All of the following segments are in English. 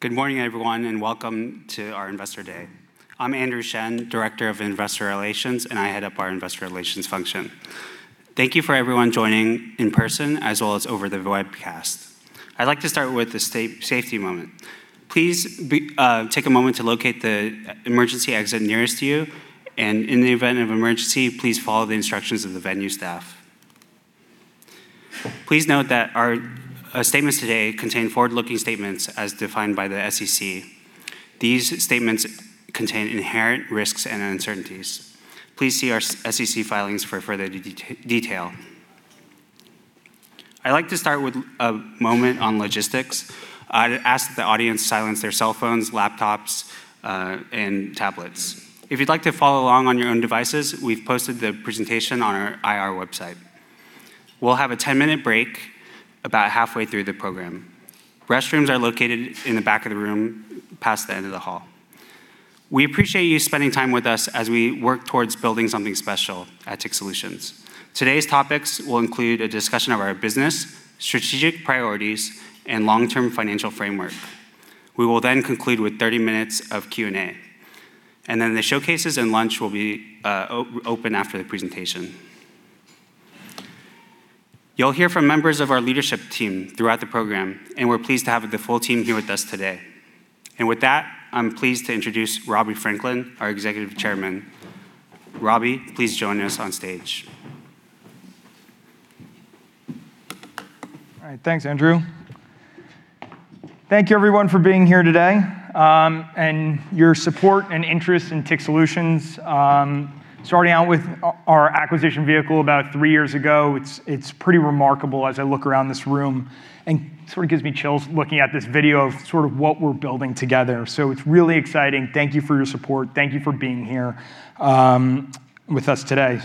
Good morning, everyone. Welcome to our investor day. I'm Andrew Shen, Director of Investor Relations, and I head up our investor relations function. Thank you for everyone joining in person as well as over the webcast. I'd like to start with a safety moment. Please take a moment to locate the emergency exit nearest to you, and in the event of an emergency, please follow the instructions of the venue staff. Please note that our statements today contain forward-looking statements as defined by the SEC. These statements contain inherent risks and uncertainties. Please see our SEC filings for further detail. I'd like to start with a moment on logistics. I'd ask the audience silence their cell phones, laptops, and tablets. If you'd like to follow along on your own devices, we've posted the presentation on our IR website. We'll have a 10-minute break about halfway through the program. Restrooms are located in the back of the room past the end of the hall. We appreciate you spending time with us as we work towards building something special at TIC Solutions. Today's topics will include a discussion of our business, strategic priorities, and long-term financial framework. We will then conclude with 30 minutes of Q&A, then the showcases and lunch will be open after the presentation. You'll hear from members of our leadership team throughout the program, we're pleased to have the full team here with us today. With that, I'm pleased to introduce Robbie Franklin, our Executive Chairman. Robbie, please join us on stage. All right, thanks, Andrew. Thank you, everyone, for being here today. Your support and interest in TIC Solutions, starting out with our acquisition vehicle about three years ago, it's pretty remarkable as I look around this room and sort of gives me chills looking at this video of sort of what we're building together. It's really exciting. Thank you for your support. Thank you for being here with us today.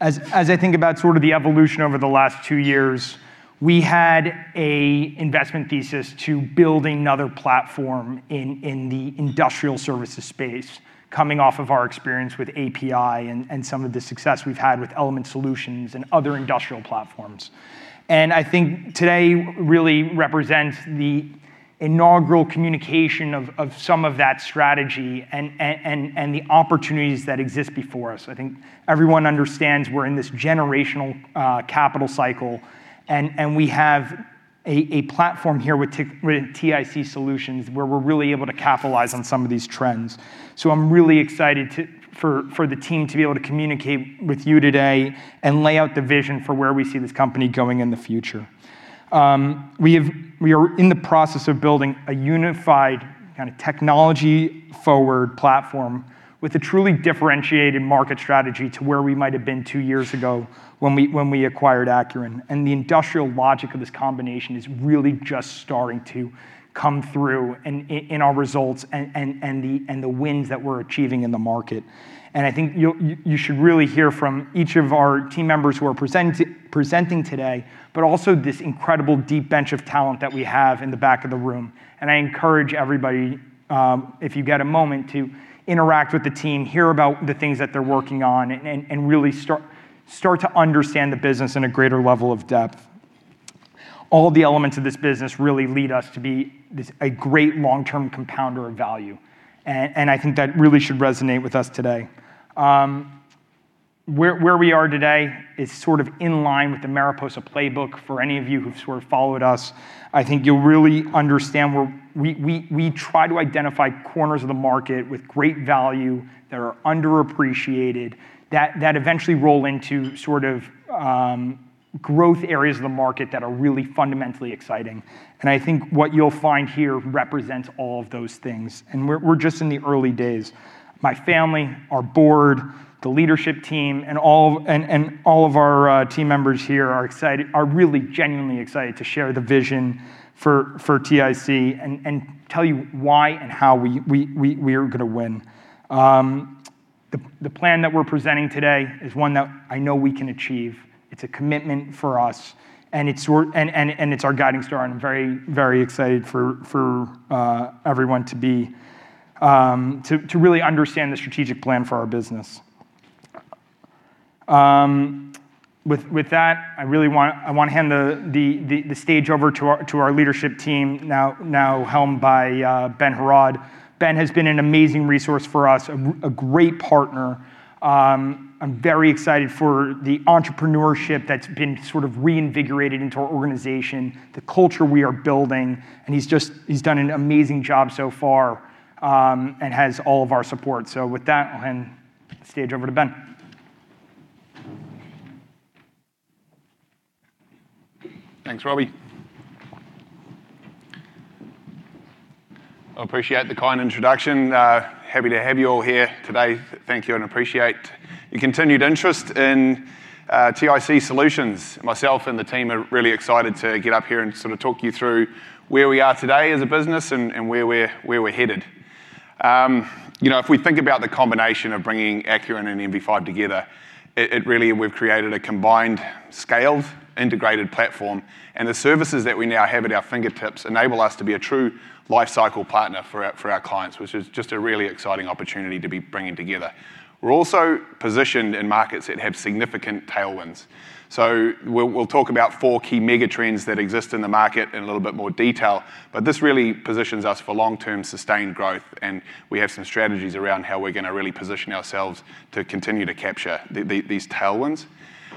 As I think about sort of the evolution over the last two years, we had an investment thesis to building another platform in the industrial services space coming off of our experience with APi and some of the success we've had with Element Solutions and other industrial platforms. I think today really represents the inaugural communication of some of that strategy and the opportunities that exist before us. I think everyone understands we're in this generational capital cycle and we have a platform here with TIC Solutions where we're really able to capitalize on some of these trends. I'm really excited for the team to be able to communicate with you today and lay out the vision for where we see this company going in the future. We are in the process of building a unified kind of technology-forward platform with a truly differentiated market strategy to where we might have been two years ago when we acquired Acuren. The industrial logic of this combination is really just starting to come through in our results and the wins that we're achieving in the market. I think you should really hear from each of our team members who are presenting today, but also this incredible deep bench of talent that we have in the back of the room. I encourage everybody, if you've got a moment to interact with the team, hear about the things that they're working on and really start to understand the business in a greater level of depth. All the elements of this business really lead us to be this a great long-term compounder of value. I think that really should resonate with us today. Where we are today is sort of in line with the Mariposa playbook. For any of you who've sort of followed us, I think you'll really understand where we try to identify corners of the market with great value that are underappreciated, that eventually roll into sort of growth areas of the market that are really fundamentally exciting. I think what you'll find here represents all of those things. We're just in the early days. My family, our board, the leadership team, and all of our team members here are really genuinely excited to share the vision for TIC and tell you why and how we are gonna win. The plan that we're presenting today is one that I know we can achieve. It's a commitment for us, and it's our guiding star, and I'm very, very excited for everyone to be to really understand the strategic plan for our business. With that, I want to hand the stage over to our leadership team now helmed by Ben Heraud. Ben Heraud has been an amazing resource for us, a great partner. I'm very excited for the entrepreneurship that's been sort of reinvigorated into our organization, the culture we are building, and he's done an amazing job so far and has all of our support. With that, I'll hand the stage over to Ben Heraud. Thanks, Robbie. I appreciate the kind introduction. Happy to have you all here today. Thank you and appreciate your continued interest in TIC Solutions. Myself and the team are really excited to get up here and sort of talk you through where we are today as a business and where we're headed. You know, if we think about the combination of bringing Acuren and NV5 together, it really we've created a combined scaled integrated platform, and the services that we now have at our fingertips enable us to be a true life cycle partner for our clients, which is just a really exciting opportunity to be bringing together. We're also positioned in markets that have significant tailwinds. We'll talk about four key mega trends that exist in the market in a little bit more detail, but this really positions us for long-term sustained growth, and we have some strategies around how we're gonna really position ourselves to continue to capture these tailwinds.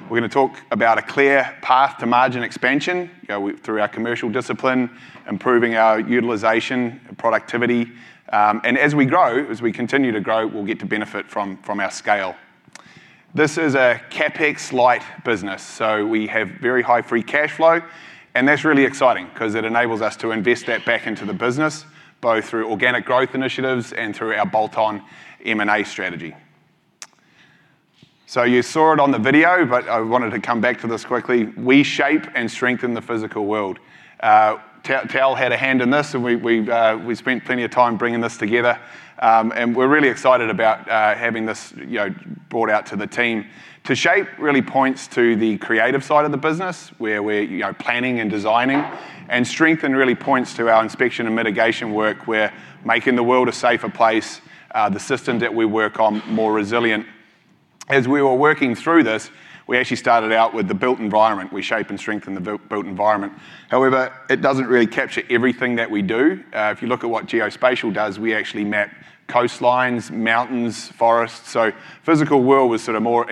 We're gonna talk about a clear path to margin expansion, you know, through our commercial discipline, improving our utilization, productivity. As we grow, as we continue to grow, we'll get to benefit from our scale. This is a CapEx-light business, so we have very high free cash flow, and that's really exciting 'cause it enables us to invest that back into the business, both through organic growth initiatives and through our bolt-on M&A strategy. You saw it on the video, but I wanted to come back to this quickly. We shape and strengthen the physical world. TEI had a hand in this, and we spent plenty of time bringing this together. We're really excited about having this, you know, brought out to the team. To shape really points to the creative side of the business, where we're, you know, planning and designing, and strengthen really points to our Inspection & Mitigation work. We're making the world a safer place, the systems that we work on more resilient. As we were working through this, we actually started out with the built environment. We shape and strengthen the built environment. However, it doesn't really capture everything that we do. If you look at what Geospatial does, we actually map coastlines, mountains, forests. Physical world was sort of more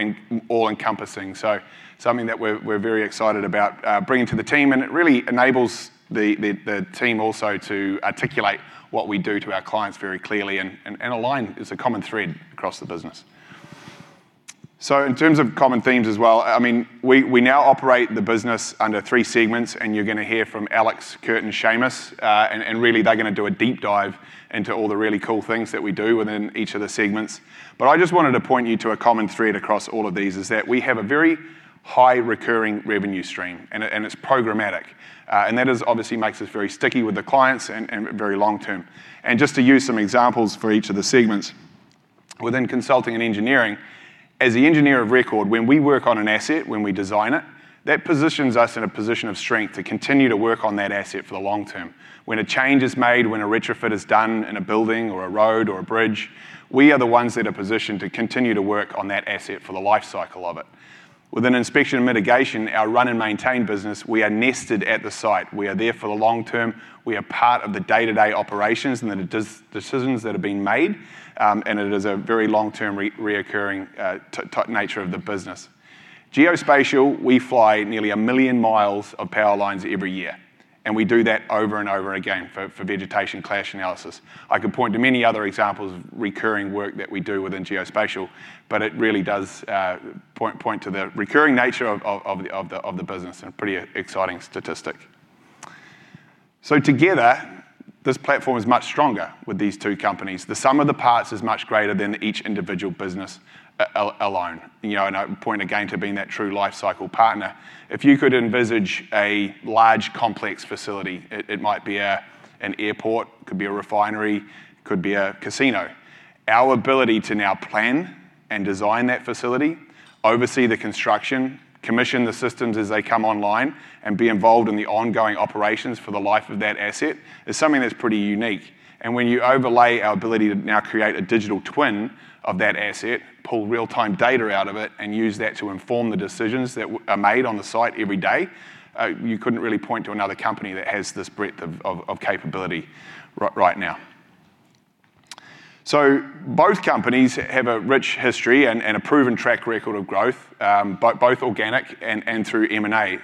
all-encompassing, something that we're very excited about, bringing to the team, and it really enables the team also to articulate what we do to our clients very clearly and align as a common thread across the business. In terms of common themes as well, we now operate the business under three segments, and you're gonna hear from Alex, Kurt, and Shamus, and really they're gonna do a deep dive into all the really cool things that we do within each of the segments. I just wanted to point you to a common thread across all of these, is that we have a very high recurring revenue stream, and it's programmatic. That is obviously makes us very sticky with the clients and very long-term. Just to use some examples for each of the segments. Within Consulting Engineering, as the engineer of record, when we work on an asset, when we design it, that positions us in a position of strength to continue to work on that asset for the long term. When a change is made, when a retrofit is done in a building or a road or a bridge, we are the ones that are positioned to continue to work on that asset for the life cycle of it. Within Inspection & Mitigation, our run and maintain business, we are nested at the site. We are there for the long term. We are part of the day-to-day operations and the decisions that are being made, and it is a very long-term reoccurring nature of the business. Geospatial, we fly nearly 1 million miles of power lines every year. We do that over and over again for vegetation clash analysis. I could point to many other examples of recurring work that we do within Geospatial, it really does point to the recurring nature of the business in a pretty exciting statistic. Together, this platform is much stronger with these two companies. The sum of the parts is much greater than each individual business alone. You know, I would point again to being that true life cycle partner. If you could envisage a large complex facility, it might be an airport, could be a refinery, could be a casino. Our ability to now plan and design that facility, oversee the construction, commission the systems as they come online, and be involved in the ongoing operations for the life of that asset is something that's pretty unique. When you overlay our ability to now create a digital twin of that asset, pull real-time data out of it, and use that to inform the decisions that are made on the site every day, you couldn't really point to another company that has this breadth of capability right now. Both companies have a rich history and a proven track record of growth, both organic and through M&A.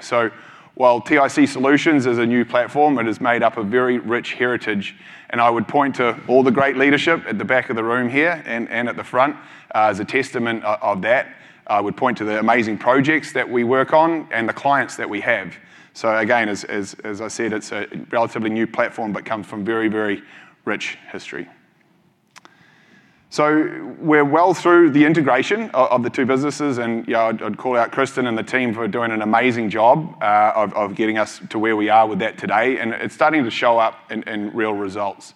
While TIC Solutions is a new platform, it is made up of very rich heritage, and I would point to all the great leadership at the back of the room here and at the front, as a testament of that. I would point to the amazing projects that we work on and the clients that we have. Again, as I said, it's a relatively new platform but comes from very rich history. We're well through the integration of the two businesses, and, you know, I'd call out Kristin and the team for doing an amazing job of getting us to where we are with that today, and it's starting to show up in real results.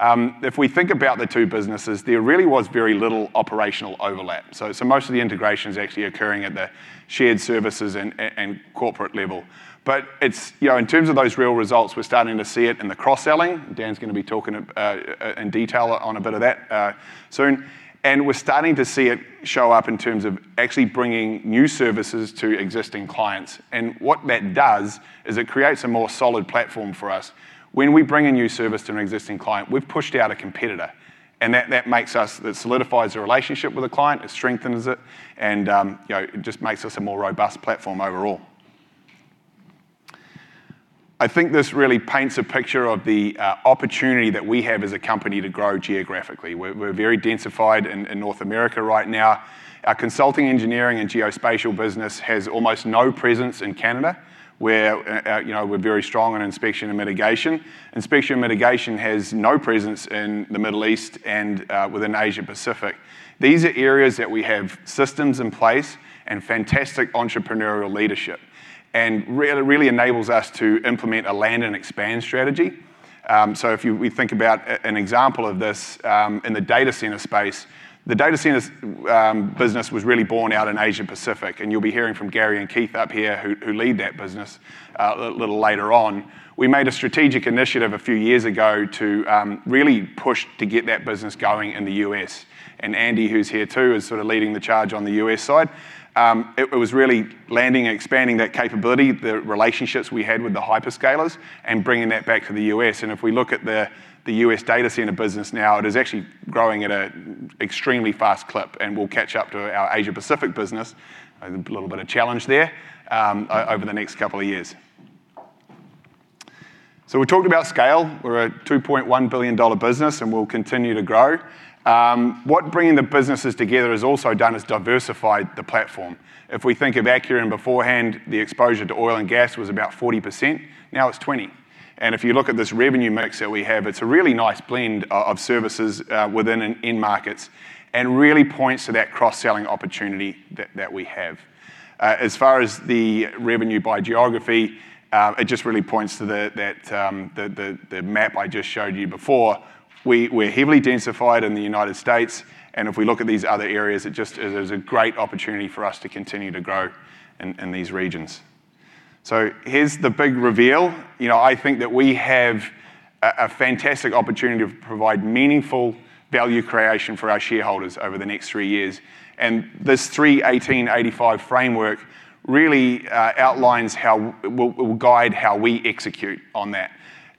If we think about the two businesses, there really was very little operational overlap. Most of the integration is actually occurring at the shared services and corporate level. It's, you know, in terms of those real results, we're starting to see it in the cross-selling. Dan's gonna be talking in detail on a bit of that soon. We're starting to see it show up in terms of actually bringing new services to existing clients. What that does is it creates a more solid platform for us. When we bring a new service to an existing client, we've pushed out a competitor, that solidifies the relationship with a client, it strengthens it, and, you know, it just makes us a more robust platform overall. I think this really paints a picture of the opportunity that we have as a company to grow geographically. We're very densified in North America right now. Our Consulting, Engineering, and Geospatial business has almost no presence in Canada, where, you know, we're very strong on Inspection and Mitigation. Inspection and Mitigation has no presence in the Middle East and within Asia-Pacific. These are areas that we have systems in place and fantastic entrepreneurial leadership, really enables us to implement a land and expand strategy. If we think about an example of this in the data center space, the data centers business was really born out in Asia-Pacific, and you'll be hearing from Gary and Keith up here who lead that business a little later on. We made a strategic initiative a few years ago to really push to get that business going in the U.S. Andy, who's here too, is sort of leading the charge on the U.S. side. It was really landing and expanding that capability, the relationships we had with the hyperscalers, bringing that back to the U.S. If we look at the U.S. data center business now, it is actually growing at an extremely fast clip, and we'll catch up to our Asia Pacific business, a little bit of challenge there, over the next couple of years. We talked about scale. We're a $2.1 billion business, and we'll continue to grow. What bringing the businesses together has also done is diversify the platform. If we think of Acuren beforehand, the exposure to oil and gas was about 40%, now it's 20%. If you look at this revenue mix that we have, it's a really nice blend of services within an end markets and really points to that cross-selling opportunity that we have. As far as the revenue by geography, it just really points to the map I just showed you before. We're heavily densified in the U.S., if we look at these other areas, it just, it is a great opportunity for us to continue to grow in these regions. Here's the big reveal. You know, I think that we have a fantastic opportunity to provide meaningful value creation for our shareholders over the next three years. This 3-18-85 framework really outlines will guide how we execute on that.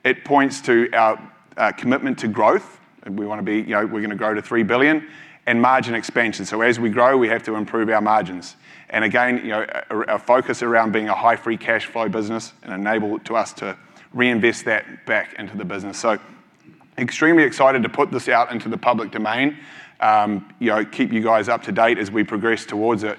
It points to our commitment to growth, and we wanna be, we're gonna grow to $3 billion, and margin expansion. As we grow, we have to improve our margins. Again, our focus around being a high free cash flow business and enable to us to reinvest that back into the business. Extremely excited to put this out into the public domain. Keep you guys up to date as we progress towards it.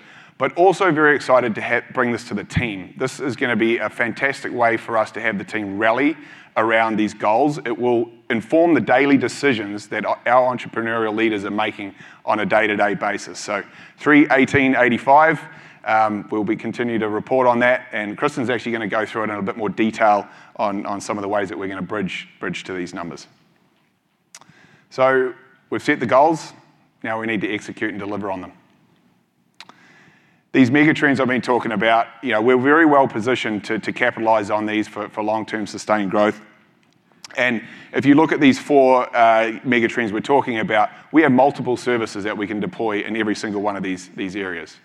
Also very excited to bring this to the team. This is gonna be a fantastic way for us to have the team rally around these goals. It will inform the daily decisions that our entrepreneurial leaders are making on a day-to-day basis. 3-18-85, we'll be continuing to report on that, and Kristin's actually going to go through it in a bit more detail on some of the ways that we're going to bridge to these numbers. We've set the goals, now we need to execute and deliver on them. These megatrends I've been talking about, you know, we're very well positioned to capitalize on these for long-term sustained growth. If you look at these four megatrends we're talking about, we have multiple services that we can deploy in every single one of these areas.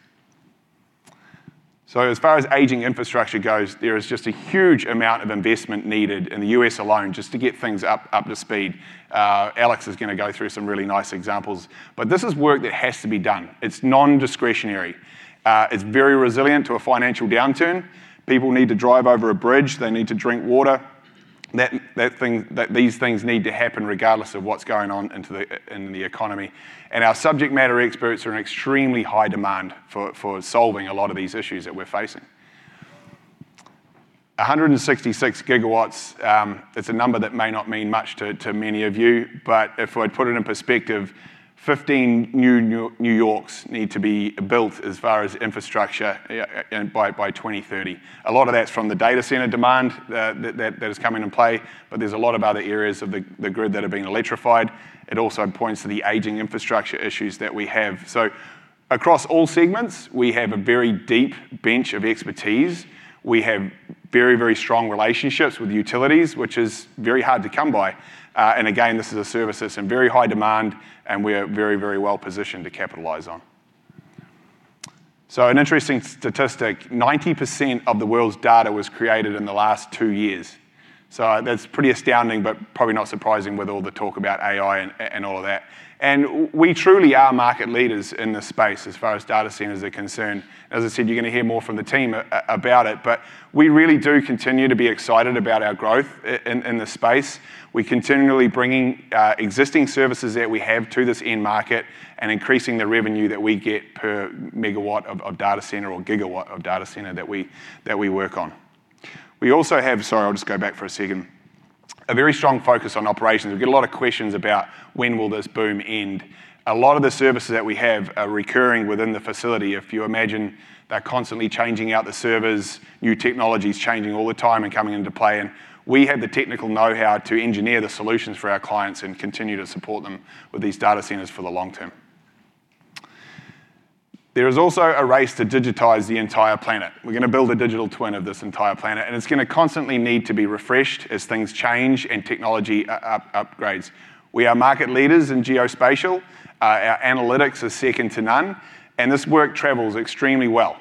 As far as aging infrastructure goes, there is just a huge amount of investment needed in the U.S. alone just to get things up to speed. Alex is going to go through some really nice examples, but this is work that has to be done. It's non-discretionary. It's very resilient to a financial downturn. People need to drive over a bridge. They need to drink water. These things need to happen regardless of what's going on in the economy. Our subject matter experts are in extremely high demand for solving a lot of these issues that we're facing. 166 gigawatts, it's a number that may not mean much to many of you, but if I'd put it in perspective, 15 new New Yorks need to be built as far as infrastructure by 2030. A lot of that's from the data center demand that is coming into play, but there's a lot of other areas of the grid that are being electrified. It also points to the aging infrastructure issues that we have. Across all segments, we have a very deep bench of expertise. We have very strong relationships with utilities, which is very hard to come by. Again, this is a service that's in very high demand, and we are very well positioned to capitalize on. An interesting statistic, 90% of the world's data was created in the last two years. That's pretty astounding, but probably not surprising with all the talk about AI and all of that. We truly are market leaders in this space as far as data centers are concerned. As I said, you're gonna hear more from the team about it, but we really do continue to be excited about our growth in this space. We're continually bringing existing services that we have to this end market and increasing the revenue that we get per megawatt of data center or gigawatt of data center that we work on. We also have, sorry, I'll just go back for a second, a very strong focus on operations. We get a lot of questions about when will this boom end. A lot of the services that we have are recurring within the facility. If you imagine they're constantly changing out the servers, new technologies changing all the time and coming into play, and we have the technical know-how to engineer the solutions for our clients and continue to support them with these data centers for the long term. There is also a race to digitize the entire planet. We're gonna build a digital twin of this entire planet. It's gonna constantly need to be refreshed as things change and technology upgrades. We are market leaders in geospatial. Our analytics are second to none. This work travels extremely well.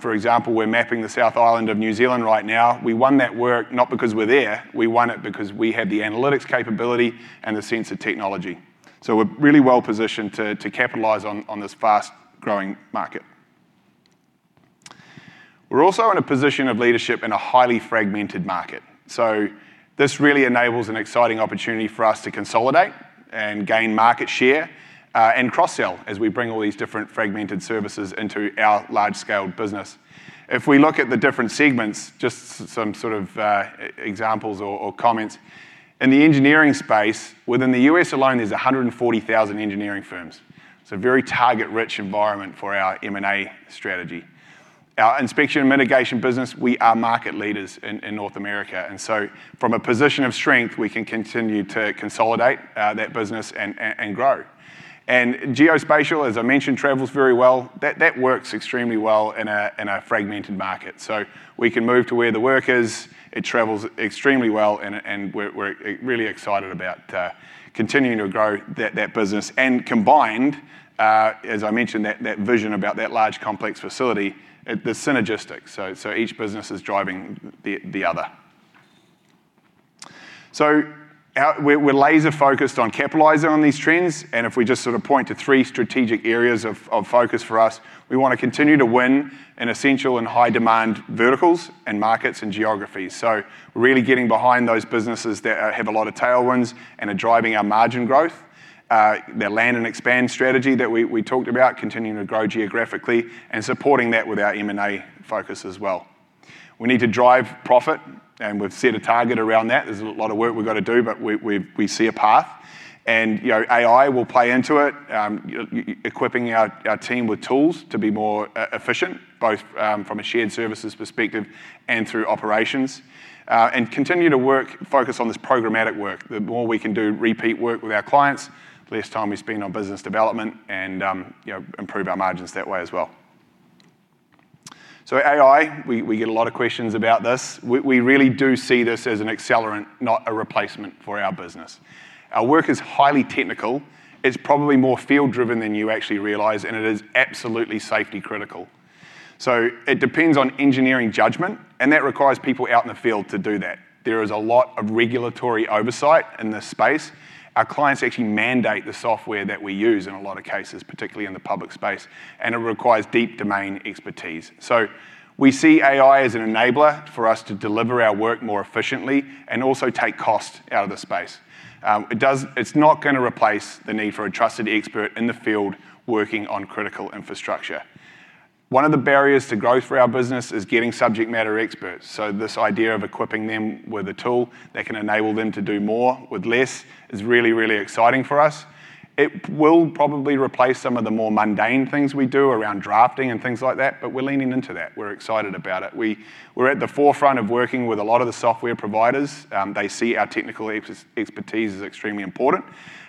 For example, we're mapping the South Island of New Zealand right now. We won that work not because we're there. We won it because we had the analytics capability and the sensor technology. We're really well positioned to capitalize on this fast-growing market. We're also in a position of leadership in a highly fragmented market. This really enables an exciting opportunity for us to consolidate and gain market share and cross-sell as we bring all these different fragmented services into our large-scale business. If we look at the different segments, just some sort of examples or comments. In the U.S. alone, there's 140,000 engineering firms. It's a very target-rich environment for our M&A strategy. Our Inspection & Mitigation business, we are market leaders in North America. From a position of strength, we can continue to consolidate that business and grow. Geospatial, as I mentioned, travels very well. That works extremely well in a fragmented market. We can move to where the work is. It travels extremely well, and we're really excited about continuing to grow that business. Combined, as I mentioned, that vision about that large complex facility, they're synergistic. Each business is driving the other. We're laser-focused on capitalizing on these trends. If we just sort of point to three strategic areas of focus for us, we wanna continue to win in essential and high-demand verticals and markets and geographies. Really getting behind those businesses that have a lot of tailwinds and are driving our margin growth. The land and expand strategy that we talked about continuing to grow geographically and supporting that with our M&A focus as well. We need to drive profit, and we've set a target around that. There's a lot of work we've gotta do, but we see a path. You know, AI will play into it. Equipping our team with tools to be more efficient, both from a shared services perspective and through operations. Continue to work, focus on this programmatic work. The more we can do repeat work with our clients, the less time we spend on business development and, you know, improve our margins that way as well. AI, we get a lot of questions about this. We really do see this as an accelerant, not a replacement for our business. Our work is highly technical. It's probably more field-driven than you actually realize, and it is absolutely safety-critical. It depends on engineering judgment, and that requires people out in the field to do that. There is a lot of regulatory oversight in this space. Our clients actually mandate the software that we use in a lot of cases, particularly in the public space, and it requires deep domain expertise. We see AI as an enabler for us to deliver our work more efficiently and also take cost out of the space. It's not gonna replace the need for a trusted expert in the field working on critical infrastructure. One of the barriers to growth for our business is getting subject matter experts. This idea of equipping them with a tool that can enable them to do more with less is really, really exciting for us. It will probably replace some of the more mundane things we do around drafting and things like that, but we're leaning into that. We're excited about it. We're at the forefront of working with a lot of the software providers. They see our technical expertise as extremely important.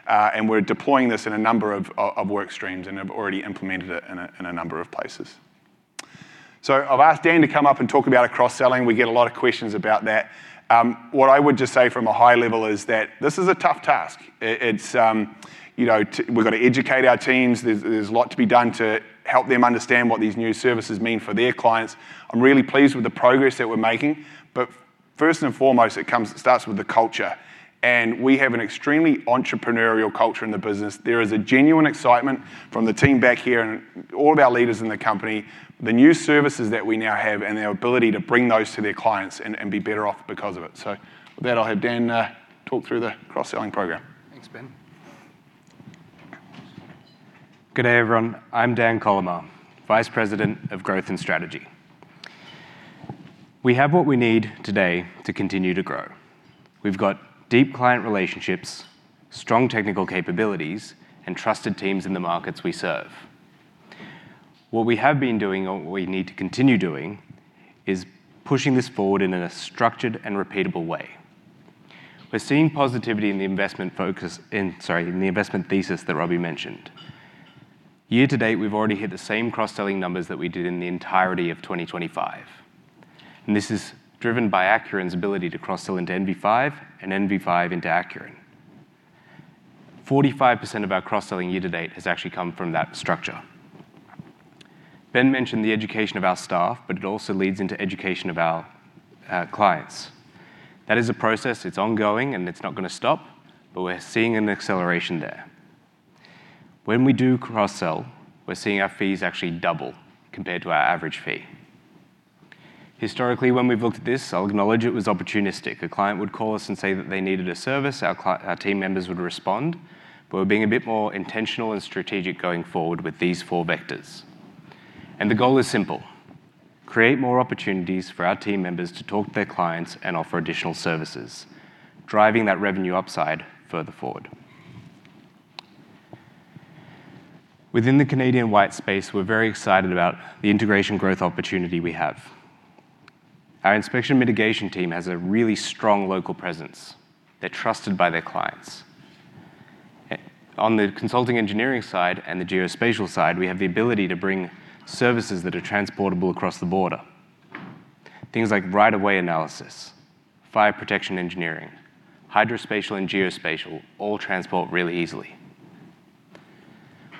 And we're deploying this in a number of work streams and have already implemented it in a number of places. I've asked Dan to come up and talk about our cross-selling. We get a lot of questions about that. What I would just say from a high level is that this is a tough task. It, it's, you know, we've gotta educate our teams. There's a lot to be done to help them understand what these new services mean for their clients. I'm really pleased with the progress that we're making. First and foremost, it starts with the culture, and we have an extremely entrepreneurial culture in the business. There is a genuine excitement from the team back here and all of our leaders in the company, the new services that we now have and the ability to bring those to their clients and be better off because of it. With that, I'll have Dan talk through the cross-selling program. Thanks, Ben. Good day, everyone. I'm Dan Colimar, Vice President of Growth and Strategy. We have what we need today to continue to grow. We've got deep client relationships, strong technical capabilities, and trusted teams in the markets we serve. What we have been doing, and what we need to continue doing, is pushing this forward in a structured and repeatable way. We're seeing positivity in the investment focus in sorry, in the investment thesis that Robbie mentioned. Year to date, we've already hit the same cross-selling numbers that we did in the entirety of 2025, and this is driven by Acuren's ability to cross-sell into NV5 and NV5 into Acuren. 45% of our cross-selling year to date has actually come from that structure. Ben mentioned the education of our staff, but it also leads into education of our clients. That is a process. It's ongoing, and it's not going to stop, but we're seeing an acceleration there. When we do cross-sell, we're seeing our fees actually double compared to our average fee. Historically, when we've looked at this, I'll acknowledge it was opportunistic. A client would call us and say that they needed a service, our team members would respond, but we're being a bit more intentional and strategic going forward with these four vectors. The goal is simple: create more opportunities for our team members to talk to their clients and offer additional services, driving that revenue upside further forward. Within the Canadian white space, we're very excited about the integration growth opportunity we have. Our Inspection & Mitigation team has a really strong local presence. They're trusted by their clients. On the consulting engineering side and the geospatial side, we have the ability to bring services that are transportable across the border. Things like right-of-way analysis, fire protection engineering, hydrospatial and geospatial all transport really easily.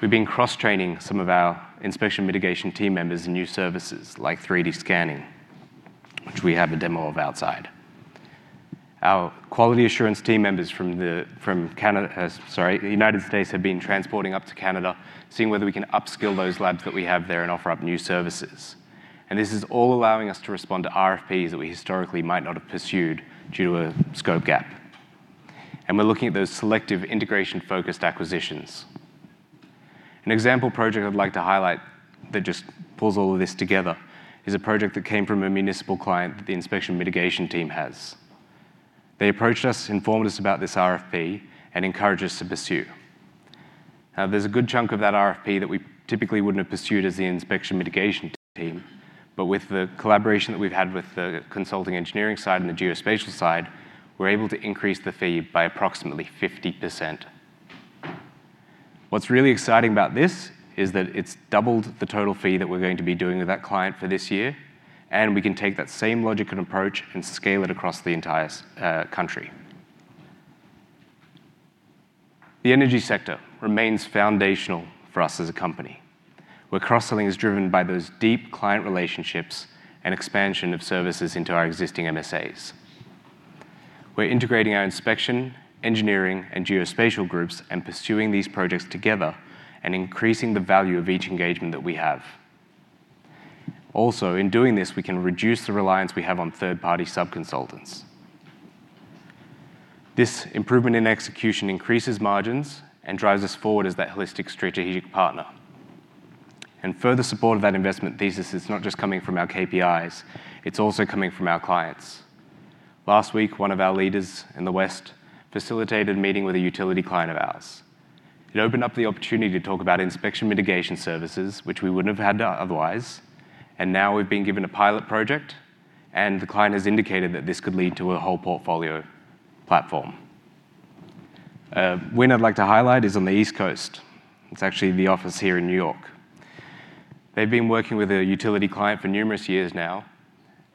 We've been cross-training some of our Inspection & Mitigation team members in new services like 3D scanning, which we have a demo of outside. Our quality assurance team members from Canada, sorry, the U.S., have been transporting up to Canada, seeing whether we can upskill those labs that we have there and offer up new services. This is all allowing us to respond to RFPs that we historically might not have pursued due to a scope gap. We're looking at those selective integration-focused acquisitions. An example project I'd like to highlight that just pulls all of this together is a project that came from a municipal client that the Inspection & Mitigation team has. They approached us, informed us about this RFP, and encouraged us to pursue. There's a good chunk of that RFP that we typically wouldn't have pursued as the Inspection & Mitigation team, but with the collaboration that we've had with the Consulting Engineering side and the Geospatial side, we're able to increase the fee by approximately 50%. What's really exciting about this is that it's doubled the total fee that we're going to be doing with that client for this year, and we can take that same logic and approach and scale it across the entire country. The energy sector remains foundational for us as a company, where cross-selling is driven by those deep client relationships and expansion of services into our existing MSAs. We're integrating our inspection, engineering, and geospatial groups and pursuing these projects together and increasing the value of each engagement that we have. In doing this, we can reduce the reliance we have on third-party sub-consultants. This improvement in execution increases margins and drives us forward as that holistic strategic partner. Further support of that investment thesis is not just coming from our KPIs, it's also coming from our clients. Last week, one of our leaders in the West facilitated a meeting with a utility client of ours. It opened up the opportunity to talk about inspection mitigation services, which we wouldn't have had otherwise. Now we've been given a pilot project, and the client has indicated that this could lead to a whole portfolio platform. A win I'd like to highlight is on the East Coast. It's actually the office here in New York. They've been working with a utility client for numerous years now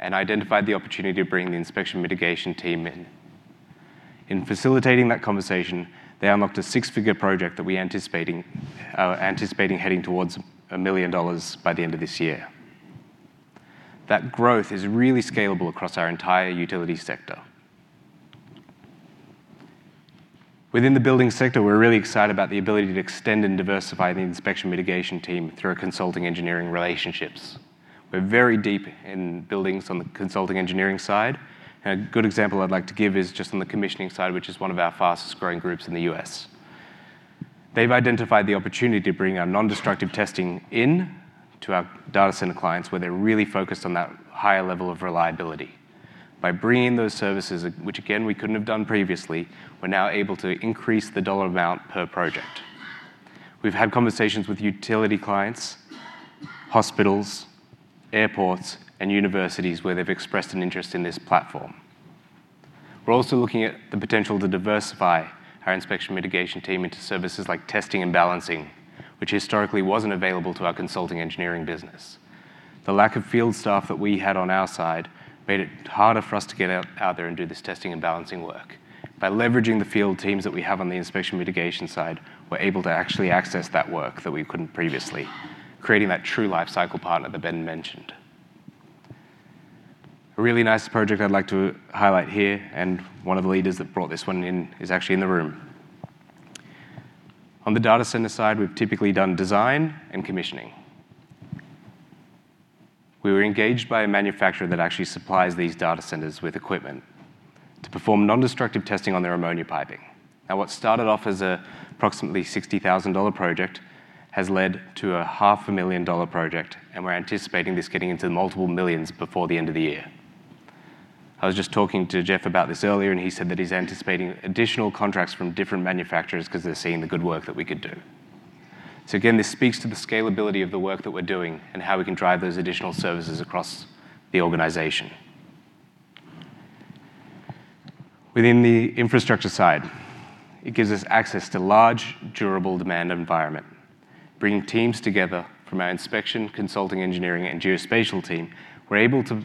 and identified the opportunity to bring the Inspection & Mitigation team in. In facilitating that conversation, they unlocked a six-figure project that we anticipating heading towards $1 million by the end of this year. That growth is really scalable across our entire utility sector. Within the building sector, we're really excited about the ability to extend and diversify the Inspection & Mitigation team through our Consulting Engineering relationships. We're very deep in buildings on the Consulting Engineering side. A good example I'd like to give is just on the commissioning side, which is one of our fastest-growing groups in the U.S. They've identified the opportunity to bring our non-destructive testing in to our data center clients, where they're really focused on that higher level of reliability. By bringing those services, which again, we couldn't have done previously, we're now able to increase the dollar amount per project. We've had conversations with utility clients, hospitals, airports, and universities where they've expressed an interest in this platform. We're also looking at the potential to diversify our Inspection & Mitigation team into services like testing and balancing, which historically wasn't available to our Consulting Engineering business. The lack of field staff that we had on our side made it harder for us to get out there and do this testing and balancing work. By leveraging the field teams that we have on the Inspection & Mitigation side, we're able to actually access that work that we couldn't previously, creating that true life cycle partner that Ben Heraud mentioned. A really nice project I'd like to highlight here, and one of the leaders that brought this one in is actually in the room. On the data center side, we've typically done design and commissioning. We were engaged by a manufacturer that actually supplies these data centers with equipment to perform non-destructive testing on their ammonia piping. What started off as a approximately $60,000 project has led to a half-a-million-dollar project, and we're anticipating this getting into the multiple millions before the end of the year. I was just talking to Jeff Martin about this earlier, and he said that he's anticipating additional contracts from different manufacturers because they're seeing the good work that we could do. Again, this speaks to the scalability of the work that we're doing and how we can drive those additional services across the organization. Within the infrastructure side, it gives us access to large, durable demand environment. Bringing teams together from our inspection, consulting, engineering, and geospatial team, we're able to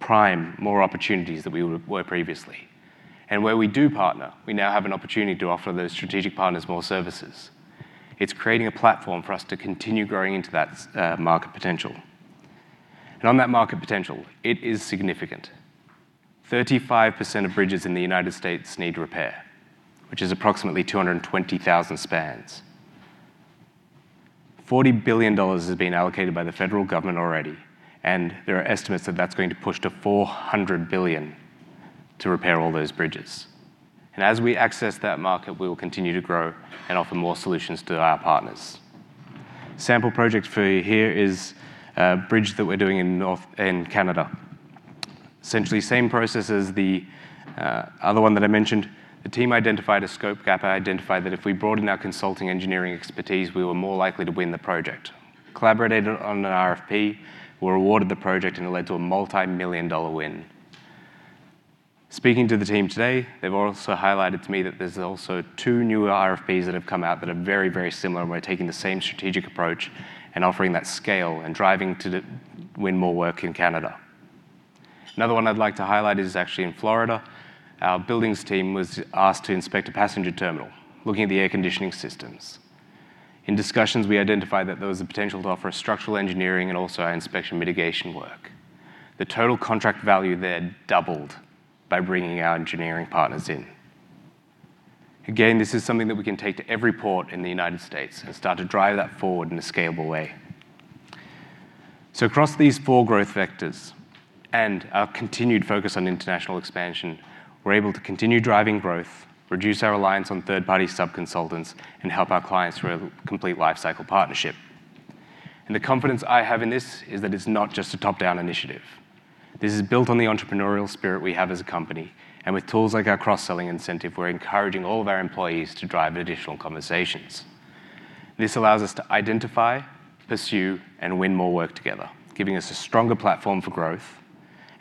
prime more opportunities than we were previously. Where we do partner, we now have an opportunity to offer those strategic partners more services. It's creating a platform for us to continue growing into that market potential. On that market potential, it is significant. 35% of bridges in the U.S. need repair, which is approximately 220,000 spans. $40 billion has been allocated by the federal government already. There are estimates that that's going to push to $400 billion to repair all those bridges. As we access that market, we will continue to grow and offer more solutions to our partners. Sample project for you here is a bridge that we're doing in Canada. Essentially, same process as the other one that I mentioned. The team identified a scope gap and identified that if we broaden our consulting engineering expertise, we were more likely to win the project. Collaborated on an RFP. We were awarded the project, and it led to a multi-million dollar win. Speaking to the team today, they've also highlighted to me that there's also two new RFPs that have come out that are very, very similar, and we're taking the same strategic approach and offering that scale and driving to win more work in Canada. Another one I'd like to highlight is actually in Florida. Our buildings team was asked to inspect a passenger terminal, looking at the air conditioning systems. In discussions, we identified that there was a potential to offer structural engineering and also our inspection mitigation work. The total contract value there doubled by bringing our engineering partners in. This is something that we can take to every port in the U.S. and start to drive that forward in a scalable way. Across these four growth vectors and our continued focus on international expansion, we're able to continue driving growth, reduce our reliance on third-party sub-consultants, and help our clients through a complete life cycle partnership. The confidence I have in this is that it's not just a top-down initiative. This is built on the entrepreneurial spirit we have as a company, and with tools like our cross-selling incentive, we're encouraging all of our employees to drive additional conversations. This allows us to identify, pursue, and win more work together, giving us a stronger platform for growth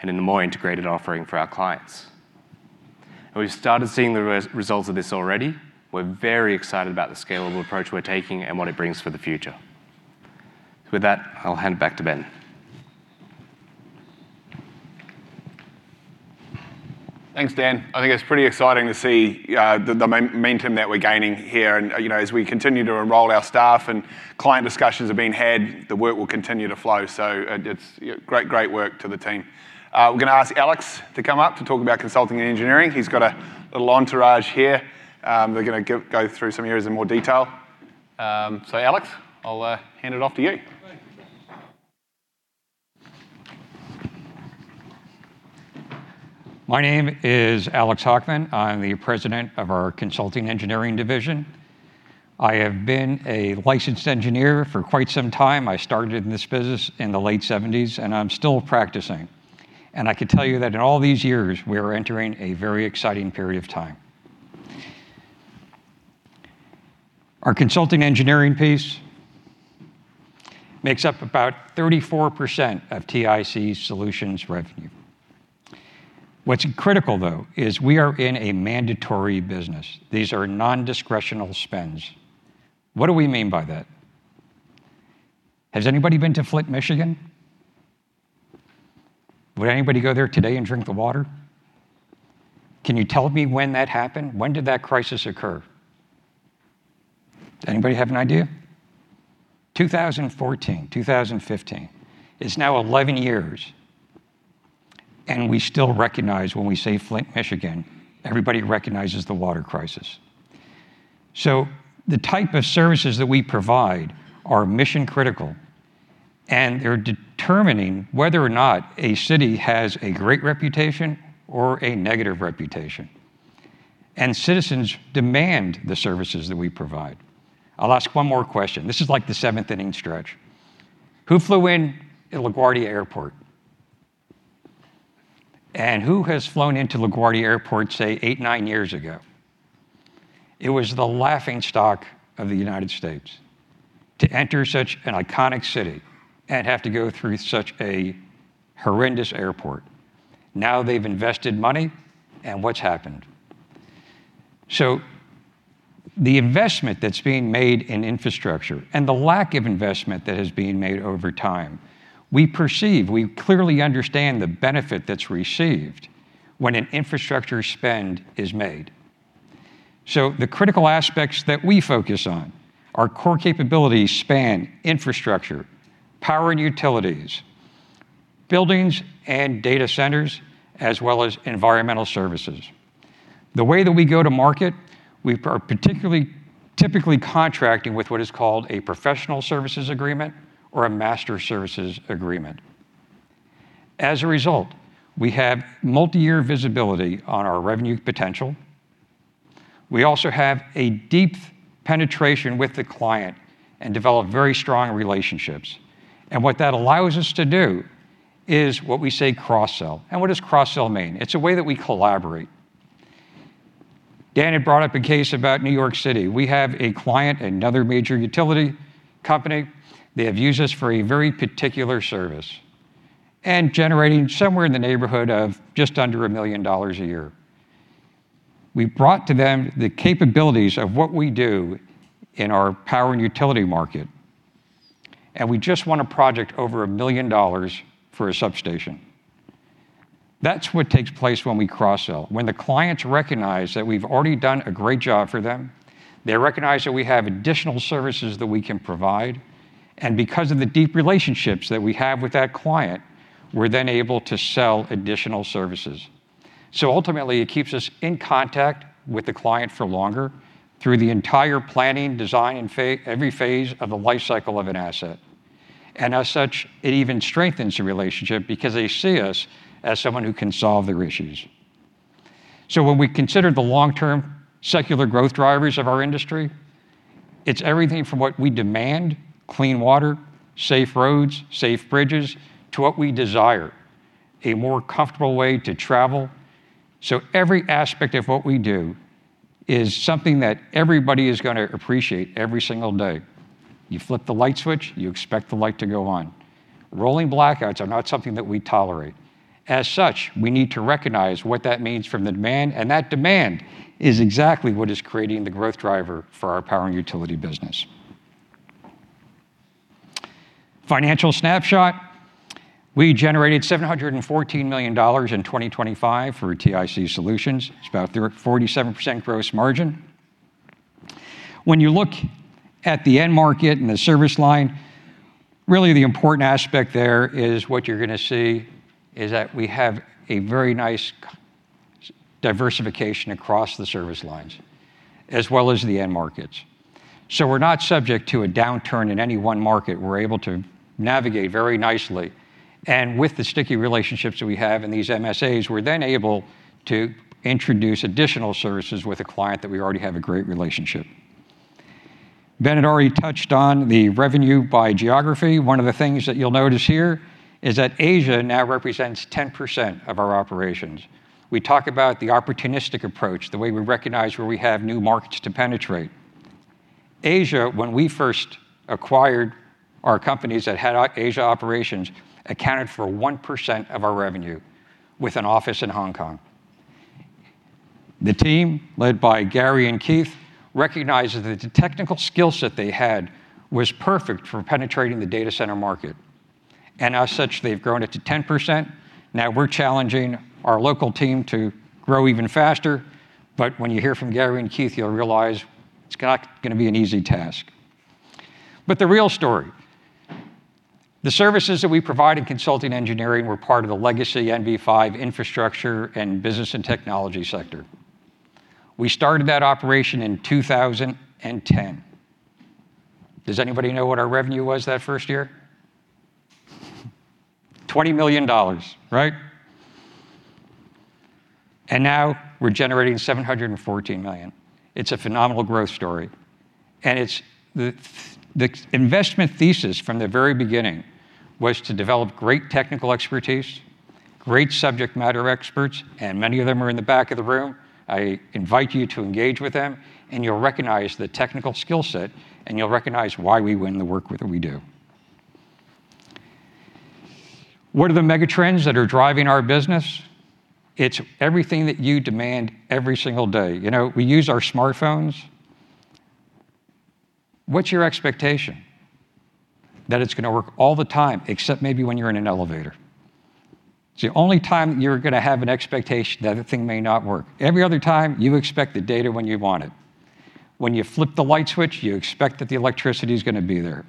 and a more integrated offering for our clients. We've started seeing the results of this already. We're very excited about the scalable approach we're taking and what it brings for the future. With that, I'll hand it back to Ben. Thanks, Dan. I think it's pretty exciting to see the momentum that we're gaining here. You know, as we continue to enroll our staff and client discussions are being had, the work will continue to flow. It's great work to the team. We're gonna ask Alex to come up to talk about consulting and engineering. He's got a little entourage here. They're gonna go through some areas in more detail. Alex, I'll hand it off to you. My name is Alex Hockman. I'm the President of our consulting engineering division. I have been a licensed engineer for quite some time. I started in this business in the late '70s, and I'm still practicing. I can tell you that in all these years, we are entering a very exciting period of time. Our consulting engineering piece makes up about 34% of TIC Solutions revenue. What's critical, though, is we are in a mandatory business. These are non-discretional spends. What do we mean by that? Has anybody been to Flint, Michigan? Would anybody go there today and drink the water? Can you tell me when that happened? When did that crisis occur? Does anybody have an idea? 2014, 2015. It's now 11 years, and we still recognize when we say Flint, Michigan, everybody recognizes the water crisis. The type of services that we provide are mission critical, and they're determining whether or not a city has a great reputation or a negative reputation. Citizens demand the services that we provide. I'll ask one more question. This is like the seventh-inning stretch. Who flew in at LaGuardia Airport? Who has flown into LaGuardia Airport, say, eight, nine years ago? It was the laughing stock of the United States to enter such an iconic city and have to go through such a horrendous airport. Now they've invested money, and what's happened? The investment that's being made in infrastructure and the lack of investment that has been made over time, we perceive, we clearly understand the benefit that's received when an infrastructure spend is made. The critical aspects that we focus on, our core capabilities span infrastructure, power and utilities, buildings and data centers, as well as environmental services. The way that we go to market, we are typically contracting with what is called a professional services agreement or a master services agreement. As a result, we have multi-year visibility on our revenue potential. We also have a deep penetration with the client and develop very strong relationships. What that allows us to do is what we say cross-sell. What does cross-sell mean? It's a way that we collaborate. Dan had brought up a case about New York City. We have a client, another major utility company. They have used us for a very particular service and generating somewhere in the neighborhood of just under $1 million a year. We brought to them the capabilities of what we do in our power and utility market. We just won a project over $1 million for a substation. That's what takes place when we cross-sell. When the clients recognize that we've already done a great job for them, they recognize that we have additional services that we can provide. Because of the deep relationships that we have with that client, we're then able to sell additional services. Ultimately, it keeps us in contact with the client for longer through the entire planning, design, and every phase of the life cycle of an asset. As such, it even strengthens the relationship because they see us as someone who can solve their issues. When we consider the long-term secular growth drivers of our industry, it's everything from what we demand, clean water, safe roads, safe bridges, to what we desire, a more comfortable way to travel. Every aspect of what we do is something that everybody is gonna appreciate every single day. You flip the light switch, you expect the light to go on. Rolling blackouts are not something that we tolerate. As such, we need to recognize what that means from the demand, and that demand is exactly what is creating the growth driver for our power and utility business. Financial snapshot. We generated $714 million in 2025 for TIC Solutions. It's about 47% gross margin. When you look at the end market and the service line, really the important aspect there is what you're gonna see is that we have a very nice co-diversification across the service lines, as well as the end markets. We're not subject to a downturn in any one market. We're able to navigate very nicely. With the sticky relationships that we have in these MSAs, we're then able to introduce additional services with a client that we already have a great relationship. Ben had already touched on the revenue by geography. One of the things that you'll notice here is that Asia now represents 10% of our operations. We talk about the opportunistic approach, the way we recognize where we have new markets to penetrate. Asia, when we first acquired our companies that had Asia operations, accounted for 1% of our revenue, with an office in Hong Kong. The team, led by Gary and Keith, recognizes that the technical skill set they had was perfect for penetrating the data center market. As such, they've grown it to 10%. Now we're challenging our local team to grow even faster. When you hear from Gary and Keith, you'll realize it's not gonna be an easy task. The real story, the services that we provide in consulting engineering were part of the legacy NV5 infrastructure and business and technology sector. We started that operation in 2010. Does anybody know what our revenue was that first year? $20 million, right? Now we're generating $714 million. It's a phenomenal growth story. It's the investment thesis from the very beginning was to develop great technical expertise, great subject matter experts, and many of them are in the back of the room. I invite you to engage with them, and you'll recognize the technical skill set, and you'll recognize why we win the work that we do. What are the mega trends that are driving our business? It's everything that you demand every single day. You know, we use our smartphones. What's your expectation? That it's gonna work all the time, except maybe when you're in an elevator. It's the only time you're gonna have an expectation that a thing may not work. Every other time, you expect the data when you want it. When you flip the light switch, you expect that the electricity is gonna be there.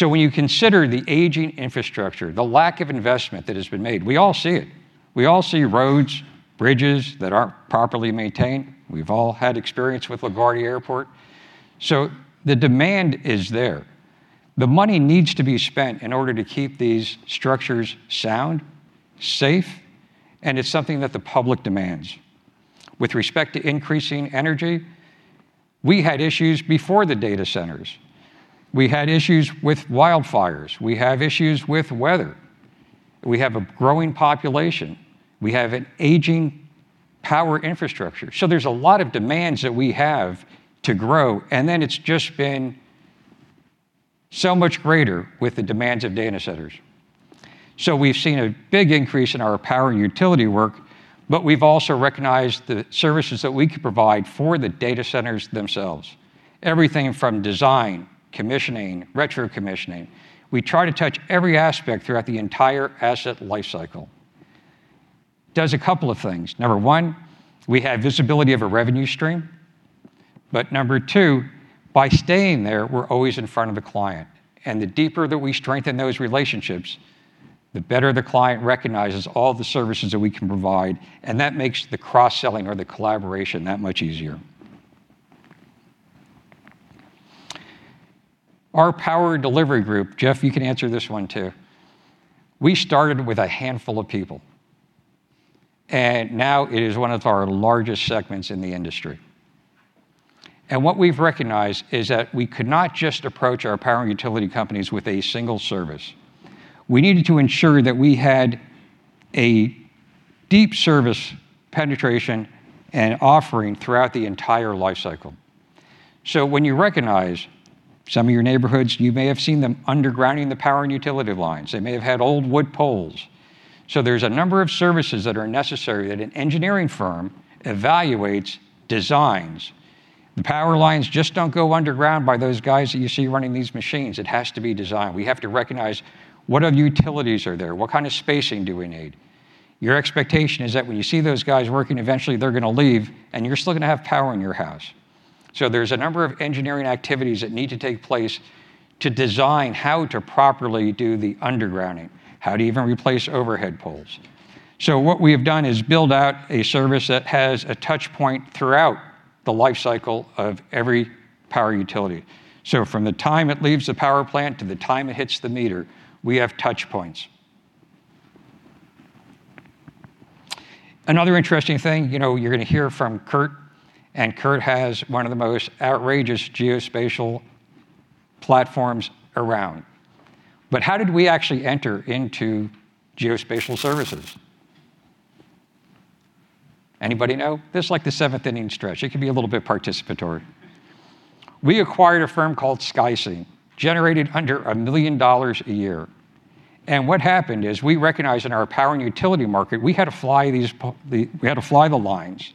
When you consider the aging infrastructure, the lack of investment that has been made, we all see it. We all see roads, bridges that aren't properly maintained. We've all had experience with LaGuardia Airport. The demand is there. The money needs to be spent in order to keep these structures sound, safe, and it's something that the public demands. With respect to increasing energy, we had issues before the data centers. We had issues with wildfires. We have issues with weather. We have a growing population. We have an aging power infrastructure. There's a lot of demands that we have to grow, and then it's just been so much greater with the demands of data centers. We've seen a big increase in our power and utility work, but we've also recognized the services that we could provide for the data centers themselves. Everything from design, commissioning, retro-commissioning. We try to touch every aspect throughout the entire asset lifecycle. Does a couple of things. Number one, we have visibility of a revenue stream. Number two, by staying there, we're always in front of the client. The deeper that we strengthen those relationships, the better the client recognizes all the services that we can provide, and that makes the cross-selling or the collaboration that much easier. Our Power Delivery Group, Jeff, you can answer this one too. We started with a handful of people, and now it is one of our largest segments in the industry. What we've recognized is that we could not just approach our power and utility companies with a single service. We needed to ensure that we had a deep service penetration and offering throughout the entire life cycle. When you recognize some of your neighborhoods, you may have seen them undergrounding the power and utility lines. They may have had old wood poles. There's a number of services that are necessary that an engineering firm evaluates, designs. The power lines just don't go underground by those guys that you see running these machines. It has to be designed. We have to recognize what other utilities are there? What kind of spacing do we need? Your expectation is that when you see those guys working, eventually they're gonna leave, and you're still gonna have power in your house. There's a number of engineering activities that need to take place to design how to properly do the undergrounding, how to even replace overhead poles. What we have done is build out a service that has a touch point throughout the life cycle of every power utility. From the time it leaves the power plant to the time it hits the meter, we have touch points. Another interesting thing, you know, you're gonna hear from Kurt has one of the most outrageous geospatial platforms around. How did we actually enter into geospatial services? Anybody know? This is like the seventh-inning stretch. It can be a little bit participatory. We acquired a firm called Skyscene, generated under $1 million a year. What happened is we recognized in our power and utility market, we had to fly these the lines,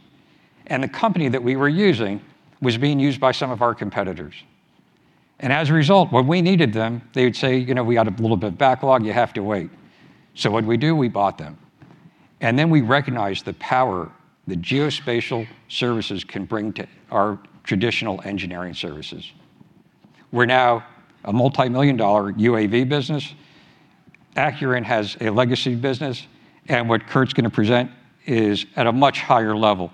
the company that we were using was being used by some of our competitors. As a result, when we needed them, they would say, "You know, we got a little bit of backlog. You have to wait." What'd we do? We bought them. We recognized the power that geospatial services can bring to our traditional engineering services. We're now a multi-million-dollar UAV business. Acuren has a legacy business, and what Kurt's gonna present is at a much higher level.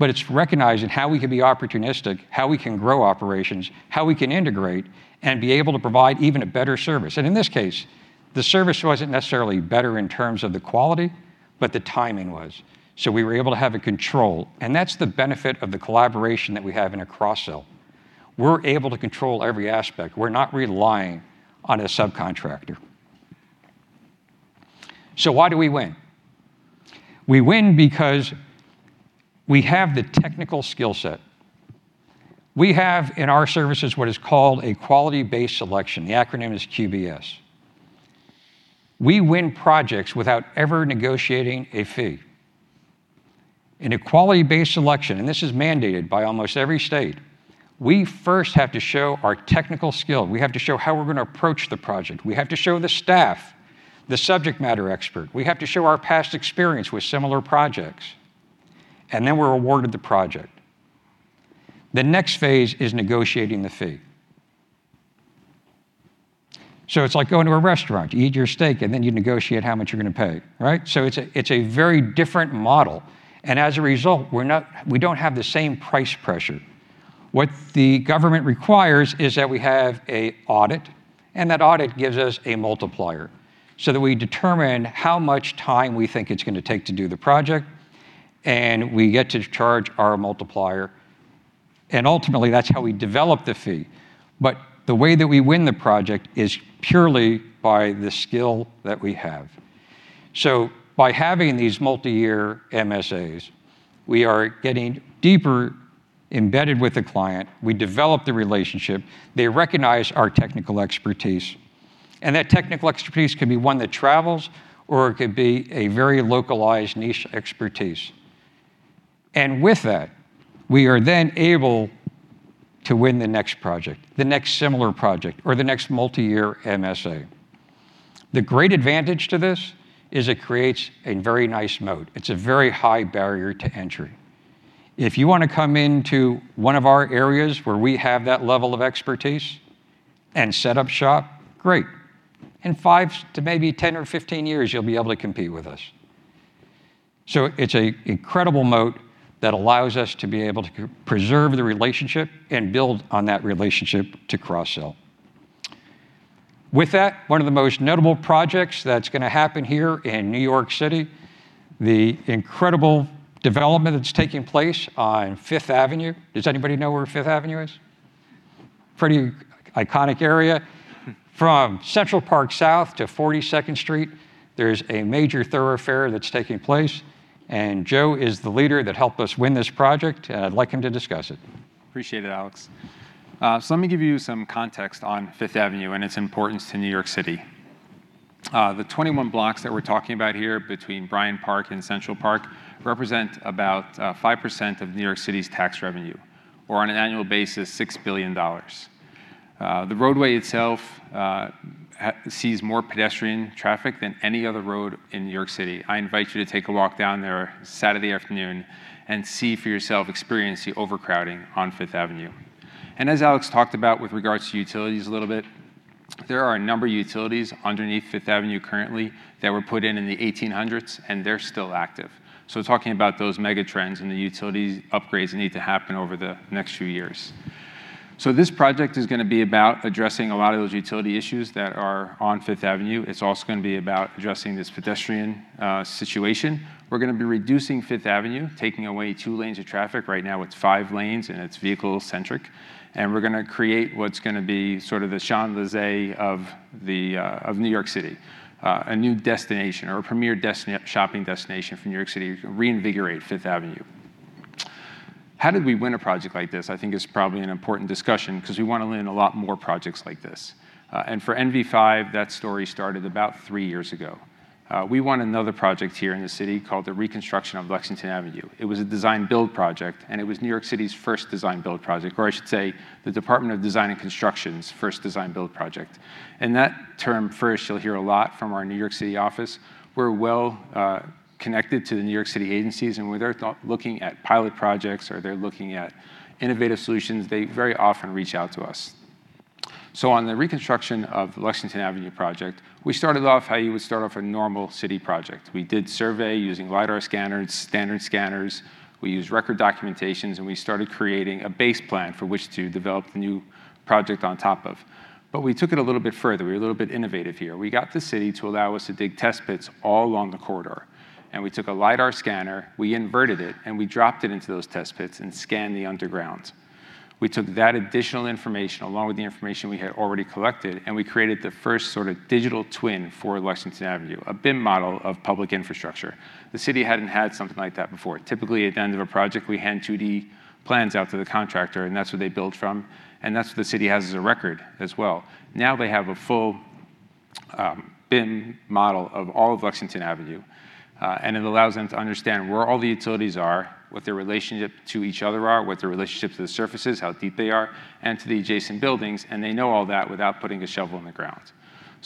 It's recognizing how we can be opportunistic, how we can grow operations, how we can integrate and be able to provide even a better service. In this case, the service wasn't necessarily better in terms of the quality, but the timing was. We were able to have a control, and that's the benefit of the collaboration that we have in a cross-sell. We're able to control every aspect. We're not relying on a subcontractor. Why do we win? We win because we have the technical skill set. We have in our services what is called a quality-based selection. The acronym is QBS. We win projects without ever negotiating a fee. In a quality-based selection, this is mandated by almost every state, we first have to show our technical skill. We have to show how we're going to approach the project. We have to show the staff, the subject matter expert. We have to show our past experience with similar projects, then we're awarded the project. The next phase is negotiating the fee. It's like going to a restaurant. You eat your steak, then you negotiate how much you're going to pay, right? It's a very different model, as a result, we don't have the same price pressure. What the government requires is that we have a audit, and that audit gives us a multiplier so that we determine how much time we think it's gonna take to do the project, and we get to charge our multiplier. Ultimately, that's how we develop the fee. The way that we win the project is purely by the skill that we have. By having these multi-year MSAs, we are getting deeper embedded with the client. We develop the relationship. They recognize our technical expertise. That technical expertise can be one that travels, or it could be a very localized niche expertise. With that, we are then able to win the next project, the next similar project, or the next multi-year MSA. The great advantage to this is it creates a very nice moat. It's a very high barrier to entry. If you wanna come into one of our areas where we have that level of expertise and set up shop, great. In five to maybe 10 or 15 years, you'll be able to compete with us. It's a incredible moat that allows us to be able to preserve the relationship and build on that relationship to cross-sell. With that, one of the most notable projects that's gonna happen here in New York City, the incredible development that's taking place on Fifth Avenue. Does anybody know where Fifth Avenue is? Pretty iconic area. From Central Park South to Forty-second Street, there's a major thoroughfare that's taking place, and Joe is the leader that helped us win this project, and I'd like him to discuss it. Appreciate it, Alex. Let me give you some context on Fifth Avenue and its importance to New York City. The 21 blocks that we're talking about here between Bryant Park and Central Park represent about 5% of New York City's tax revenue, or on an annual basis, $6 billion. The roadway itself sees more pedestrian traffic than any other road in New York City. I invite you to take a walk down there Saturday afternoon and see for yourself, experience the overcrowding on Fifth Avenue. As Alex talked about with regards to utilities a little bit, there are a number of utilities underneath Fifth Avenue currently that were put in in the 1800s, and they're still active. Talking about those mega trends and the utilities upgrades that need to happen over the next few years. This project is gonna be about addressing a lot of those utility issues that are on Fifth Avenue. It's also gonna be about addressing this pedestrian situation. We're gonna be reducing Fifth Avenue, taking away two lanes of traffic. Right now, it's five lanes, and it's vehicle-centric. We're gonna create what's gonna be sort of the Champs-Élysées of New York City, a new destination or a premier shopping destination for New York City to reinvigorate Fifth Avenue. How did we win a project like this, I think is probably an important discussion because we wanna land a lot more projects like this. For NV5, that story started about three years ago. We won another project here in the city called the Reconstruction of Lexington Avenue. It was a design build project. It was New York City's first design build project, or I should say, the New York City Department of Design and Construction's first design build project. That term, first, you'll hear a lot from our New York City office. We're well connected to the New York City agencies, and when they're looking at pilot projects or they're looking at innovative solutions, they very often reach out to us. On the reconstruction of Lexington Avenue project, we started off how you would start off a normal city project. We did survey using LIDAR scanners, standard scanners. We used record documentations, and we started creating a base plan for which to develop the new project on top of. We took it a little bit further. We were a little bit innovative here. We got the city to allow us to dig test pits all along the corridor, and we took a LIDAR scanner, we inverted it, and we dropped it into those test pits and scanned the underground. We took that additional information along with the information we had already collected, and we created the first sort of digital twin for Lexington Avenue, a BIM model of public infrastructure. The city hadn't had something like that before. Typically, at the end of a project, we hand 2D plans out to the contractor, and that's what they build from, and that's what the city has as a record as well. Now they have a full BIM model of all of Lexington Avenue, and it allows them to understand where all the utilities are, what their relationship to each other are, what their relationship to the surface is, how deep they are, and to the adjacent buildings, and they know all that without putting a shovel in the ground.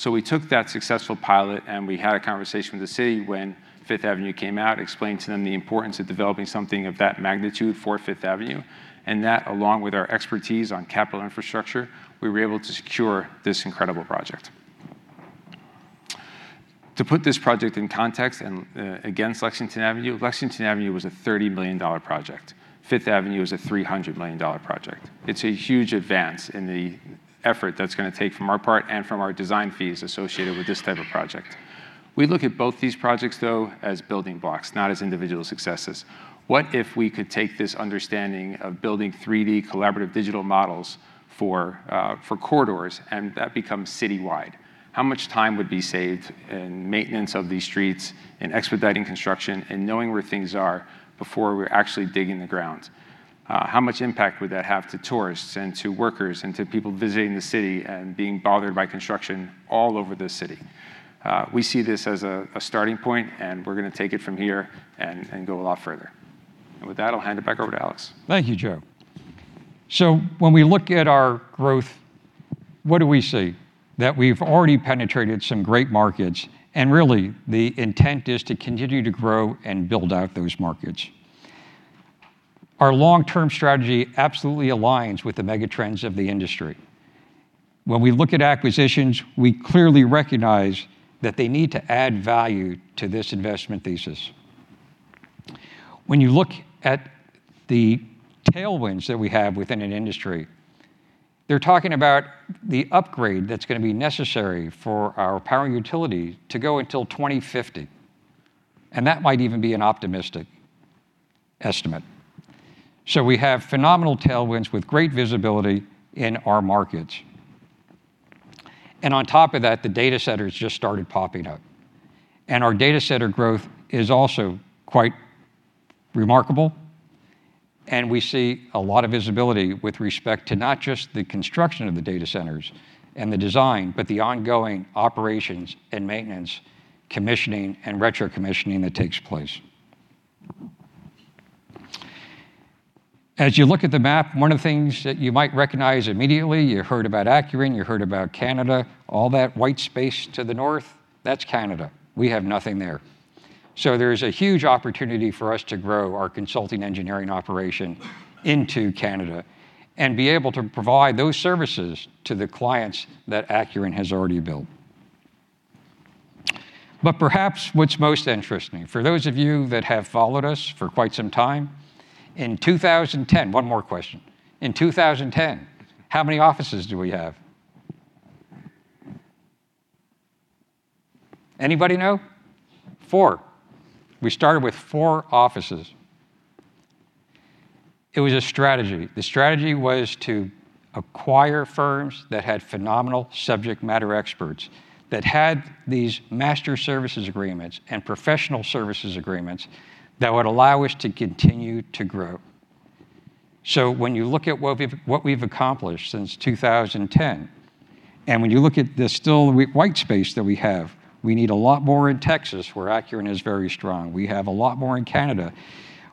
We took that successful pilot, and we had a conversation with the city when Fifth Avenue came out, explained to them the importance of developing something of that magnitude for Fifth Avenue, and that, along with our expertise on capital infrastructure, we were able to secure this incredible project. To put this project in context and against Lexington Avenue, Lexington Avenue was a $30 million project. Fifth Avenue is a $300 million project. It's a huge advance in the effort that's gonna take from our part and from our design fees associated with this type of project. We look at both these projects, though, as building blocks, not as individual successes. What if we could take this understanding of building 3D collaborative digital models for corridors, and that becomes citywide? How much time would be saved in maintenance of these streets, in expediting construction, in knowing where things are before we're actually digging the ground? How much impact would that have to tourists and to workers and to people visiting the city and being bothered by construction all over the city? We see this as a starting point, and we're gonna take it from here and go a lot further. With that, I'll hand it back over to Alex. Thank you, Joe. When we look at our growth, what do we see? That we've already penetrated some great markets, and really, the intent is to continue to grow and build out those markets. Our long-term strategy absolutely aligns with the mega trends of the industry. When we look at acquisitions, we clearly recognize that they need to add value to this investment thesis. When you look at the tailwinds that we have within an industry, they're talking about the upgrade that's gonna be necessary for our power and utility to go until 2050, and that might even be an optimistic estimate. We have phenomenal tailwinds with great visibility in our markets. On top of that, the data centers just started popping up, and our data center growth is also quite remarkable, and we see a lot of visibility with respect to not just the construction of the data centers and the design, but the ongoing operations and maintenance, commissioning, and retro-commissioning that takes place. As you look at the map, one of the things that you might recognize immediately, you heard about Acuren, you heard about Canada. All that white space to the north, that's Canada. We have nothing there. There's a huge opportunity for us to grow our consulting engineering operation into Canada and be able to provide those services to the clients that Acuren has already built. Perhaps what's most interesting, for those of you that have followed us for quite some time. One more question. In 2010, how many offices did we have? Anybody know? Four. We started with four offices. It was a strategy. The strategy was to acquire firms that had phenomenal subject matter experts, that had these master services agreements and professional services agreements that would allow us to continue to grow. When you look at what we've accomplished since 2010, and when you look at the still white space that we have, we need a lot more in Texas, where Acuren is very strong. We have a lot more in Canada.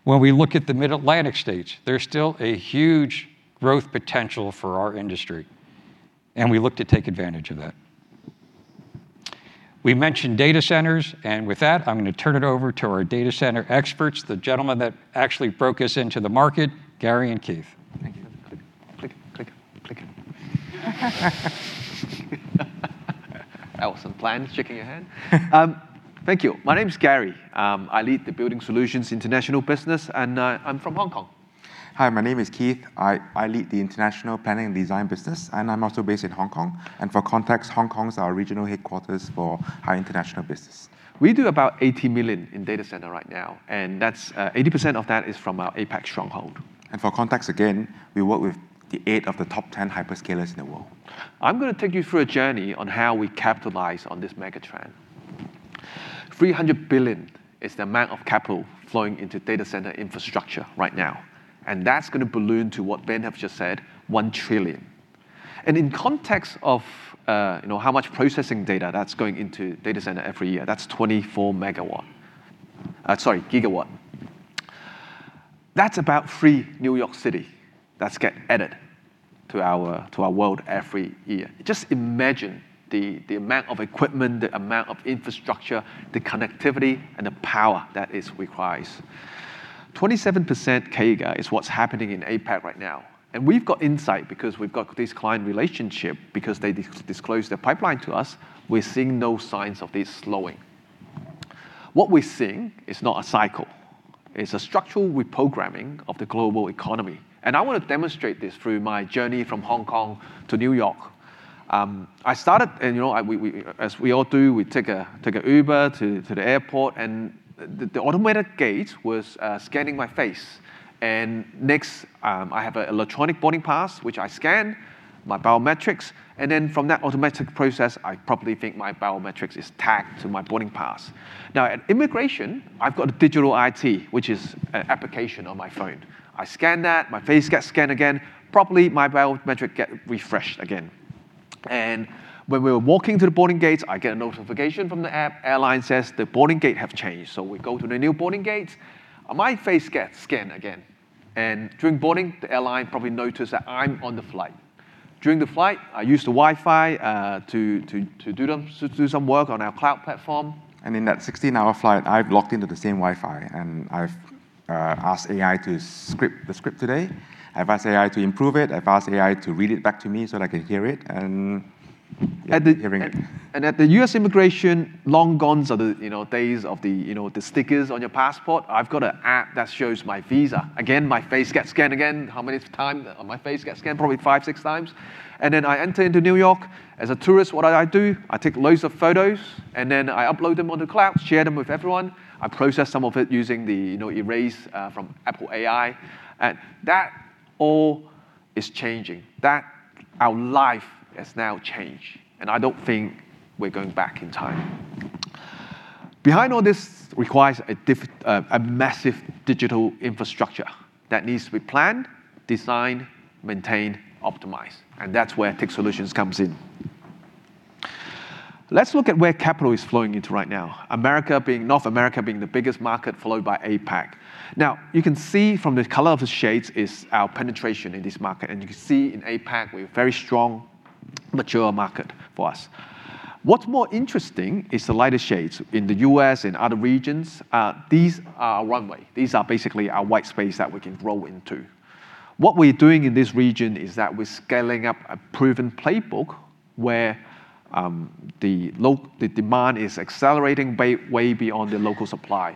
When we look at the Mid-Atlantic states, there's still a huge growth potential for our industry, and we look to take advantage of that. We mentioned data centers, and with that, I'm gonna turn it over to our data center experts, the gentlemen that actually broke us into the market, Gary and Keith. Thank you. Click, click, click. Awesome plan, shaking your hand. Thank you. My name's Gary. I lead the Building Solutions International business, and I'm from Hong Kong. Hi, my name is Keith. I lead the International Planning and Design business, and I'm also based in Hong Kong. For context, Hong Kong's our regional headquarters for our international business. We do about $18 million in data center right now, and that's 80% of that is from our APAC stronghold. For context again, we work with the eight of the top 10 hyperscalers in the world. I'm gonna take you through a journey on how we capitalize on this mega trend. $300 billion is the amount of capital flowing into data center infrastructure right now. That's gonna balloon to what Ben Heraud have just said, $1 trillion. In context of, you know, how much processing data that's going into data center every year, that's 24 MW. Sorry, GW. That's about three New York City that's get added to our world every year. Just imagine the amount of equipment, the amount of infrastructure, the connectivity, and the power that is requires. 27% CAGR is what's happening in APAC right now. We've got insight because we've got this client relationship because they disclose their pipeline to us. We're seeing no signs of this slowing. What we're seeing is not a cycle. It's a structural reprogramming of the global economy, I wanna demonstrate this through my journey from Hong Kong to New York. I started, you know, I, we, as we all do, we take a Uber to the airport, the automated gate was scanning my face. Next, I have a electronic boarding pass which I scan, my biometrics, then from that automatic process, I probably think my biometrics is tagged to my boarding pass. Now, at immigration, I've got a digital ID, which is an application on my phone. I scan that, my face gets scanned again, probably my biometric get refreshed again. When we're walking to the boarding gates, I get a notification from the app. Airline says the boarding gate have changed, we go to the new boarding gates. My face gets scanned again. During boarding, the airline probably notice that I'm on the flight. During the flight, I use the Wi-Fi to do some work on our cloud platform. In that 16-hour flight, I've logged into the same Wi-Fi. Ask AI to script the script today. I've asked AI to improve it. I've asked AI to read it back to me so that I can hear it. At the U.S. immigration, long gone are the, you know, days of the, you know, the stickers on your passport. I've got a app that shows my visa. Again, my face gets scanned again. How many times my face gets scanned? Probably five, six times. I enter into New York. As a tourist, what do I do? I take loads of photos, and then I upload them on the cloud, share them with everyone. I process some of it using the, you know, erase from Apple Intelligence. That all is changing. That, our life has now changed, and I don't think we're going back in time. Behind all this requires a massive digital infrastructure that needs to be planned, designed, maintained, optimized, and that's where TIC Solutions comes in. Let's look at where capital is flowing into right now. North America being the biggest market, followed by APAC. You can see from the color of the shades is our penetration in this market, and you can see in APAC, we're very strong, mature market for us. What's more interesting is the lighter shades. In the U.S. and other regions, these are our runway. These are basically our white space that we can grow into. What we're doing in this region is that we're scaling up a proven playbook where the demand is accelerating way beyond the local supply.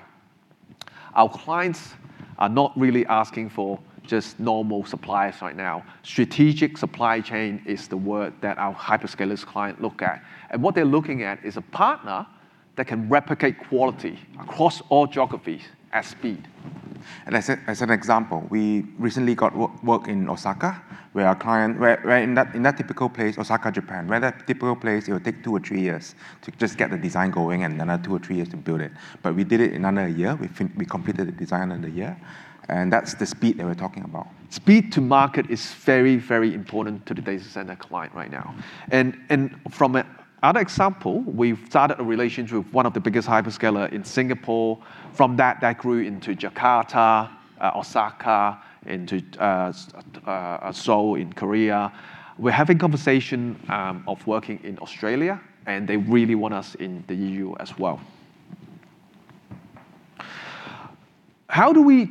Our clients are not really asking for just normal suppliers right now. Strategic supply chain is the word that our hyperscalers client look at. What they're looking at is a partner that can replicate quality across all geographies at speed. As a, as an example, we recently got work in Osaka where our client, where in that typical place, Osaka, Japan, where that typical place, it will take two or three years to just get the design going and another two or three years to build it. We did it in under a year. We completed the design in a year, That's the speed that we're talking about. Speed to market is very, very important to the data center client right now. From another example, we've started a relationship with one of the biggest hyperscalers in Singapore. From that grew into Jakarta, Osaka, into Seoul in Korea. We're having conversation of working in Australia, and they really want us in the EU as well. How do we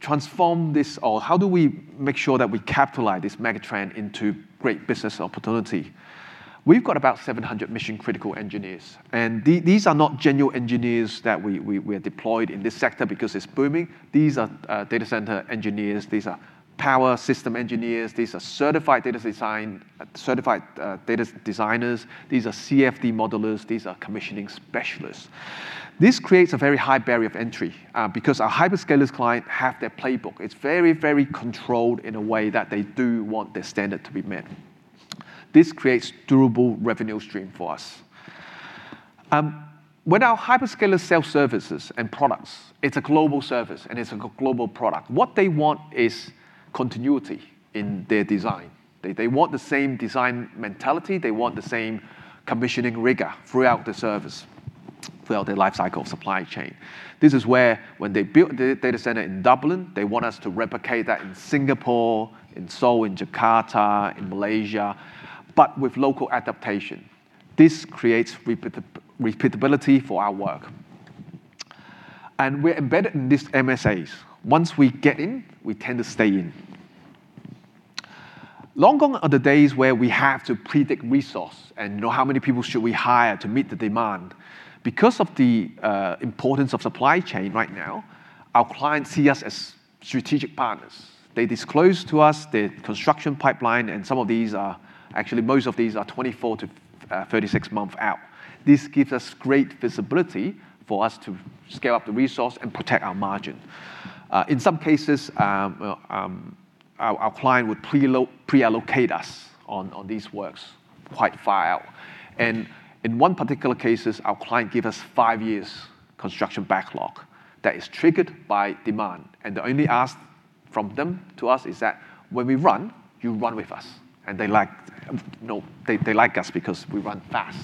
transform this or how do we make sure that we capitalize this mega-trend into great business opportunity? We've got about 700 mission-critical engineers, these are not general engineers that we are deployed in this sector because it's booming. These are data center engineers. These are power system engineers. These are certified data designers. These are CFD modelers. These are commissioning specialists. This creates a very high barrier of entry because our hyperscalers client have their playbook. It's very, very controlled in a way that they do want their standard to be met. This creates durable revenue stream for us. When our hyperscalers sell services and products, it's a global service, and it's a global product. What they want is continuity in their design. They want the same design mentality. They want the same commissioning rigor throughout the service, throughout their life cycle supply chain. This is where when they built the data center in Dublin, they want us to replicate that in Singapore, in Seoul, in Jakarta, in Malaysia, but with local adaptation. This creates repeatability for our work. We're embedded in these MSAs. Once we get in, we tend to stay in. Long gone are the days where we have to predict resource and know how many people should we hire to meet the demand. Because of the importance of supply chain right now, our clients see us as strategic partners. They disclose to us the construction pipeline, and some of these are actually, most of these are 24 to 36 month out. This gives us great visibility for us to scale up the resource and protect our margin. In some cases, well, our client would pre-allocate us on these works quite far out. In one particular cases, our client give us 5 years construction backlog that is triggered by demand. The only ask from them to us is that, "When we run, you run with us." They like, you know, they like us because we run fast.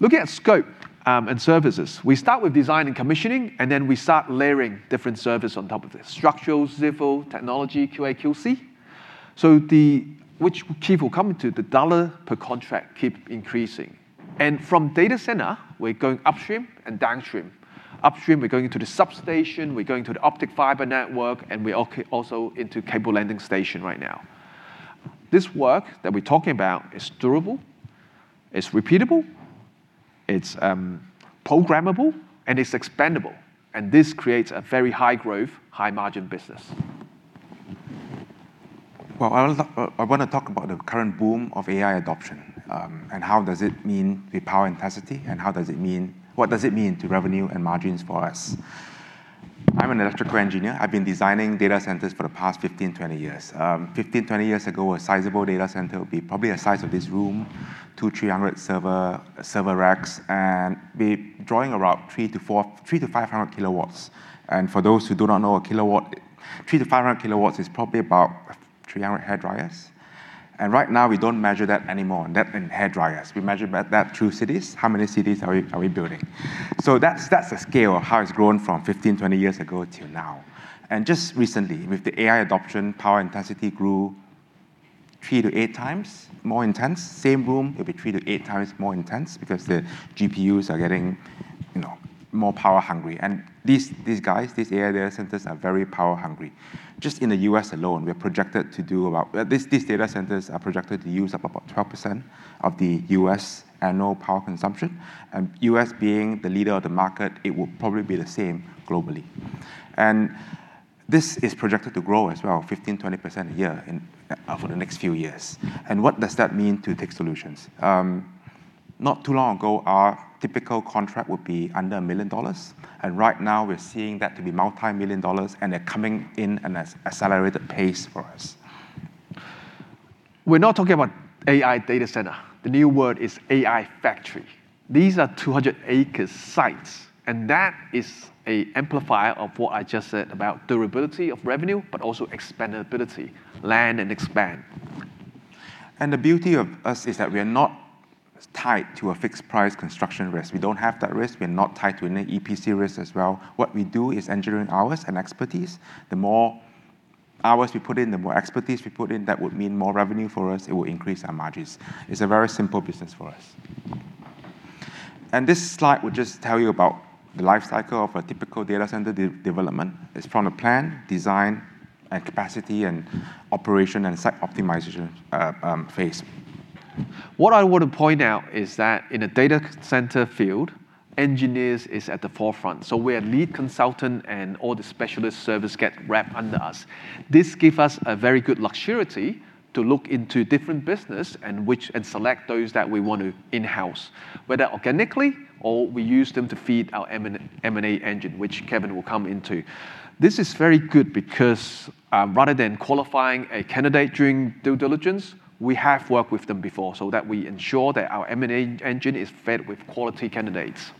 Looking at scope and services, we start with design and commissioning, and then we start layering different service on top of this. Structural, civil, technology, QA, QC. The which Keith will come into, the dollar per contract keep increasing. From data center, we're going upstream and downstream. Upstream, we're going into the substation, we're going to the optic fiber network, and we also into cable landing station right now. This work that we're talking about is durable, it's repeatable, it's programmable, and it's expandable, and this creates a very high growth, high margin business. Well, I wanna talk, I wanna talk about the current boom of AI adoption, and how does it mean the power intensity and what does it mean to revenue and margins for us? I'm an electrical engineer. I've been designing data centers for the past 15, 20 years. 15, 20 years ago, a sizable data center would be probably the size of this room, 2, 300 server racks, and be drawing around 300-500 kW. For those who do not know a kilowatt, 300-500 kW is probably about 300 hairdryers. Right now we don't measure that anymore in hairdryers. We measure that through cities. How many cities are we building? That's the scale of how it's grown from 15, 20 years ago till now. Just recently, with the AI adoption, power intensity grew 3-8 times more intense. Same room, it'll be 3-8 times more intense because the GPUs are getting, you know, more power hungry. These AI data centers are very power hungry. Just in the U.S. alone, we are projected to use up about 12% of the U.S. annual power consumption. U.S. being the leader of the market, it will probably be the same globally. This is projected to grow as well, 15%-20% a year for the next few years. What does that mean to TIC Solutions? Not too long ago, our typical contract would be under $1 million, and right now we're seeing that to be multi-million dollars, and they're coming in an accelerated pace for us. We're not talking about AI data center. The new word is AI factory. These are 200 acres sites, that is a amplifier of what I just said about durability of revenue, but also expandability, land and expand. The beauty of us is that we are not tied to a fixed price construction risk. We don't have that risk. We are not tied to any EPC risk as well. What we do is engineering hours and expertise. The more hours we put in, the more expertise we put in, that would mean more revenue for us. It will increase our margins. It's a very simple business for us. This slide will just tell you about the life cycle of a typical data center development. It's from the plan, design and capacity and operation and site optimization phase. What I want to point out is that in a data center field, engineers is at the forefront, so we are lead consultant and all the specialist service get wrapped under us. This give us a very good luxury to look into different business and select those that we want to in-house, whether organically or we use them to feed our M&A engine, which Kevin will come into. This is very good because rather than qualifying a candidate during due diligence, we have worked with them before so that we ensure that our M&A engine is fed with quality candidates.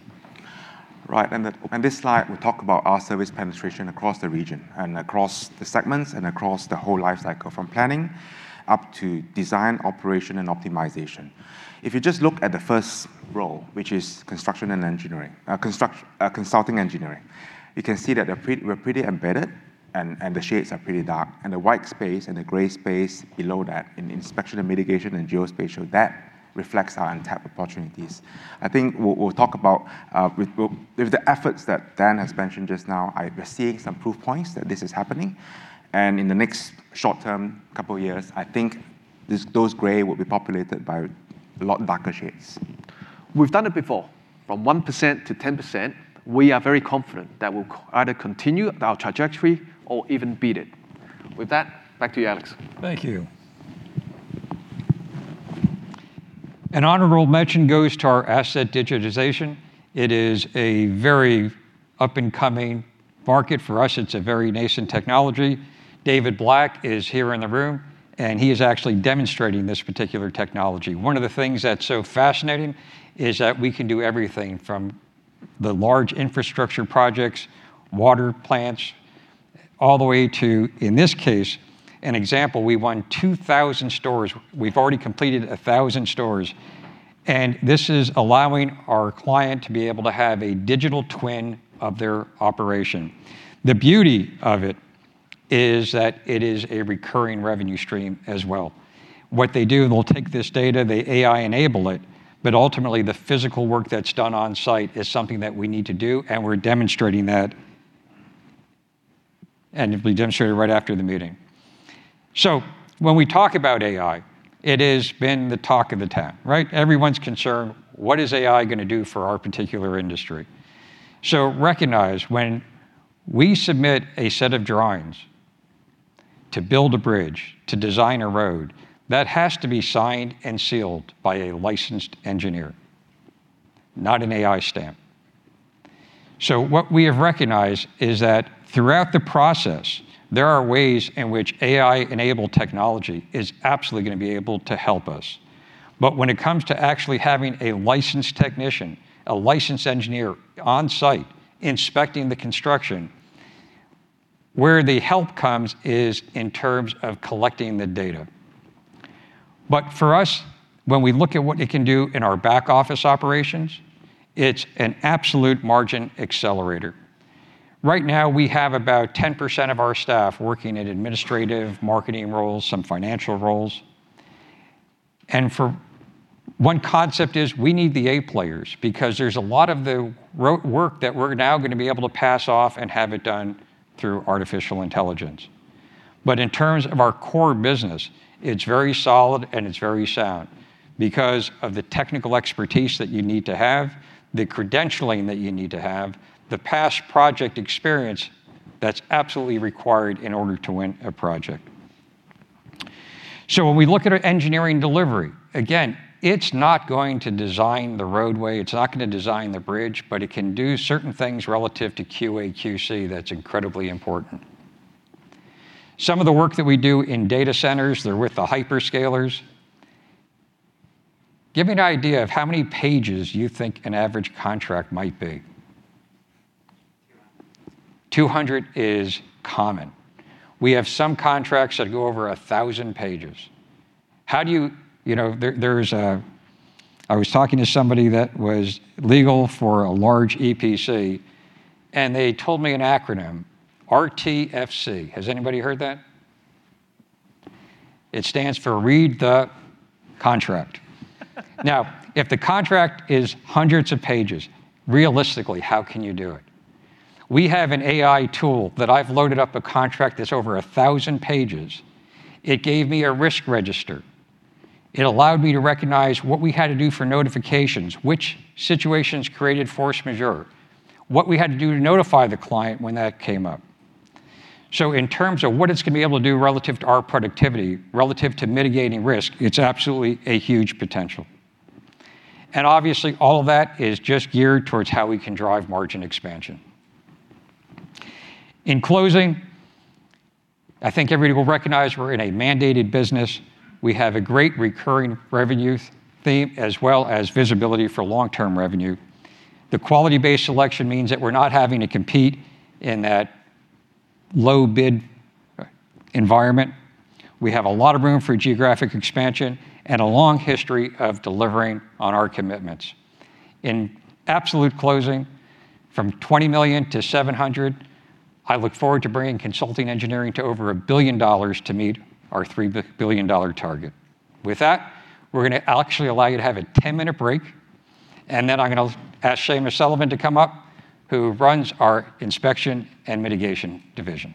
Right. On this slide, we'll talk about our service penetration across the region and across the segments and across the whole life cycle from planning up to design, operation and optimization. If you just look at the first row, which is construction and engineering, Consulting Engineering, you can see that we're pretty embedded, and the shades are pretty dark and the white space and the gray space below that in Inspection & Mitigation and geospatial, that reflects our untapped opportunities. I think we'll talk about, with the efforts that Dan has mentioned just now, we're seeing some proof points that this is happening. In the next short term couple of years, I think those gray will be populated by a lot darker shades. We've done it before from 1% to 10%. We are very confident that we'll either continue our trajectory or even beat it. With that, back to you, Alex. Thank you. An honorable mention goes to our asset digitization. It is a very up-and-coming market for us. It's a very nascent technology. David Black is here in the room, he is actually demonstrating this particular technology. One of the things that's so fascinating is that we can do everything from the large infrastructure projects, water plants, all the way to, in this case, an example, we won 2,000 stores. We've already completed 1,000 stores, this is allowing our client to be able to have a digital twin of their operation. The beauty of it is that it is a recurring revenue stream as well. What they do, they'll take this data, they AI enable it, ultimately the physical work that's done on site is something that we need to do, we're demonstrating that. It'll be demonstrated right after the meeting. When we talk about AI, it has been the talk of the town, right? Everyone's concerned, "What is AI going to do for our particular industry?" Recognize when we submit a set of drawings to build a bridge, to design a road, that has to be signed and sealed by a licensed engineer, not an AI stamp. What we have recognized is that throughout the process, there are ways in which AI-enabled technology is absolutely going to be able to help us. When it comes to actually having a licensed technician, a licensed engineer on-site inspecting the construction, where the help comes is in terms of collecting the data. For us, when we look at what it can do in our back office operations, it's an absolute margin accelerator. Right now, we have about 10% of our staff working in administrative, marketing roles, some financial roles. One concept is we need the A players because there's a lot of the work that we're now gonna be able to pass off and have it done through artificial intelligence. In terms of our core business, it's very solid and it's very sound because of the technical expertise that you need to have, the credentialing that you need to have, the past project experience that's absolutely required in order to win a project. When we look at our engineering delivery, again, it's not going to design the roadway, it's not gonna design the bridge, but it can do certain things relative to QA, QC that's incredibly important. Some of the work that we do in data centers, they're with the hyperscalers. Give me an idea of how many pages you think an average contract might be. 200 is common. We have some contracts that go over 1,000 pages. You know, I was talking to somebody that was legal for a large EPC, and they told me an acronym, RTFC. Has anybody heard that? It stands for read the contract. Now, if the contract is hundreds of pages, realistically, how can you do it? We have an AI tool that I've loaded up a contract that's over 1,000 pages. It gave me a risk register. It allowed me to recognize what we had to do for notifications, which situations created force majeure, what we had to do to notify the client when that came up. In terms of what it's gonna be able to do relative to our productivity, relative to mitigating risk, it's absolutely a huge potential. Obviously, all of that is just geared towards how we can drive margin expansion. In closing, I think everybody will recognize we're in a mandated business. We have a great recurring revenue theme, as well as visibility for long-term revenue. The quality-based selection means that we're not having to compete in that low bid environment. We have a lot of room for geographic expansion and a long history of delivering on our commitments. In absolute closing, from $20 million to $700, I look forward to bringing consulting engineering to over $1 billion to meet our $3 billion dollar target. With that, we're gonna actually allow you to have a 10-minute break, and then I'm gonna ask Shamus Sullivan to come up, who runs our Inspection & Mitigation division.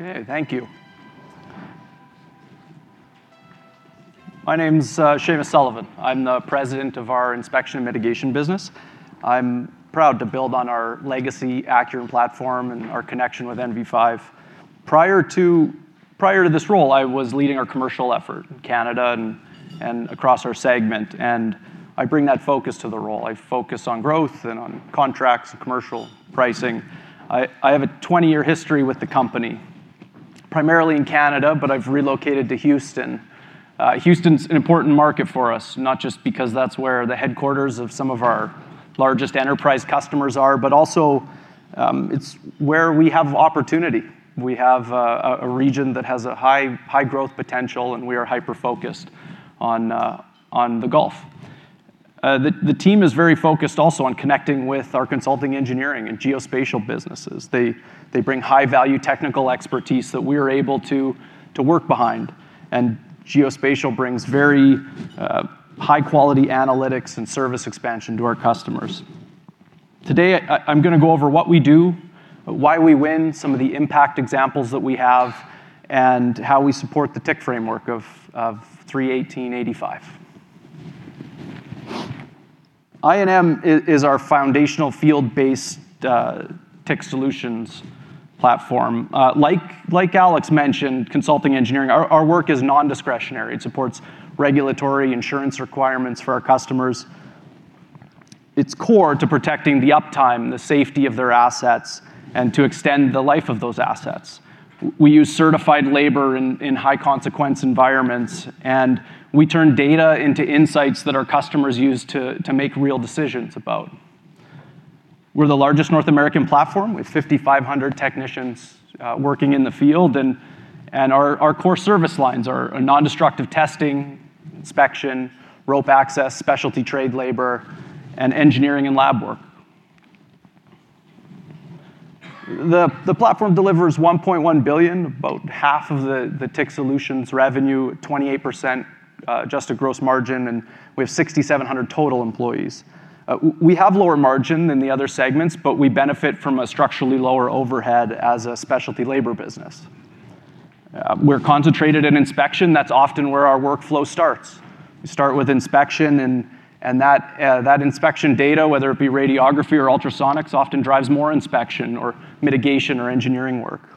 Okay, thank you. My name's Shamus Sullivan. I'm the President of our Inspection & Mitigation business. I'm proud to build on our legacy Acuren platform and our connection with NV5. Prior to this role, I was leading our commercial effort in Canada and across our segment, and I bring that focus to the role. I focus on growth and on contracts and commercial pricing. I have a 20-year history with the company, primarily in Canada, but I've relocated to Houston. Houston's an important market for us, not just because that's where the headquarters of some of our largest enterprise customers are, but also, it's where we have opportunity. We have a region that has high growth potential, and we are hyper-focused on the Gulf. The team is very focused also on connecting with our consulting engineering and geospatial businesses. They bring high-value technical expertise that we are able to work behind. Geospatial brings very high-quality analytics and service expansion to our customers. Today, I'm gonna go over what we do, why we win, some of the impact examples that we have, and how we support the TIC framework of 3-18-85. I&M is our foundational field-based tech solutions platform. Like Alex mentioned, consulting engineering, our work is non-discretionary. It supports regulatory insurance requirements for our customers. It's core to protecting the uptime, the safety of their assets, and to extend the life of those assets. We use certified labor in high-consequence environments, and we turn data into insights that our customers use to make real decisions about. We're the largest North American platform with 5,500 technicians working in the field, and our core service lines are non-destructive testing, inspection, rope access, specialty trade labor, and engineering and lab work. The platform delivers $1.1 billion, about half of the TIC Solutions revenue, 28% adjusted gross margin, and we have 6,700 total employees. We have lower margin than the other segments, but we benefit from a structurally lower overhead as a specialty labor business. We're concentrated in inspection. That's often where our workflow starts. We start with inspection, and that inspection data, whether it be radiography or ultrasonics, often drives more inspection or mitigation or engineering work.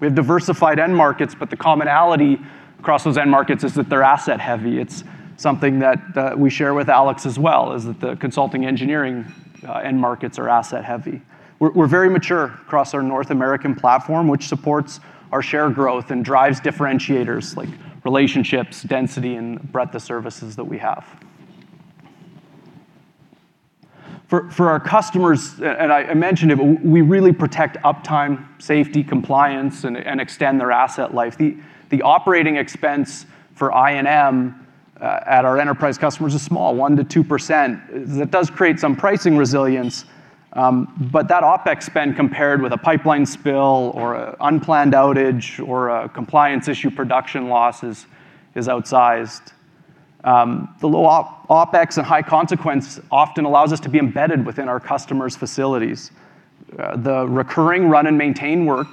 We have diversified end markets, but the commonality across those end markets is that they're asset-heavy. It's something that we share with Alex as well, is that the consulting engineering end markets are asset-heavy. We're very mature across our North American platform, which supports our share growth and drives differentiators like relationships, density, and breadth of services that we have. For our customers, and I mentioned it, we really protect uptime, safety, compliance and extend their asset life. The operating expense for I&M at our enterprise customers is small, 1% to 2%. That does create some pricing resilience, but that OPEX spend compared with a pipeline spill or an unplanned outage or a compliance issue production loss is outsized. The low OPEX and high consequence often allows us to be embedded within our customers' facilities. The recurring run and maintain work,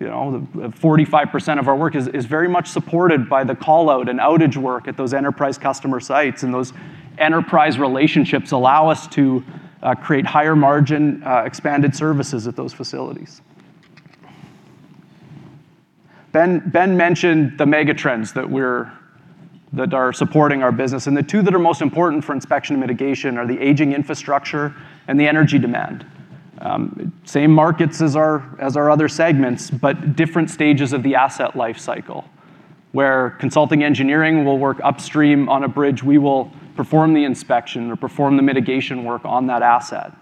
you know, the 45% of our work is very much supported by the call-out and outage work at those enterprise customer sites, and those enterprise relationships allow us to create higher margin, expanded services at those facilities. Ben mentioned the mega trends that are supporting our business, and the two that are most important for Inspection & Mitigation are the aging infrastructure and the energy demand. Same markets as our other segments, but different stages of the asset life cycle, where Consulting Engineering will work upstream on a bridge, we will perform the inspection or perform the mitigation work on that asset.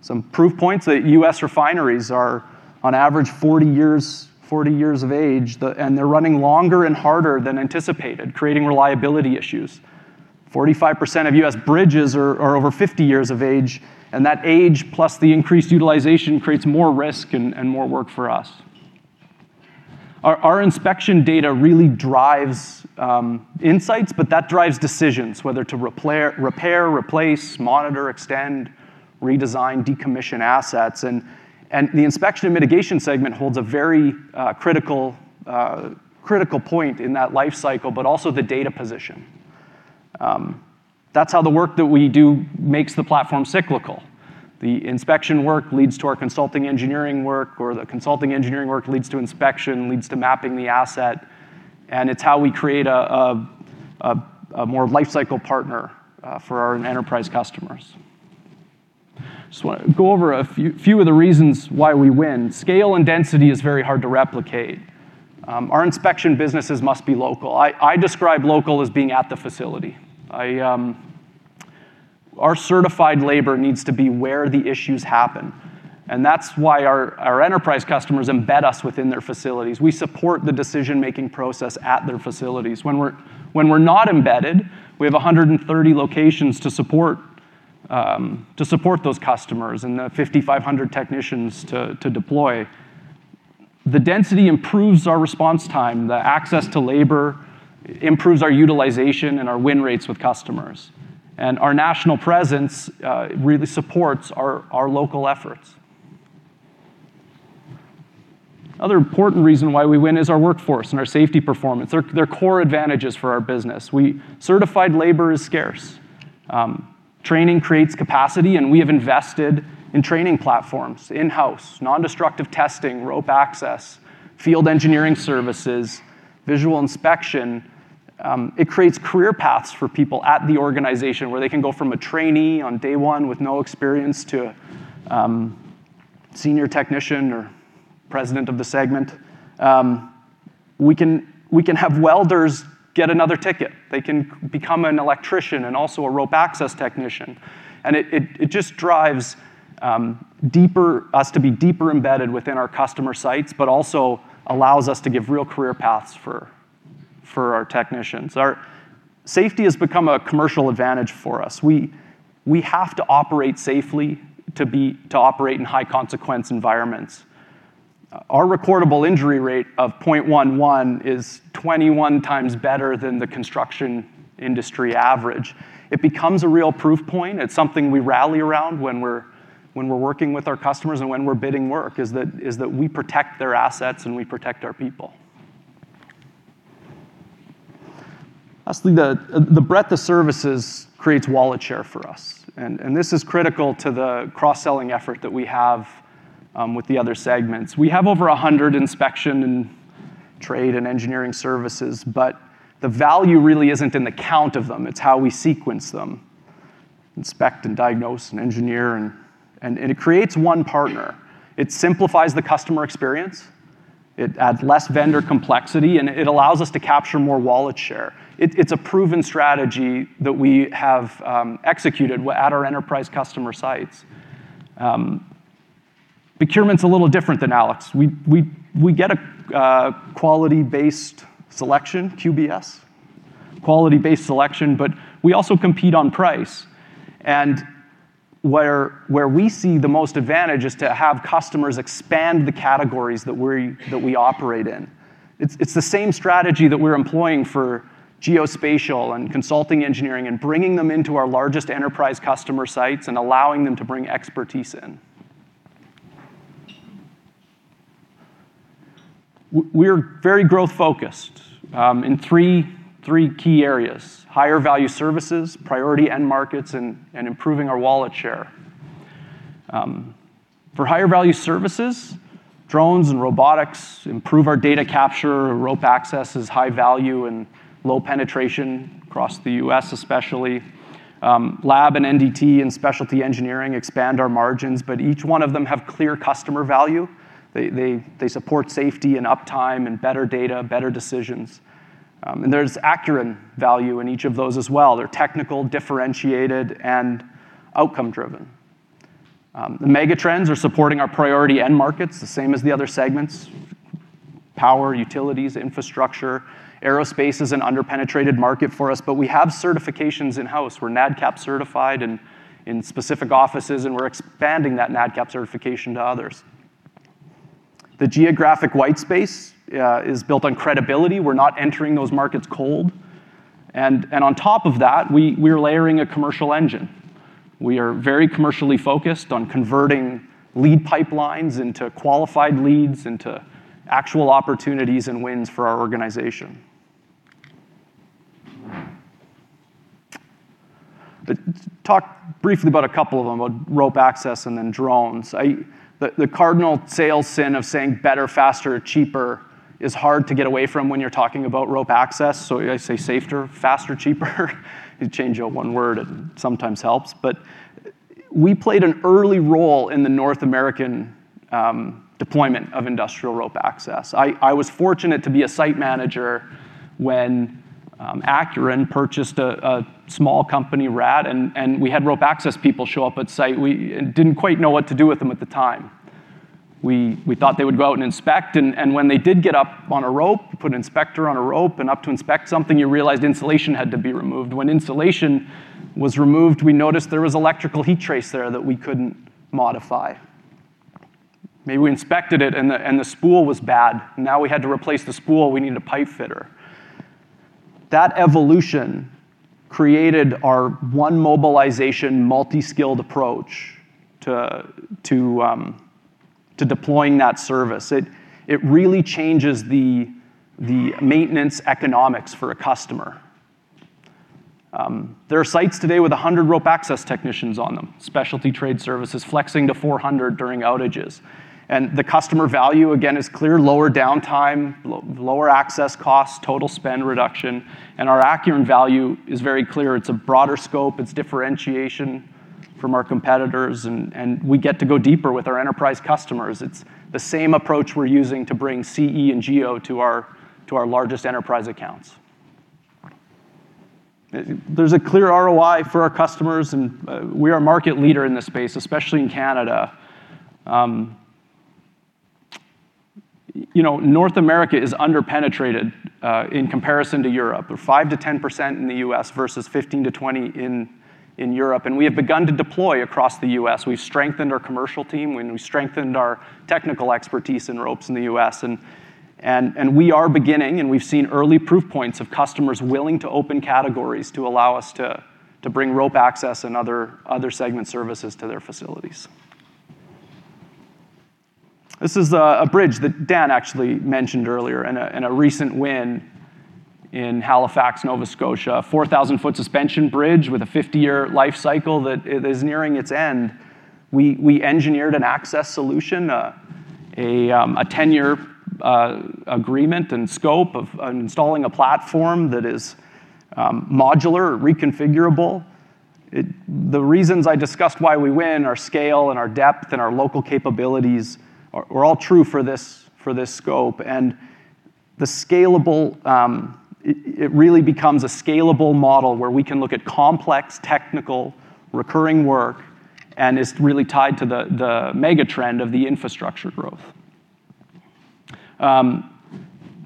Some proof points that U.S. refineries are on average 40 years, 40 years of age, and they're running longer and harder than anticipated, creating reliability issues. 45% of U.S. bridges are over 50 years of age. That age plus the increased utilization creates more risk and more work for us. Our inspection data really drives insights. That drives decisions whether to repair, replace, monitor, extend, redesign, decommission assets. The Inspection & Mitigation segment holds a very critical point in that life cycle, but also the data position. That's how the work that we do makes the platform cyclical. The inspection work leads to our Consulting Engineering work. The Consulting Engineering work leads to inspection, leads to mapping the asset, and it's how we create a more lifecycle partner for our enterprise customers. Just wanna go over a few of the reasons why we win. Scale and density is very hard to replicate. Our inspection businesses must be local. I describe local as being at the facility. Our certified labor needs to be where the issues happen, and that's why our enterprise customers embed us within their facilities. We support the decision-making process at their facilities. When we're not embedded, we have 130 locations to support those customers and 5,500 technicians to deploy. The density improves our response time, the access to labor improves our utilization and our win rates with customers. Our national presence really supports our local efforts. Other important reason why we win is our workforce and our safety performance. They're core advantages for our business. Certified labor is scarce. Training creates capacity, and we have invested in training platforms in-house, non-destructive testing, rope access, field engineering services, visual inspection. It creates career paths for people at the organization where they can go from a trainee on day one with no experience to a senior technician or president of the segment. We can have welders get another ticket. They can become an electrician and also a rope access technician. It just drives us to be deeper embedded within our customer sites, but also allows us to give real career paths for our technicians. Safety has become a commercial advantage for us. We have to operate safely to operate in high consequence environments. Our reportable injury rate of 0.11 is 21 times better than the construction industry average. It becomes a real proof point. It's something we rally around when we're working with our customers and when we're bidding work, is that we protect their assets, and we protect our people. Lastly, the breadth of services creates wallet share for us. This is critical to the cross-selling effort that we have with the other segments. We have over 100 inspection and trade and engineering services, but the value really isn't in the count of them. It's how we sequence them. Inspect and diagnose and engineer and it creates one partner. It simplifies the customer experience, it adds less vendor complexity, and it allows us to capture more wallet share. It's a proven strategy that we have executed at our enterprise customer sites. Procurement's a little different than Alex. We get a quality-based selection, QBS, quality-based selection, but we also compete on price. Where we see the most advantage is to have customers expand the categories that we're, that we operate in. It's the same strategy that we're employing for geospatial and consulting engineering and bringing them into our largest enterprise customer sites and allowing them to bring expertise in. We're very growth-focused in three key areas: higher value services, priority end markets, and improving our wallet share. For higher value services, drones and robotics improve our data capture. Rope access is high value and low penetration across the U.S. especially. Lab and NDT and specialty engineering expand our margins, but each one of them have clear customer value. They support safety and uptime and better data, better decisions. There's Acuren value in each of those as well. They're technical, differentiated, and outcome-driven. The mega trends are supporting our priority end markets the same as the other segments. Power, utilities, infrastructure. Aerospace is an under-penetrated market for us, but we have certifications in-house. We're NADCAP certified in specific offices, and we're expanding that NADCAP certification to others. The geographic white space is built on credibility. We're not entering those markets cold. On top of that, we're layering a commercial engine. We are very commercially focused on converting lead pipelines into qualified leads, into actual opportunities and wins for our organization. Talk briefly about a couple of them, about rope access and then drones. The cardinal sales sin of saying better, faster, cheaper is hard to get away from when you're talking about rope access. I say safer, faster, cheaper. You change out one word, it sometimes helps. We played an early role in the North American deployment of industrial rope access. I was fortunate to be a site manager when Acuren purchased a small company, RAD, and we had rope access people show up at site. We didn't quite know what to do with them at the time. We thought they would go out and inspect and when they did get up on a rope, put an inspector on a rope and up to inspect something, you realized insulation had to be removed. When insulation was removed, we noticed there was electrical heat trace there that we couldn't modify. Maybe we inspected it and the spool was bad. We had to replace the spool, we need a pipe fitter. That evolution created our one mobilization multi-skilled approach to deploying that service. It really changes the maintenance economics for a customer. There are sites today with 100 rope access technicians on them, specialty trade services flexing to 400 during outages. The customer value, again, is clear. Lower downtime, lower access costs, total spend reduction. Our Acuren value is very clear. It's a broader scope. It's differentiation from our competitors, and we get to go deeper with our enterprise customers. It's the same approach we're using to bring CE and Geo to our largest enterprise accounts. There's a clear ROI for our customers. We are a market leader in this space, especially in Canada. You know, North America is under-penetrated in comparison to Europe. 5%-10% in the U.S. versus 15%-20% in Europe. We have begun to deploy across the U.S. We've strengthened our commercial team when we strengthened our technical expertise in ropes in the U.S. We are beginning, we've seen early proof points of customers willing to open categories to allow us to bring rope access and other segment services to their facilities. This is a bridge that Dan actually mentioned earlier in a recent win in Halifax, Nova Scotia. A 4,000-foot suspension bridge with a 50-year life cycle that is nearing its end. We engineered an access solution, a 10-year agreement and scope of installing a platform that is modular, reconfigurable. The reasons I discussed why we win, our scale and our depth and our local capabilities are all true for this scope. The scalable It really becomes a scalable model where we can look at complex technical recurring work and it's really tied to the mega trend of the infrastructure growth.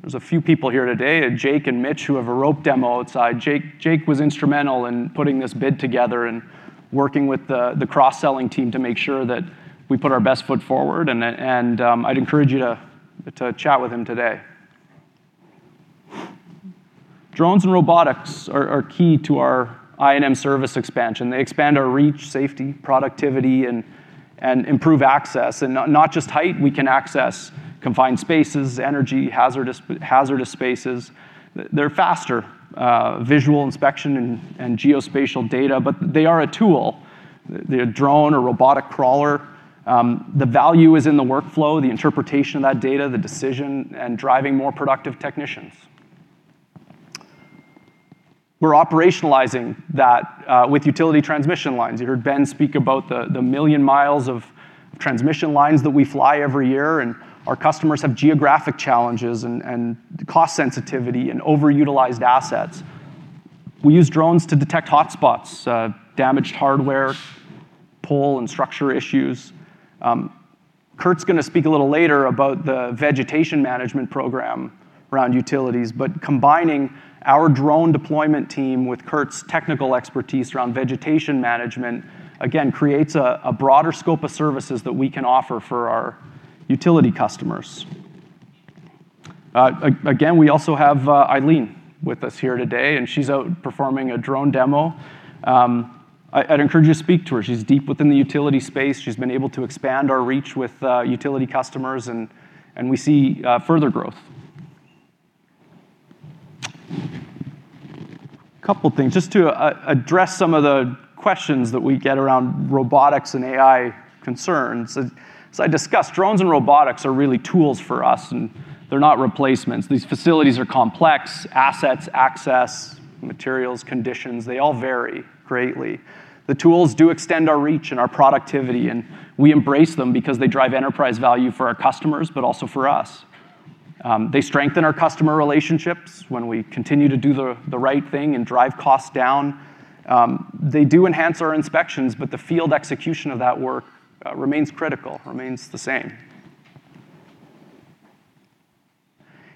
There's a few people here today, Jake and Mitch, who have a rope demo outside. Jake was instrumental in putting this bid together and working with the cross-selling team to make sure that we put our best foot forward. I'd encourage you to chat with him today. Drones and robotics are key to our I&M service expansion. They expand our reach, safety, productivity, and improve access. Not just height, we can access confined spaces, energy, hazardous spaces. They're faster, visual inspection and geospatial data, they are a tool. The drone or robotic crawler, the value is in the workflow, the interpretation of that data, the decision, and driving more productive technicians. We're operationalizing that with utility transmission lines. You heard Ben speak about the 1 million miles of transmission lines that we fly every year, our customers have geographic challenges and cost sensitivity and overutilized assets. We use drones to detect hotspots, damaged hardware, pole and structure issues. Kurt's gonna speak a little later about the vegetation management program around utilities. Combining our drone deployment team with Kurt's technical expertise around vegetation management, again, creates a broader scope of services that we can offer for our utility customers. Again, we also have Eileen with us here today, and she's out performing a drone demo. I'd encourage you to speak to her. She's deep within the utility space. She's been able to expand our reach with utility customers, and we see further growth. Couple things, just to address some of the questions that we get around robotics and AI concerns. As I discussed, drones and robotics are really tools for us, and they're not replacements. These facilities are complex. Assets, access, materials, conditions, they all vary greatly. The tools do extend our reach and our productivity, and we embrace them because they drive enterprise value for our customers, but also for us. They strengthen our customer relationships when we continue to do the right thing and drive costs down. They do enhance our inspections, but the field execution of that work remains critical, remains the same.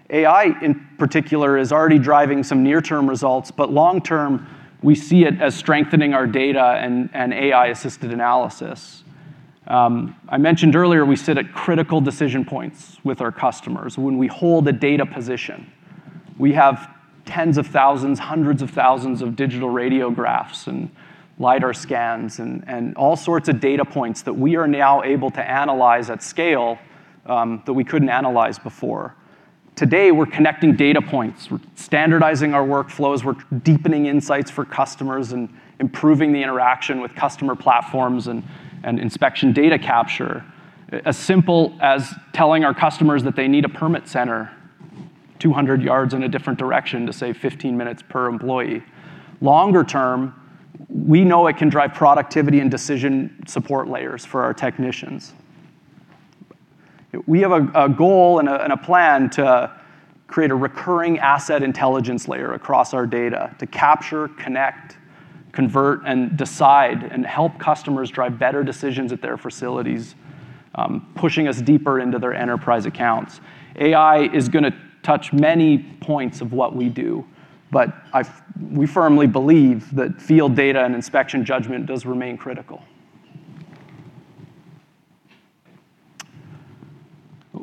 AI in particular is already driving some near-term results, but long term, we see it as strengthening our data and AI-assisted analysis. I mentioned earlier we sit at critical decision points with our customers when we hold a data position. We have tens of thousands, hundreds of thousands of digital radiographs and LIDAR scans and all sorts of data points that we are now able to analyze at scale that we couldn't analyze before. Today, we're connecting data points. We're standardizing our workflows. We're deepening insights for customers and improving the interaction with customer platforms and inspection data capture. As simple as telling our customers that they need a permit center-200 yards in a different direction to save 15 minutes per employee. Longer term, we know it can drive productivity and decision support layers for our technicians. We have a goal and a plan to create a recurring asset intelligence layer across our data to capture, connect, convert, and decide and help customers drive better decisions at their facilities, pushing us deeper into their enterprise accounts. AI is gonna touch many points of what we do, but we firmly believe that field data and inspection judgment does remain critical.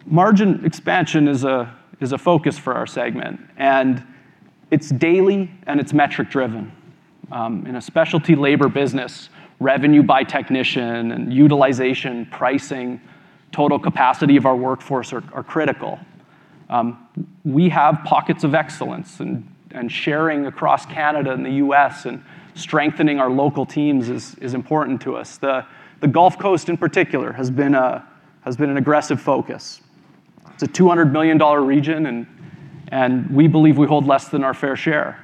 Margin expansion is a focus for our segment, and it's daily, and it's metric-driven. In a specialty labor business, revenue by technician and utilization, pricing, total capacity of our workforce are critical. We have pockets of excellence and sharing across Canada and the U.S. and strengthening our local teams is important to us. The Gulf Coast, in particular, has been an aggressive focus. It's a $200 million region, and we believe we hold less than our fair share.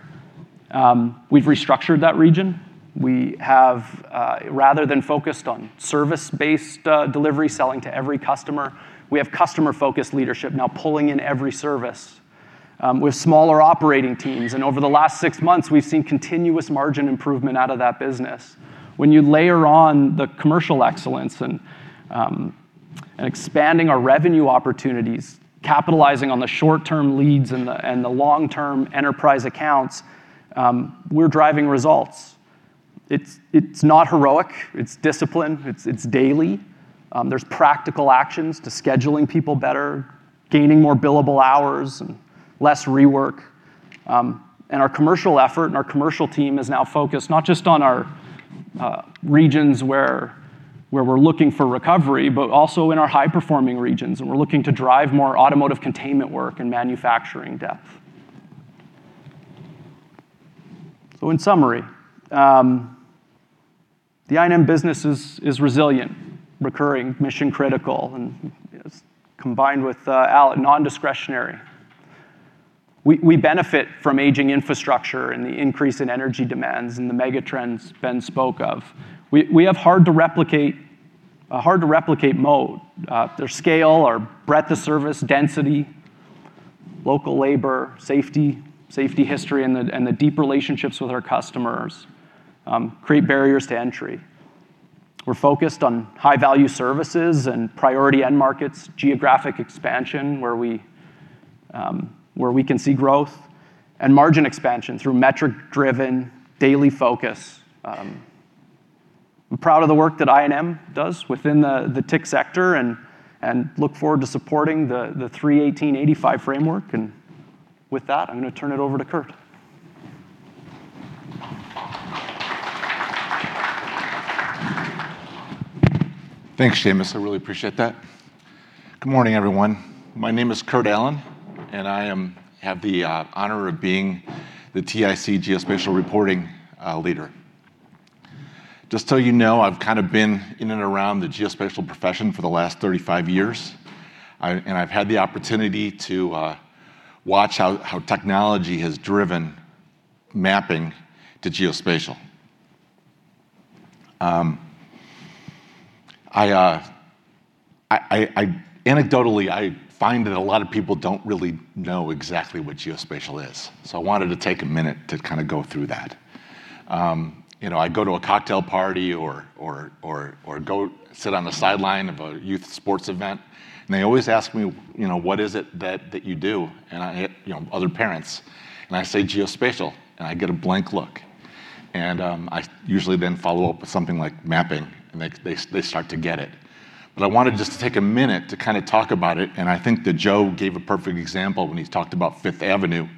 We've restructured that region. We have, rather than focused on service-based delivery selling to every customer, we have customer-focused leadership now pulling in every service, with smaller operating teams. Over the last six months, we've seen continuous margin improvement out of that business. When you layer on the commercial excellence and expanding our revenue opportunities, capitalizing on the short-term leads and the long-term enterprise accounts, we're driving results. It's not heroic. It's discipline. It's daily. There's practical actions to scheduling people better, gaining more billable hours, and less rework. Our commercial effort and our commercial team is now focused not just on our regions where we're looking for recovery, but also in our high-performing regions, and we're looking to drive more automotive containment work and manufacturing depth. In summary, the I&M business is resilient, recurring, mission-critical, and it's combined with all non-discretionary. We benefit from aging infrastructure and the increase in energy demands and the mega trends Ben spoke of. We have a hard-to-replicate moat. Their scale, our breadth of service, density, local labor, safety history, and the deep relationships with our customers, create barriers to entry. We're focused on high-value services and priority end markets, geographic expansion, where we, where we can see growth and margin expansion through metric-driven daily focus. I'm proud of the work that I&M does within the TIC sector and look forward to supporting the 3-18-85 framework. With that, I'm gonna turn it over to Kurt. Thanks, Shamus. I really appreciate that. Good morning, everyone. My name is Kurt Allen, and I have the honor of being the TIC Geospatial reporting leader. Just so you know, I've kind of been in and around the geospatial profession for the last 35 years. I've had the opportunity to watch how technology has driven mapping to geospatial. Anecdotally, I find that a lot of people don't really know exactly what geospatial is, so I wanted to take a minute to kind of go through that. You know, I go to a cocktail party or go sit on the sideline of a youth sports event, and they always ask me, you know, "What is it that you do?" And I, you know, other parents, and I say, "Geospatial," and I get a blank look. I usually then follow up with something like mapping, and they, they start to get it. I wanted just to take a minute to kind of talk about it, and I think that Joe gave a perfect example when he talked about Fifth Avenue,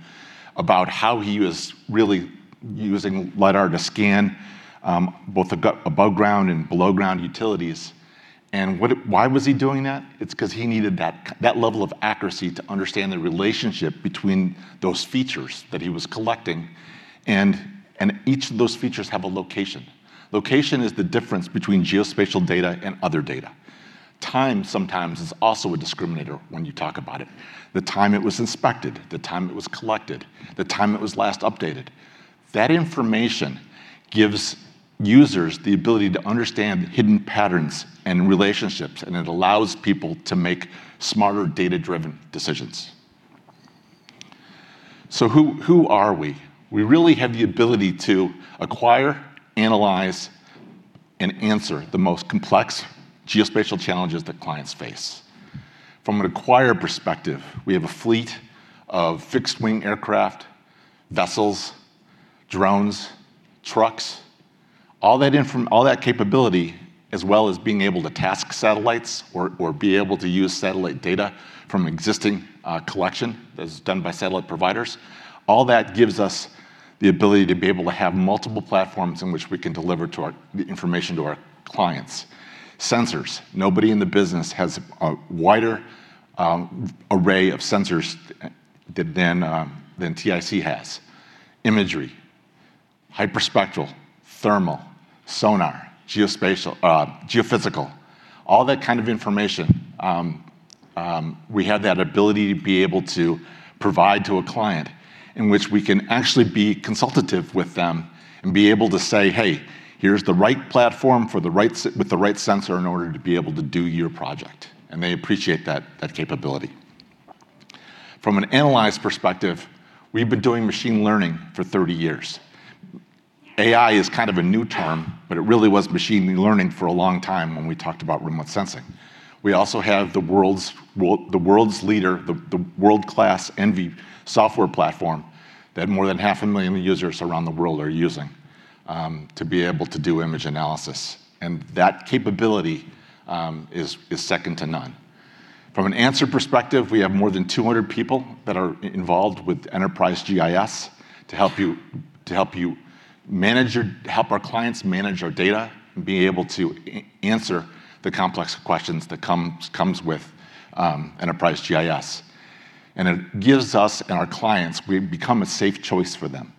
about how he was really using lidar to scan, both above ground and below ground utilities. Why was he doing that? It's 'cause he needed that level of accuracy to understand the relationship between those features that he was collecting. Each of those features have a location. Location is the difference between geospatial data and other data. Time sometimes is also a discriminator when you talk about it. The time it was inspected, the time it was collected, the time it was last updated. That information gives users the ability to understand hidden patterns and relationships, and it allows people to make smarter data-driven decisions. Who are we? We really have the ability to acquire, analyze, and answer the most complex geospatial challenges that clients face. From an acquire perspective, we have a fleet of fixed-wing aircraft, vessels, drones, trucks. All that capability, as well as being able to task satellites or be able to use satellite data from existing collection as done by satellite providers, all that gives us the ability to be able to have multiple platforms in which we can deliver the information to our clients. Sensors. Nobody in the business has a wider array of sensors than TIC has. Hyperspectral, thermal, sonar, geospatial, geophysical, all that kind of information, we have that ability to be able to provide to a client in which we can actually be consultative with them and be able to say, "Hey, here's the right platform for the right with the right sensor in order to be able to do your project." They appreciate that capability. From an analysis perspective, we've been doing machine learning for 30 years. AI is kind of a new term, it really was machine learning for a long time when we talked about remote sensing. We also have the world's leader, the world-class ENVI software platform that more than half a million users around the world are using to be able to do image analysis, and that capability is second to none. From an answer perspective, we have more than 200 people that are involved with enterprise GIS to help our clients manage our data and be able to answer the complex questions that comes with enterprise GIS. It gives us and our clients, we've become a safe choice for them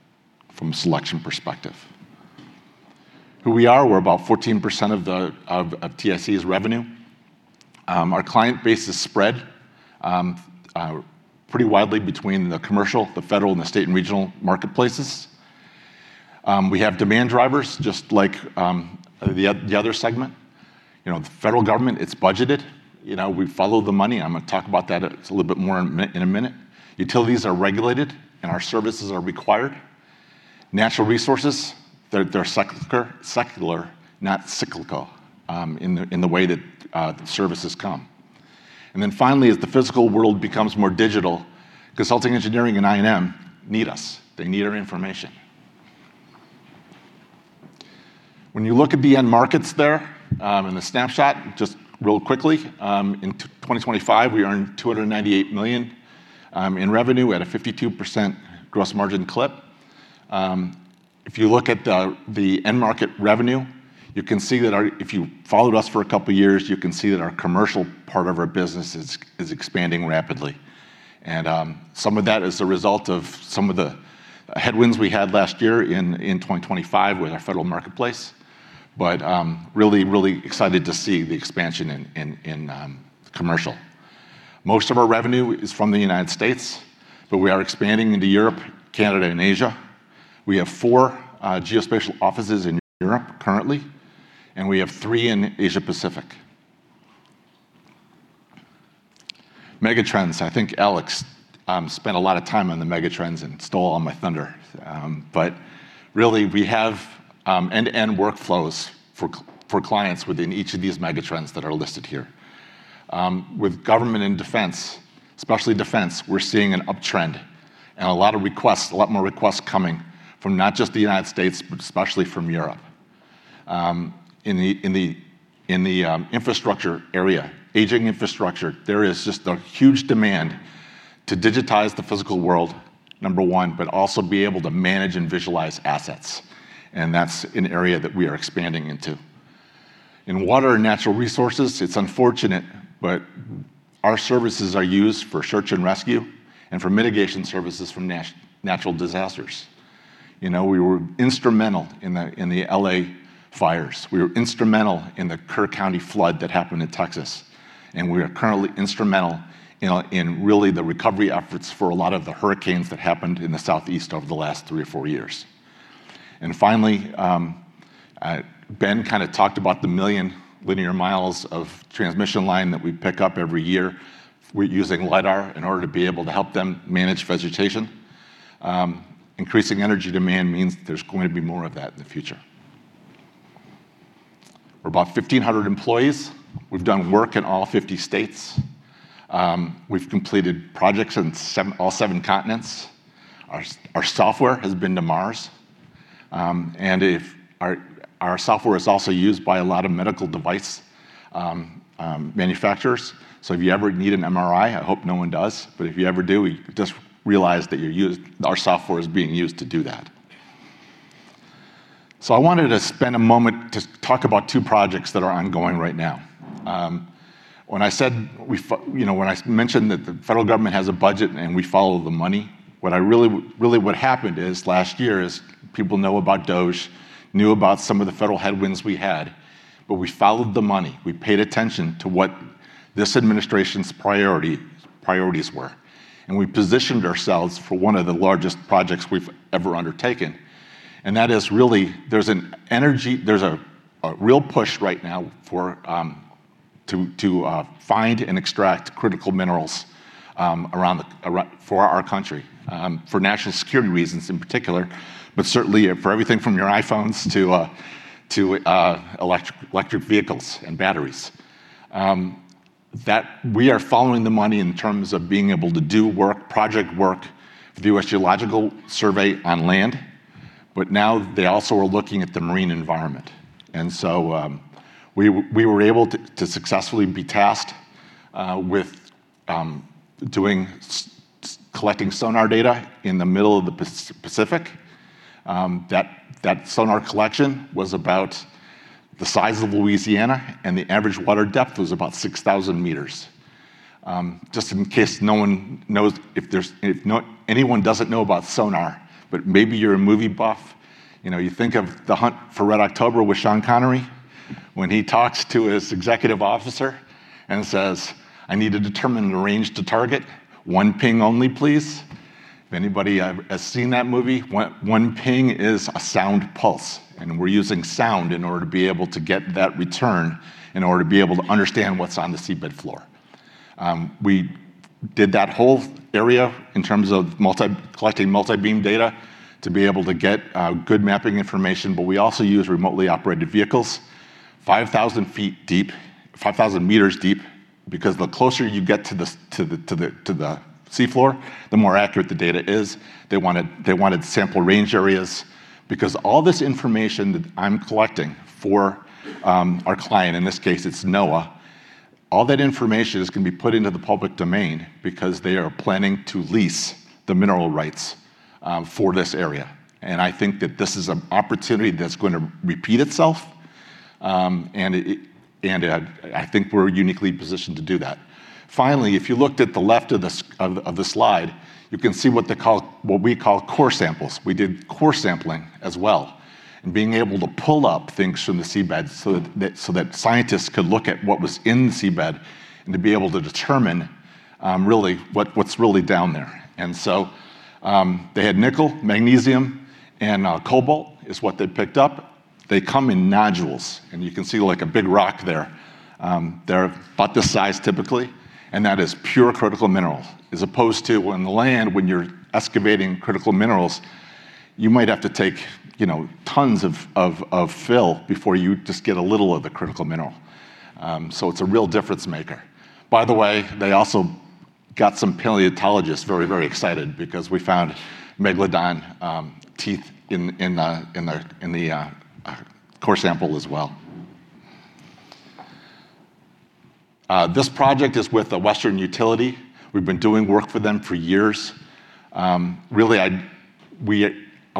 from a selection perspective. Who we are, we're about 14% of the TIC's revenue. Our client base is spread pretty widely between the commercial, the federal, and the state, and regional marketplaces. We have demand drivers just like the other segment. You know, the federal government, it's budgeted. You know, we follow the money. I'm gonna talk about that a little bit more in a minute. Utilities are regulated, and our services are required. Natural resources, they're secular, not cyclical, in the way that services come. Finally, as the physical world becomes more digital, consulting, engineering, and I&M need us. They need our information. When you look at the end markets there, and the snapshot, just real quickly, in 2025, we earned $298 million in revenue at a 52% gross margin clip. If you look at the end market revenue, if you followed us for a couple years, you can see that our commercial part of our business is expanding rapidly. Some of that is a result of some of the headwinds we had last year in 2025 with our federal marketplace, but really, really excited to see the expansion in commercial. Most of our revenue is from the U.S., but we are expanding into Europe, Canada, and Asia. We have four geospatial offices in Europe currently, and we have three in Asia-Pacific. Megatrends, I think Alex spent a lot of time on the megatrends and stole all my thunder. Really we have end-to-end workflows for clients within each of these megatrends that are listed here. With government and defense, especially defense, we're seeing an uptrend and a lot of requests, a lot more requests coming from not just the U.S., but especially from Europe. In the infrastructure area, aging infrastructure, there is just a huge demand to digitize the physical world, number one, but also be able to manage and visualize assets, that's an area that we are expanding into. In water and natural resources, it's unfortunate, but our services are used for search and rescue and for mitigation services from natural disasters. You know, we were instrumental in the L.A. fires. We were instrumental in the Kerr County flood that happened in Texas, we are currently instrumental, you know, in really the recovery efforts for a lot of the hurricanes that happened in the southeast over the last three or four years. Finally, Ben kind of talked about the million linear miles of transmission line that we pick up every year. We're using LIDAR in order to be able to help them manage vegetation. Increasing energy demand means there's going to be more of that in the future. We're about 1,500 employees. We've done work in all 50 states. We've completed projects in all 7 continents. Our software has been to Mars. If our software is also used by a lot of medical device manufacturers. If you ever need an MRI, I hope no one does, but if you ever do, just realize that our software is being used to do that. I wanted to spend a moment to talk about 2 projects that are ongoing right now. When I said you know, when I mentioned that the federal government has a budget and we follow the money, what happened is last year is people know about DOGE, knew about some of the federal headwinds we had, but we followed the money. We paid attention to what this administration's priorities were, and we positioned ourselves for one of the largest projects we've ever undertaken, and that is really there's a real push right now for to find and extract critical minerals around for our country for national security reasons in particular, but certainly for everything from your iPhones to electric vehicles and batteries. That we are following the money in terms of being able to do work, project work for the U.S. Geological Survey on land, but now they also are looking at the marine environment. We were able to successfully be tasked with doing collecting sonar data in the middle of the Pacific. That sonar collection was about the size of Louisiana and the average water depth was about 6,000 meters. Just in case no one knows if not anyone doesn't know about sonar, but maybe you're a movie buff, you know, you think of The Hunt for Red October with Sean Connery when he talks to his executive officer and says, "I need to determine the range to target. One ping only, please." If anybody has seen that movie, one ping is a sound pulse. We're using sound in order to be able to get that return, in order to be able to understand what's on the seabed floor. We did that whole area in terms of collecting multibeam data to be able to get good mapping information. We also use remotely operated vehicles 5,000 feet deep, 5,000 meters deep because the closer you get to the sea floor, the more accurate the data is. They wanted sample range areas because all this information that I'm collecting for our client, in this case it's NOAA, all that information is going to be put into the public domain because they are planning to lease the mineral rights for this area. I think that this is an opportunity that's gonna repeat itself, and I think we're uniquely positioned to do that. Finally, if you looked at the left of the slide, you can see what they call, what we call core samples. We did core sampling as well, and being able to pull up things from the seabed so that scientists could look at what was in the seabed and to be able to determine what's really down there. They had nickel, magnesium, and cobalt is what they'd picked up. They come in nodules, and you can see, like, a big rock there. They're about this size typically, and that is pure critical mineral as opposed to when the land, when you're excavating critical minerals, you might have to take, you know, tons of fill before you just get a little of the critical mineral. It's a real difference maker. By the way, they also got some paleontologists very, very excited because we found Megalodon teeth in the core sample as well. This project is with a western utility. We've been doing work for them for years. I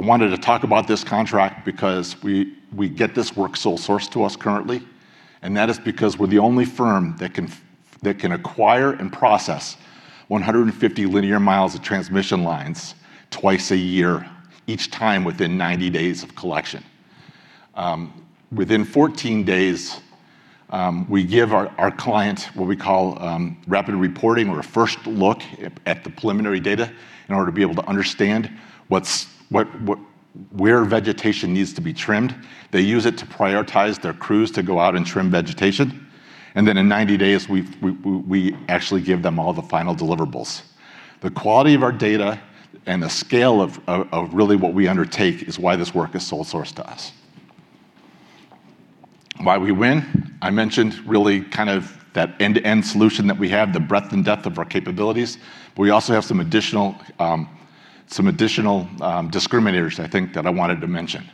wanted to talk about this contract because we get this work sole sourced to us currently. That is because we're the only firm that can acquire and process 150 linear miles of transmission lines twice a year, each time within 90 days of collection. Within 14 days, we give our client what we call rapid reporting or a first look at the preliminary data in order to be able to understand where vegetation needs to be trimmed. They use it to prioritize their crews to go out and trim vegetation. Then in 90 days, we actually give them all the final deliverables. The quality of our data and the scale of really what we undertake is why this work is sole sourced to us. Why we win, I mentioned really kind of that end-to-end solution that we have, the breadth and depth of our capabilities. We also have some additional discriminators I think that I wanted to mention.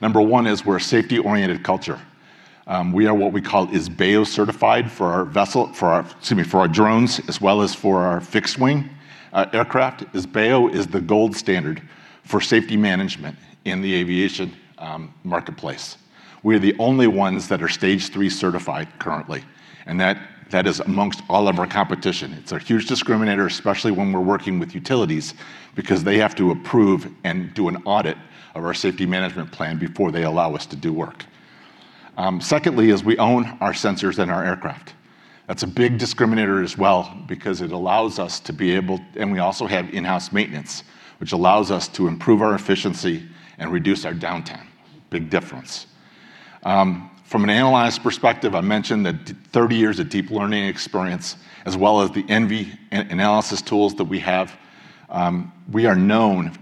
Number one is we're a safety-oriented culture. We are what we call IS-BAO certified for our vessel, for our, excuse me, for our drones as well as for our fixed-wing aircraft. IS-BAO is the gold standard for safety management in the aviation marketplace. We're the only ones that are stage 3 certified currently, that is amongst all of our competition. It's a huge discriminator, especially when we're working with utilities because they have to approve and do an audit of our safety management plan before they allow us to do work. Secondly is we own our sensors and our aircraft. That's a big discriminator as well. We also have in-house maintenance, which allows us to improve our efficiency and reduce our downtime. Big difference. From an analysis perspective, I mentioned the 30 years of deep learning experience as well as the ENVI analysis tools that we have. We are known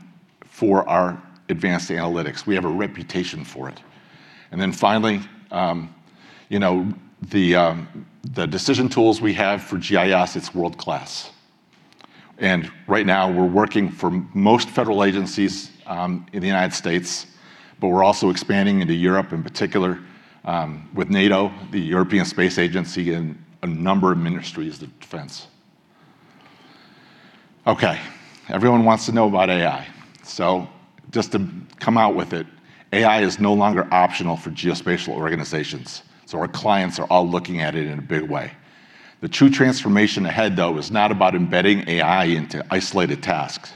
for our advanced analytics. We have a reputation for it. Finally, you know, the decision tools we have for GIS, it's world-class. Right now we're working for most federal agencies in the U.S., but we're also expanding into Europe, in particular, with NATO, the European Space Agency, and a number of ministries of defense. Okay. Everyone wants to know about AI. AI is no longer optional for geospatial organizations, so our clients are all looking at it in a big way. The true transformation ahead, though, is not about embedding AI into isolated tasks.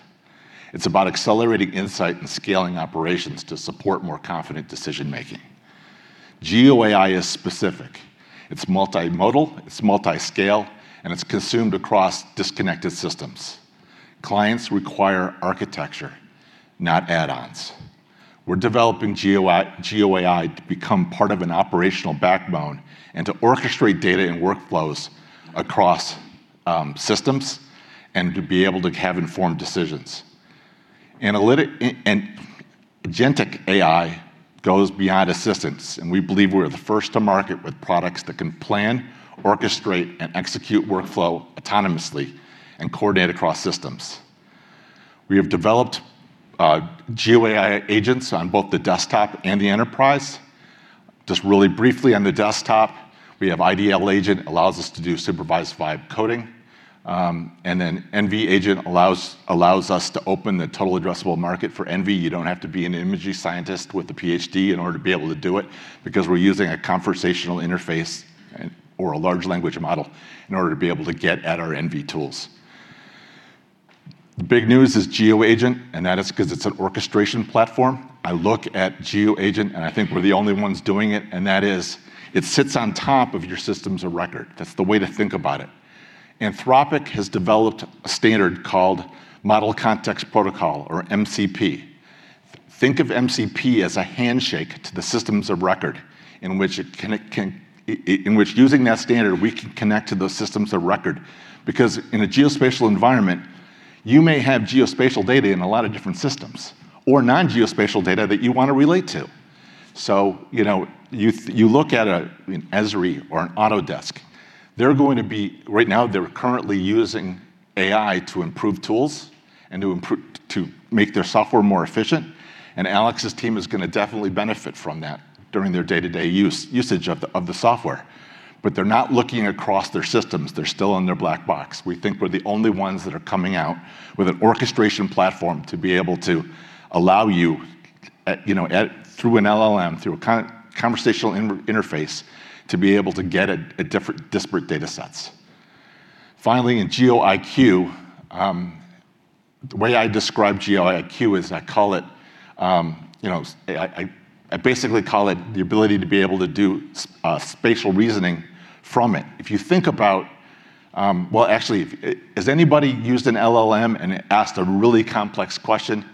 It's about accelerating insight and scaling operations to support more confident decision-making. GeoAI is specific. It's multimodal, it's multi-scale, and it's consumed across disconnected systems. Clients require architecture, not add-ons. We're developing GeoAI to become part of an operational backbone and to orchestrate data and workflows across systems and to be able to have informed decisions. Agentic AI goes beyond assistance, and we believe we're the first to market with products that can plan, orchestrate, and execute workflow autonomously and coordinate across systems. We have developed GeoAI agents on both the desktop and the enterprise. Just really briefly on the desktop. We have IDL Agent, allows us to do supervised vibe coding. ENVI Agent allows us to open the total addressable market for ENVI. You don't have to be an imagery scientist with a PhD in order to be able to do it, because we're using a conversational interface and or a large language model in order to be able to get at our ENVI tools. The big news is GeoAgent, that is 'cause it's an orchestration platform. I look at GeoAgent, and I think we're the only ones doing it, and that is, it sits on top of your systems of record. That's the way to think about it. Anthropic has developed a standard called Model Context Protocol or MCP. Think of MCP as a handshake to the systems of record, in which it can, in which using that standard, we can connect to those systems of record. Because in a geospatial environment, you may have geospatial data in a lot of different systems, or non-geospatial data that you wanna relate to. You know, you look at a, an Esri or an Autodesk. They're going to be Right now, they're currently using AI to improve tools and to make their software more efficient, and Alex's team is gonna definitely benefit from that during their day-to-day usage of the software. They're not looking across their systems. They're still in their black box. We think we're the only ones that are coming out with an orchestration platform to be able to allow you at, through an LLM, through a conversational interface, to be able to get at different disparate datasets. Finally, in GeoIQ, the way I describe GeoIQ is I call it, I basically call it the ability to be able to do spatial reasoning from it. if has anybody used an LLM and asked a really complex question,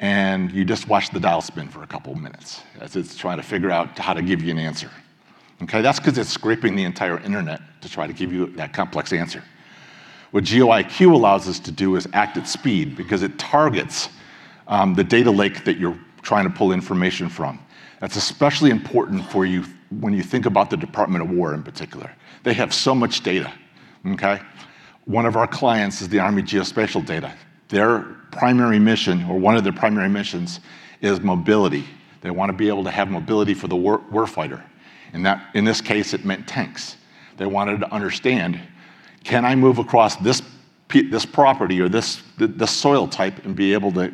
and you just watched the dial spin for two minutes as it's trying to figure out how to give you an answer? Okay, that's 'cause it's scraping the entire internet to try to give you that complex answer. What GeoIQ allows us to do is act at speed because it targets the data lake that you're trying to pull information from. That's especially important for you when you think about the Department of Defense in particular. They have so much data, okay? One of our clients is the Army Geospatial Center. Their primary mission, or one of their primary missions, is mobility. They wanna be able to have mobility for the warfighter, and that, in this case, it meant tanks. They wanted to understand, can I move across this property or this soil type and be able to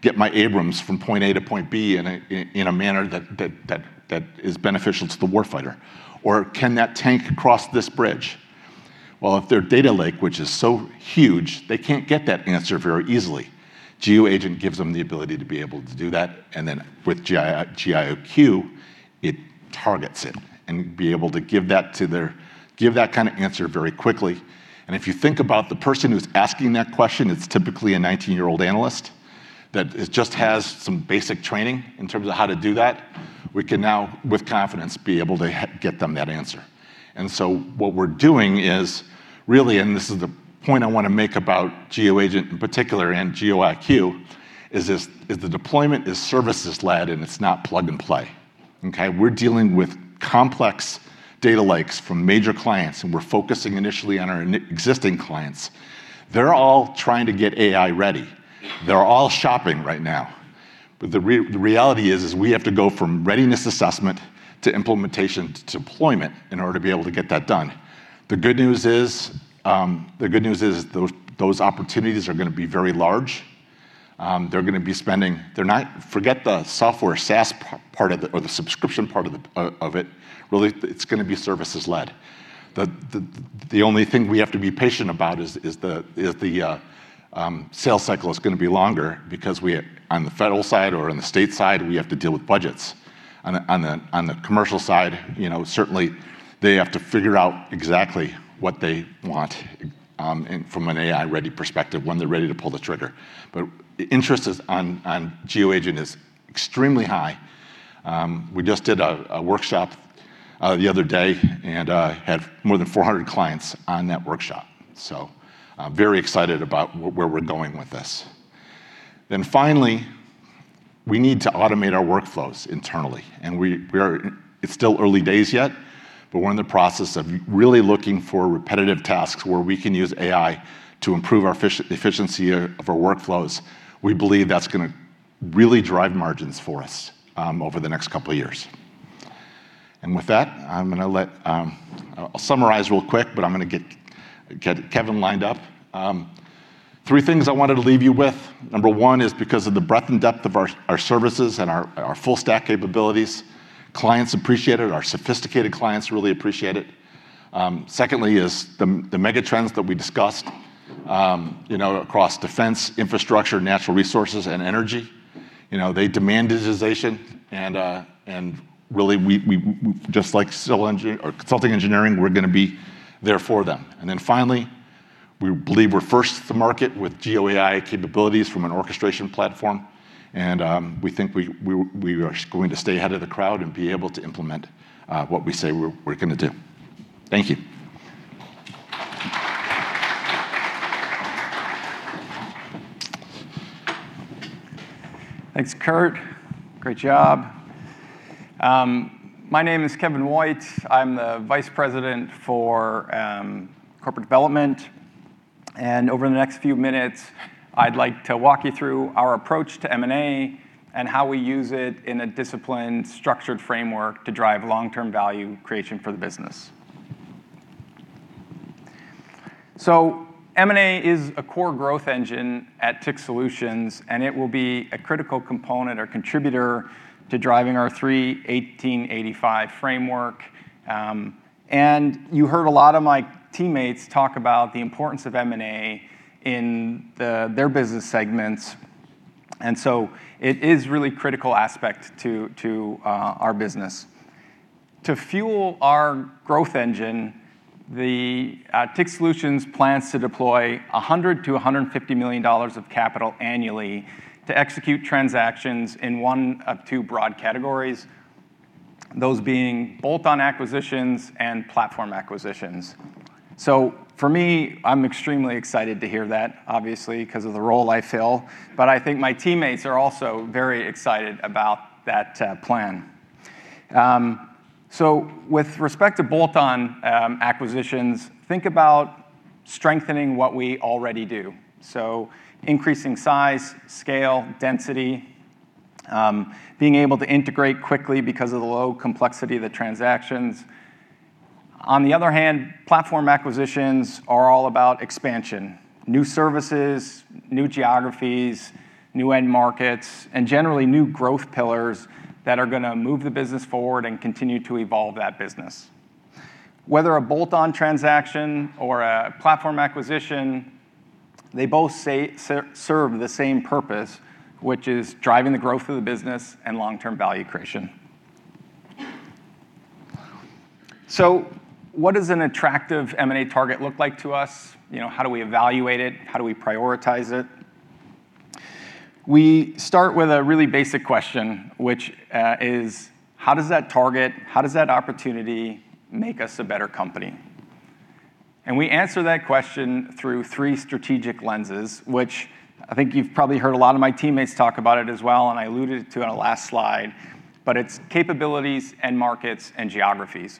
get my Abrams from point A to point B in a manner that is beneficial to the warfighter? Can that tank cross this bridge? Well, if their data lake, which is so huge, they can't get that answer very easily. GeoAgent gives them the ability to be able to do that, then with GeoIQ, it targets it and be able to give that kind of answer very quickly. If you think about the person who's asking that question, it's typically a 19-year-old analyst that just has some basic training in terms of how to do that. We can now, with confidence, be able to get them that answer. What we're doing is, really, and this is the point I wanna make about GeoAgent in particular and GeoIQ, is this, the deployment is services led, and it's not plug and play, okay? We're dealing with complex data lakes from major clients, and we're focusing initially on our existing clients. They're all trying to get AI-ready. They're all shopping right now. The reality is, we have to go from readiness assessment to implementation to deployment in order to be able to get that done. The good news is, the good news is those opportunities are gonna be very large. They're gonna be spending. They're not. Forget the software SaaS part of the or the subscription part of it. Really, it's gonna be services led. The only thing we have to be patient about is the sales cycle is gonna be longer because on the federal side or on the state side, we have to deal with budgets. On the commercial side, you know, certainly they have to figure out exactly what they want, and from an AI-ready perspective when they're ready to pull the trigger. But interest on GeoAgent is extremely high. We just did a workshop the other day and had more than 400 clients on that workshop, so I'm very excited about where we're going with this. Finally, we need to automate our workflows internally, we are. It's still early days yet, but we're in the process of really looking for repetitive tasks where we can use AI to improve our efficiency of our workflows. We believe that's gonna really drive margins for us over the next couple years. With that, I'm gonna let I'll summarize real quick, but I'm gonna get Kevin lined up. Three things I wanted to leave you with. Number one is because of the breadth and depth of our services and our full stack capabilities, clients appreciate it. Our sophisticated clients really appreciate it. Secondly is the mega trends that we discussed, you know, across defense, infrastructure, natural resources, and energy. You know, they demand digitization and really we just like civil engineering or consulting engineering, we're gonna be there for them. Finally, we believe we're first to market with GeoAI capabilities from an orchestration platform and we think we are going to stay ahead of the crowd and be able to implement what we say we're gonna do. Thank you. Thanks, Kurt. Great job. My name is Kevin Woit. I'm the Vice President for corporate development. Over the next few minutes, I'd like to walk you through our approach to M&A and how we use it in a disciplined, structured framework to drive long-term value creation for the business. M&A is a core growth engine at TIC Solutions and it will be a critical component or contributor to driving our 3-18-85 framework. You heard a lot of my teammates talk about the importance of M&A in their business segments, it is really critical aspect to our business. To fuel our growth engine, TIC Solutions plans to deploy $100 million-$150 million of capital annually to execute transactions in one of two broad categories, those being bolt-on acquisitions and platform acquisitions. For me, I'm extremely excited to hear that obviously, 'cause of the role I fill, but I think my teammates are also very excited about that plan. With respect to bolt-on acquisitions, think about strengthening what we already do. Increasing size, scale, density, being able to integrate quickly because of the low complexity of the transactions. On the other hand, platform acquisitions are all about expansion, new services, new geographies, new end markets and generally new growth pillars that are gonna move the business forward and continue to evolve that business. Whether a bolt-on transaction or a platform acquisition, they both serve the same purpose which is driving the growth of the business and long-term value creation. What does an attractive M&A target look like to us? You know, how do we evaluate it? How do we prioritize it? We start with a really basic question which is how does that target, how does that opportunity make us a better company? We answer that question through three strategic lenses which I think you've probably heard a lot of my teammates talk about it as well and I alluded to on a last slide, but it's capabilities and markets and geographies.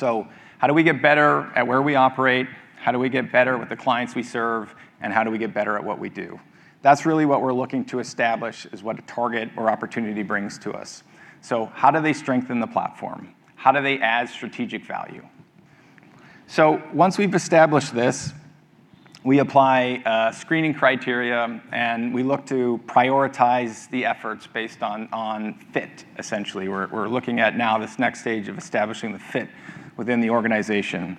How do we get better at where we operate? How do we get better with the clients we serve and how do we get better at what we do? That's really what we're looking to establish is what a target or opportunity brings to us. How do they strengthen the platform? How do they add strategic value? Once we've established this, we apply a screening criteria and we look to prioritize the efforts based on fit essentially. We're looking at now this next stage of establishing the fit within the organization.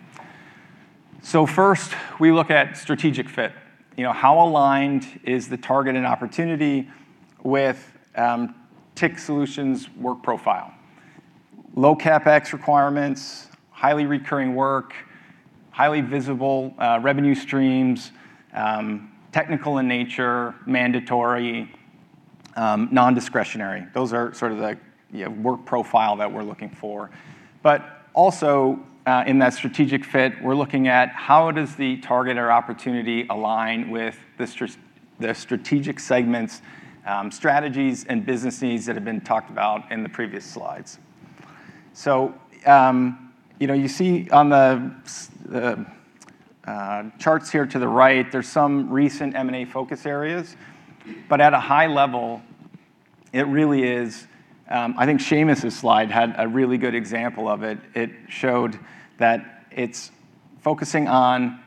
First we look at strategic fit. You know, how aligned is the target and opportunity with TIC Solutions' work profile? Low CapEx requirements, highly recurring work, highly visible revenue streams, technical in nature, mandatory, non-discretionary. Those are sort of the, you know, work profile that we're looking for. Also, in that strategic fit we're looking at how does the target or opportunity align with the strategic segments, strategies and businesses that have been talked about in the previous slides. You know, you see on the charts here to the right there's some recent M&A focus areas, but at a high level it really is, I think Shamus's slide had a really good example of it. It showed that it's focusing on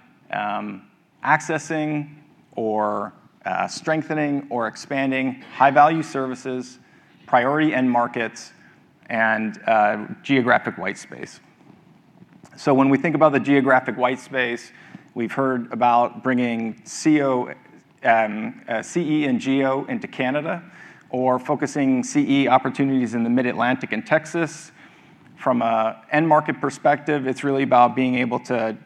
accessing or strengthening or expanding high value services, priority end markets and geographic white space. When we think about the geographic white space we've heard about bringing CE and Geospatial into Canada or focusing CE opportunities in the Mid-Atlantic and Texas. From a end market perspective it's really about being able to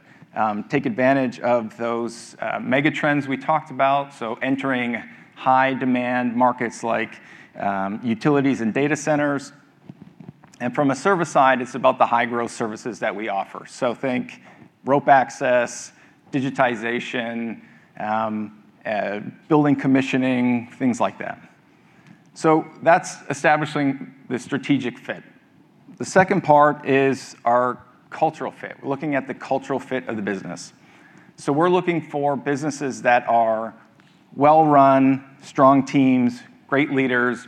take advantage of those mega trends we talked about entering high demand markets like utilities and data centers. From a service side it's about the high growth services that we offer. Think Rope Access, digitization, building Commissioning, things like that. That's establishing the strategic fit. The second part is our cultural fit. We're looking at the cultural fit of the business. We're looking for businesses that are well run, strong teams, great leaders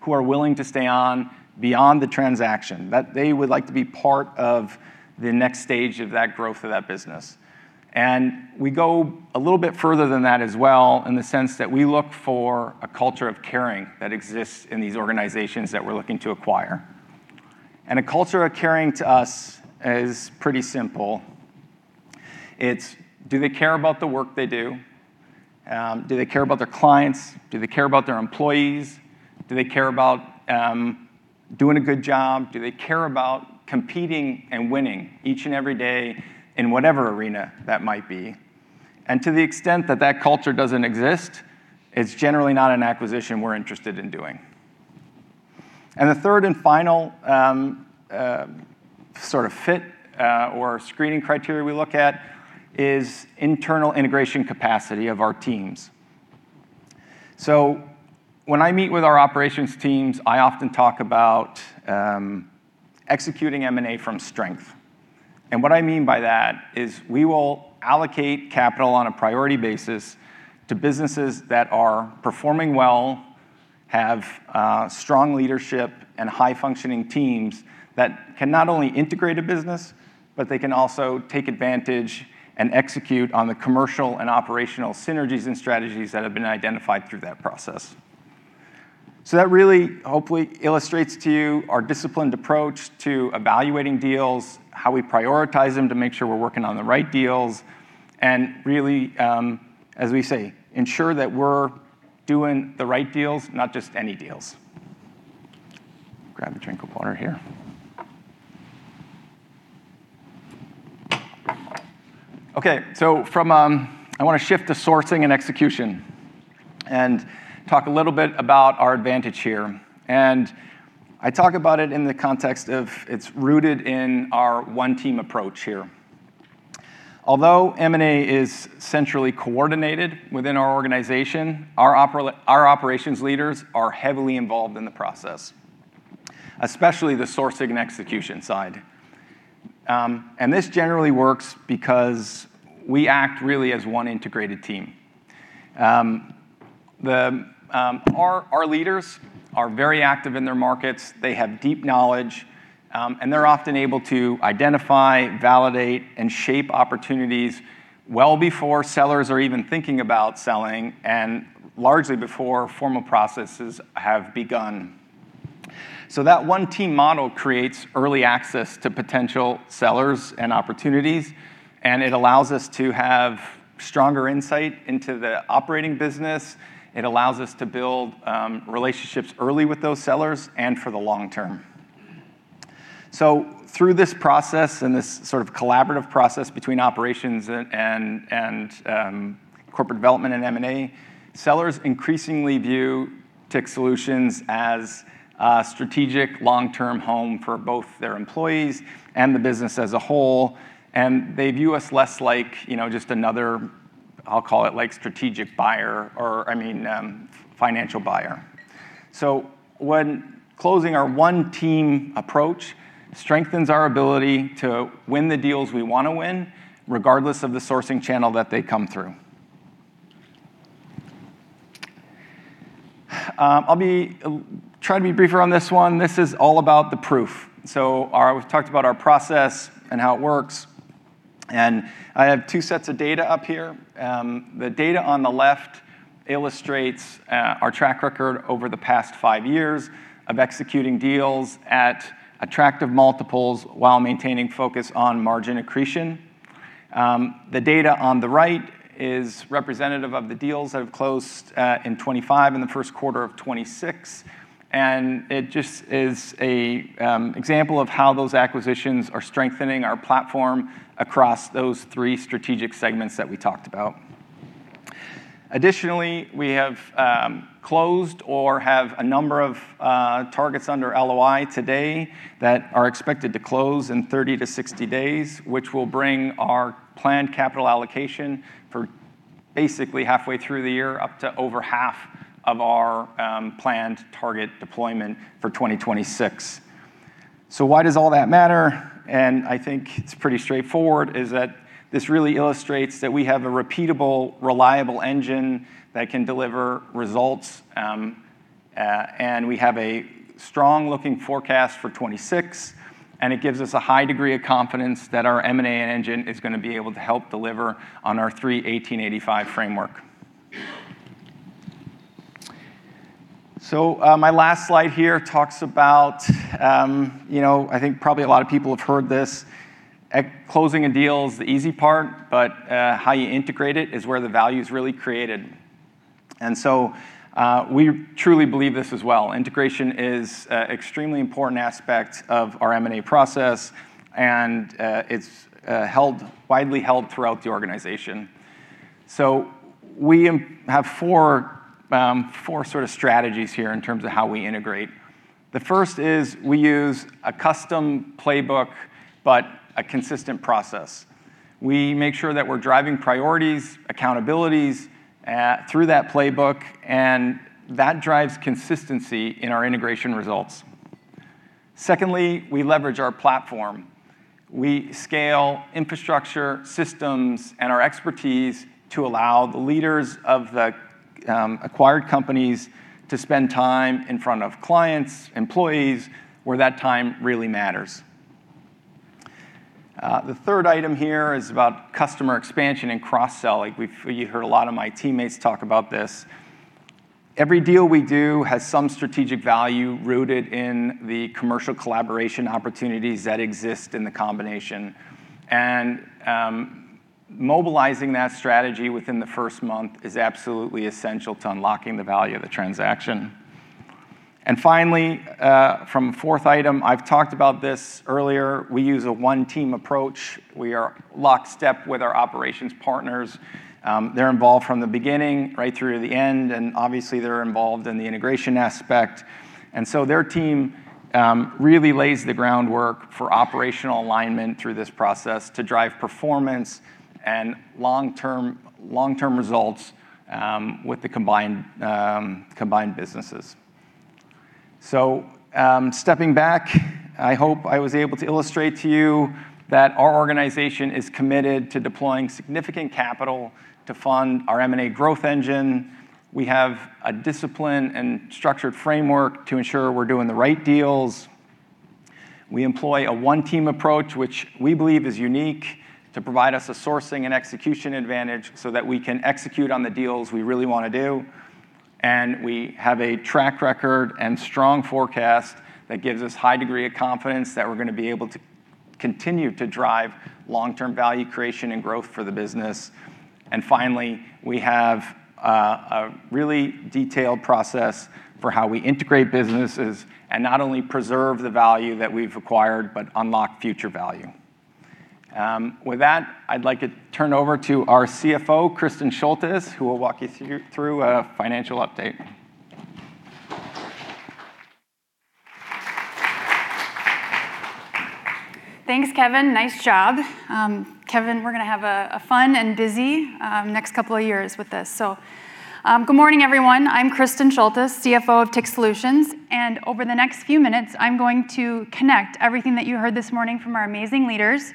who are willing to stay on beyond the transaction. That they would like to be part of the next stage of that growth of that business. We go a little bit further than that as well in the sense that we look for a culture of caring that exists in these organizations that we're looking to acquire. A culture of caring to us is pretty simple. It's do they care about the work they do? Do they care about their clients? Do they care about their employees? Do they care about doing a good job? Do they care about competing and winning each and every day in whatever arena that might be? To the extent that that culture doesn't exist it's generally not an acquisition we're interested in doing. The third and final sort of fit or screening criteria we look at is internal integration capacity of our teams. When I meet with our operations teams, I often talk about executing M&A from strength. What I mean by that is we will allocate capital on a priority basis to businesses that are performing well, have strong leadership and high-functioning teams that can not only integrate a business, but they can also take advantage and execute on the commercial and operational synergies and strategies that have been identified through that process. That really hopefully illustrates to you our disciplined approach to evaluating deals, how we prioritize them to make sure we're working on the right deals, and really, as we say, ensure that we're doing the right deals, not just any deals. Grab a drink of water here. Okay, from, I wanna shift to sourcing and execution and talk a little bit about our advantage here. I talk about it in the context of it's rooted in our one team approach here. M&A is centrally coordinated within our organization, our operations leaders are heavily involved in the process, especially the sourcing and execution side. This generally works because we act really as one integrated team. Our leaders are very active in their markets. They have deep knowledge, and they're often able to identify, validate, and shape opportunities well before sellers are even thinking about selling and largely before formal processes have begun. That one team model creates early access to potential sellers and opportunities, and it allows us to have stronger insight into the operating business. It allows us to build relationships early with those sellers and for the long term. Through this process and this sort of collaborative process between operations and corporate development and M&A, sellers increasingly view TIC Solutions as a strategic long-term home for both their employees and the business as a whole, and they view us less like, you know, just another, I'll call it like strategic buyer or, I mean, financial buyer. When closing our one team approach strengthens our ability to win the deals we wanna win regardless of the sourcing channel that they come through. I'll try to be briefer on this one. This is all about the proof. We've talked about our process and how it works, and I have two sets of data up here. The data on the left illustrates our track record over the past five years of executing deals at attractive multiples while maintaining focus on margin accretion. The data on the right is representative of the deals that have closed in 2025 and the first quarter of 2026, and it just is a example of how those acquisitions are strengthening our platform across those three strategic segments that we talked about. Additionally, we have closed or have a number of targets under LOI today that are expected to close in 30 to 60 days, which will bring our planned capital allocation for basically halfway through the year up to over half of our planned target deployment for 2026. Why does all that matter? I think it's pretty straightforward, is that this really illustrates that we have a repeatable, reliable engine that can deliver results, and we have a strong looking forecast for 2026, and it gives us a high degree of confidence that our M&A engine is gonna be able to help deliver on our 3-18-85 framework. My last slide here talks about, you know, I think probably a lot of people have heard this. Closing a deal is the easy part, how you integrate it is where the value is really created. We truly believe this as well. Integration is a extremely important aspect of our M&A process, and it's widely held throughout the organization. We have four sort of strategies here in terms of how we integrate. The first is we use a custom playbook but a consistent process. We make sure that we're driving priorities, accountabilities through that playbook, and that drives consistency in our integration results. Secondly, we leverage our platform. We scale infrastructure systems and our expertise to allow the leaders of the acquired companies to spend time in front of clients, employees, where that time really matters. The third item here is about customer expansion and cross-sell. Like you heard a lot of my teammates talk about this. Every deal we do has some strategic value rooted in the commercial collaboration opportunities that exist in the combination. Mobilizing that strategy within the first month is absolutely essential to unlocking the value of the transaction. Finally, from fourth item, I've talked about this earlier, we use a one team approach. We are lockstep with our operations partners. They're involved from the beginning right through to the end, and obviously they're involved in the integration aspect. Their team really lays the groundwork for operational alignment through this process to drive performance and long-term results with the combined businesses. Stepping back, I hope I was able to illustrate to you that our organization is committed to deploying significant capital to fund our M&A growth engine. We have a discipline and structured framework to ensure we're doing the right deals. We employ a one-team approach, which we believe is unique, to provide us a sourcing and execution advantage so that we can execute on the deals we really wanna do. We have a track record and strong forecast that gives us high degree of confidence that we're gonna be able to continue to drive long-term value creation and growth for the business. Finally, we have a really detailed process for how we integrate businesses and not only preserve the value that we've acquired, but unlock future value. With that, I'd like to turn over to our CFO, Kristin Schultes, who will walk you through a financial update. Thanks, Kevin. Nice job. Kevin, we're going to have a fun and busy next couple of years with this. Good morning, everyone. I'm Kristin Schultes, CFO of TIC Solutions, and over the next few minutes, I'm going to connect everything that you heard this morning from our amazing leaders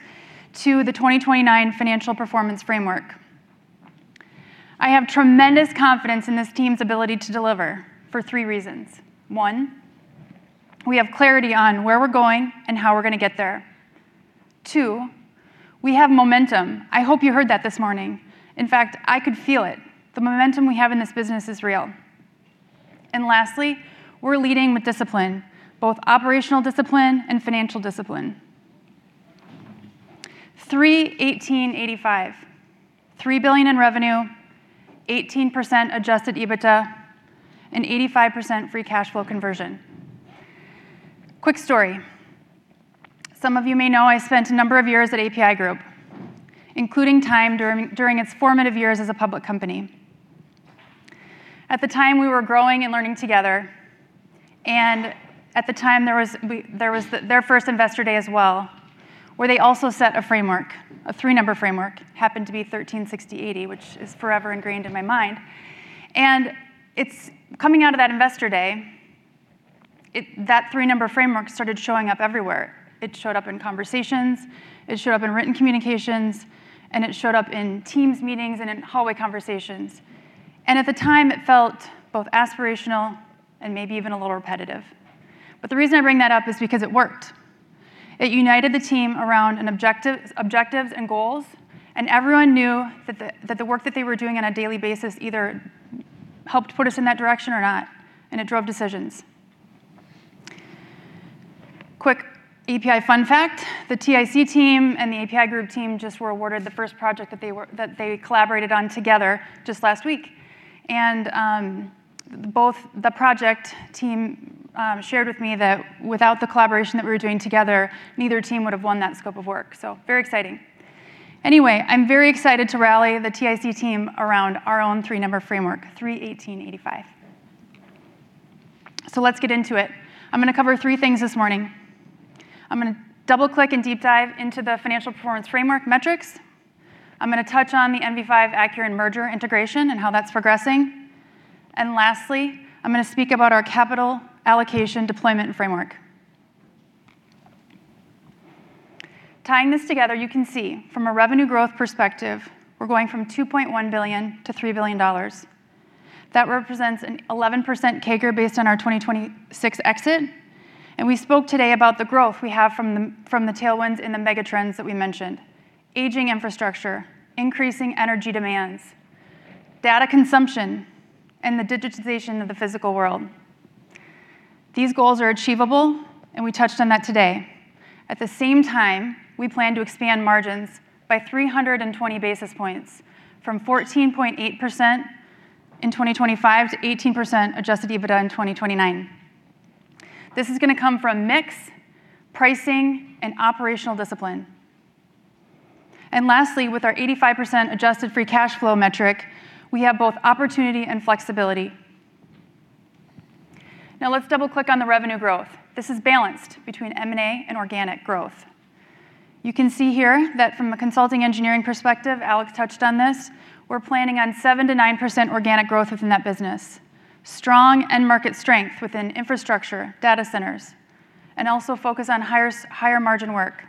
to the 2029 financial performance framework. I have tremendous confidence in this team's ability to deliver, for three reasons. One, we have clarity on where we're going and how we're going to get there. Two, we have momentum. I hope you heard that this morning. In fact, I could feel it. The momentum we have in this business is real. Lastly, we're leading with discipline, both operational discipline and financial discipline. 3-18-85. $3 billion in revenue, 18% adjusted EBITDA, and 85% free cash flow conversion. Quick story. Some of you may know I spent a number of years at APi Group, including time during its formative years as a public company. At the time, we were growing and learning together, at the time there was their first investor day as well, where they also set a framework, a three-number framework. Happened to be 13/60/80, which is forever ingrained in my mind. Coming out of that investor day, that three-number framework started showing up everywhere. It showed up in conversations, it showed up in written communications, it showed up in Teams meetings and in hallway conversations. At the time, it felt both aspirational and maybe even a little repetitive. The reason I bring that up is because it worked. It united the team around objectives and goals, everyone knew that the work that they were doing on a daily basis either helped put us in that direction or not. It drove decisions. Quick APi fun fact: The TIC team and the APi Group team just were awarded the first project that they collaborated on together just last week. Both the project team shared with me that without the collaboration that we were doing together, neither team would have won that scope of work. Very exciting. Anyway, I'm very excited to rally the TIC team around our own three-number framework: 3-18-85. Let's get into it. I'm gonna cover three things this morning. I'm gonna double-click and deep dive into the financial performance framework metrics. I'm gonna touch on the NV5 Acuren merger integration and how that's progressing. Lastly, I'm gonna speak about our capital allocation deployment framework. Tying this together, you can see from a revenue growth perspective, we're going from $2.1 billion to $3 billion. That represents an 11% CAGR based on our 2026 exit. We spoke today about the growth we have from the tailwinds and the mega trends that we mentioned: aging infrastructure, increasing energy demands, data consumption, and the digitization of the physical world. These goals are achievable, and we touched on that today. At the same time, we plan to expand margins by 320 basis points, from 14.8% in 2025 to 18% adjusted EBITDA in 2029. This is gonna come from mix, pricing, and operational discipline. Lastly, with our 85% adjusted free cash flow metric, we have both opportunity and flexibility. Now let's double-click on the revenue growth. This is balanced between M&A and organic growth. You can see here that from a consulting engineering perspective, Alex touched on this, we're planning on 7%-9% organic growth within that business. Strong end market strength within infrastructure, data centers, and also focus on higher margin work.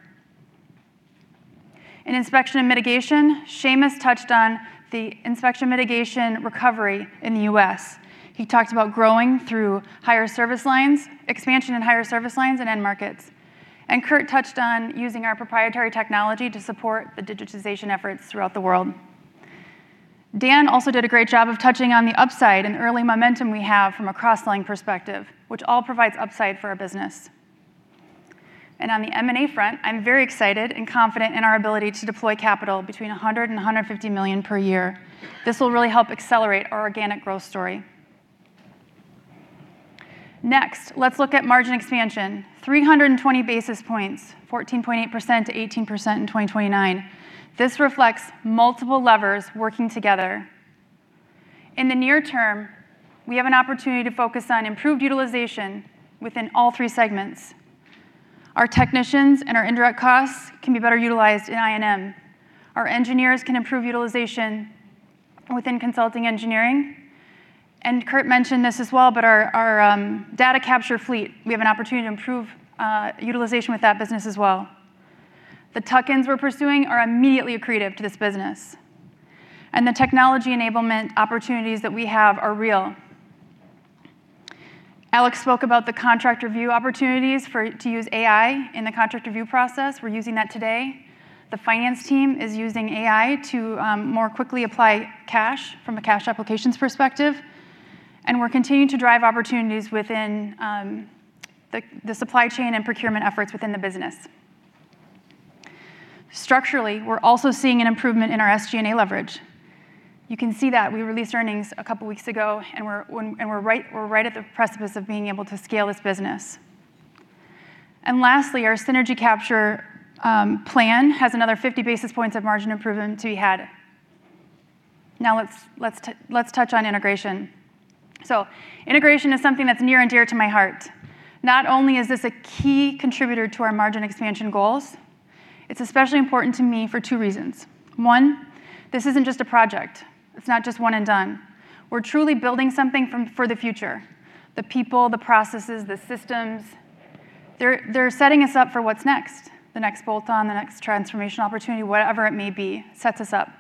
In Inspection and Mitigation, Shamus touched on the Inspection and Mitigation recovery in the U.S. He talked about growing through higher service lines, expansion in higher service lines and end markets. Kurt touched on using our proprietary technology to support the digitization efforts throughout the world. Dan also did a great job of touching on the upside and early momentum we have from a cross-selling perspective, which all provides upside for our business. On the M&A front, I'm very excited and confident in our ability to deploy capital between $100 million and $150 million per year. This will really help accelerate our organic growth story. Next, let's look at margin expansion. 320 basis points, 14.8% to 18% in 2029. This reflects multiple levers working together. In the near term, we have an opportunity to focus on improved utilization within all three segments. Our technicians and our indirect costs can be better utilized in I&M. Our engineers can improve utilization within Consulting Engineering. Kurt mentioned this as well, but our data capture fleet, we have an opportunity to improve utilization with that business as well. The tuck-ins we're pursuing are immediately accretive to this business, and the technology enablement opportunities that we have are real. Alex spoke about the contract review opportunities to use AI in the contract review process. We're using that today. The finance team is using AI to more quickly apply cash from a cash applications perspective, we're continuing to drive opportunities within the supply chain and procurement efforts within the business. Structurally, we're also seeing an improvement in our SG&A leverage. You can see that we released earnings a couple weeks ago, we're right at the precipice of being able to scale this business. Lastly, our synergy capture plan has another 50 basis points of margin improvement to be had. Let's touch on integration. Integration is something that's near and dear to my heart. Not only is this a key contributor to our margin expansion goals, it's especially important to me for two reasons. one, this isn't just a project. It's not just one and done. We're truly building something for the future. The people, the processes, the systems, they're setting us up for what's next, the next bolt-on, the next transformational opportunity, whatever it may be, sets us up.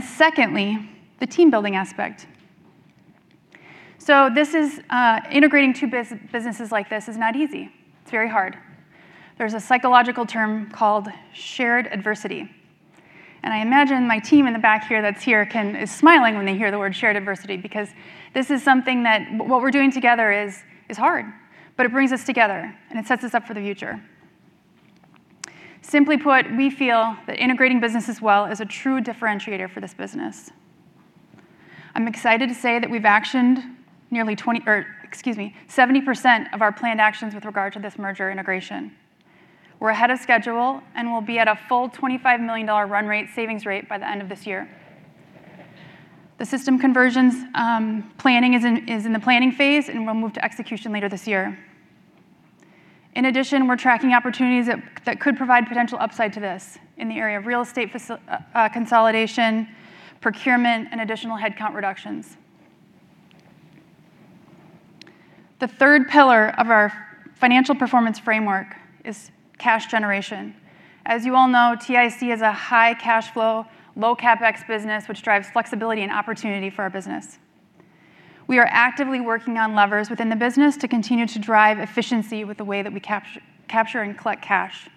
Secondly, the team-building aspect. Integrating two businesses like this is not easy. It's very hard. There's a psychological term called shared adversity, and I imagine my team in the back here that's here is smiling when they hear the word shared adversity because this is something that what we're doing together is hard, but it brings us together, and it sets us up for the future. Simply put, we feel that integrating businesses well is a true differentiator for this business. I'm excited to say that we've actioned nearly 70% of our planned actions with regard to this merger integration. We're ahead of schedule. We'll be at a full $25 million run rate, savings rate by the end of this year. The system conversions, planning is in the planning phase. We'll move to execution later this year. In addition, we're tracking opportunities that could provide potential upside to this in the area of real estate consolidation, procurement, and additional headcount reductions. The third pillar of our financial performance framework is cash generation. As you all know, TIC is a high cash flow, low CapEx business which drives flexibility and opportunity for our business. We are actively working on levers within the business to continue to drive efficiency with the way that we capture and collect cash.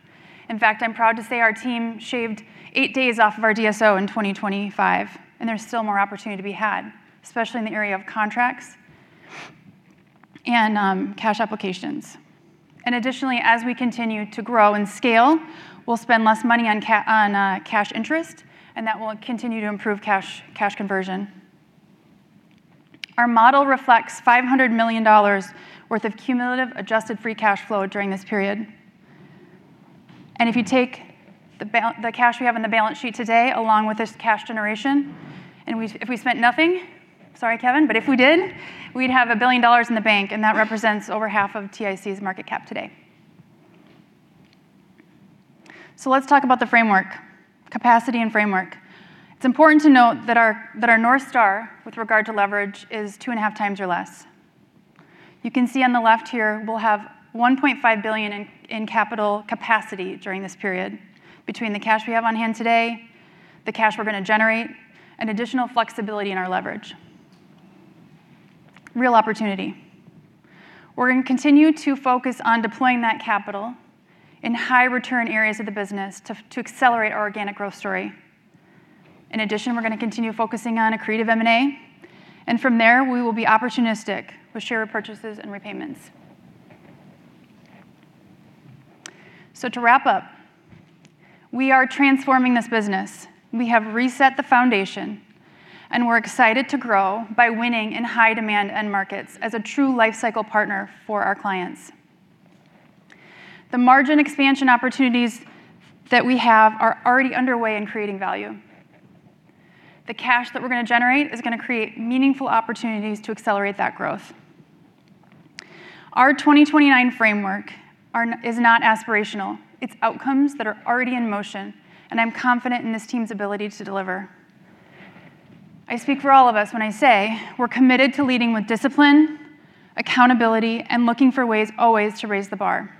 In fact, I'm proud to say our team shaved 8 days off of our DSO in 2025, there's still more opportunity to be had, especially in the area of contracts and cash applications. Additionally, as we continue to grow and scale, we'll spend less money on cash interest, and that will continue to improve cash conversion. Our model reflects $500 million worth of cumulative adjusted free cash flow during this period. If you take the cash we have on the balance sheet today, along with this cash generation, if we spent nothing, sorry, Kevin, but if we did, we'd have $1 billion in the bank, and that represents over half of TIC's market cap today. Let's talk about the framework, capacity and framework. It's important to note that our North Star with regard to leverage is 2.5 times or less. You can see on the left here, we'll have $1.5 billion in capital capacity during this period between the cash we have on hand today, the cash we're gonna generate, and additional flexibility in our leverage. Real opportunity. We're gonna continue to focus on deploying that capital in high-return areas of the business to accelerate our organic growth story. In addition, we're gonna continue focusing on accretive M&A. From there, we will be opportunistic with share purchases and repayments. To wrap up, we are transforming this business. We have reset the foundation. We're excited to grow by winning in high-demand end markets as a true lifecycle partner for our clients. The margin expansion opportunities that we have are already underway in creating value. The cash that we're gonna generate is gonna create meaningful opportunities to accelerate that growth. Our 2029 framework is not aspirational. It's outcomes that are already in motion. I'm confident in this team's ability to deliver. I speak for all of us when I say we're committed to leading with discipline, accountability, and looking for ways always to raise the bar.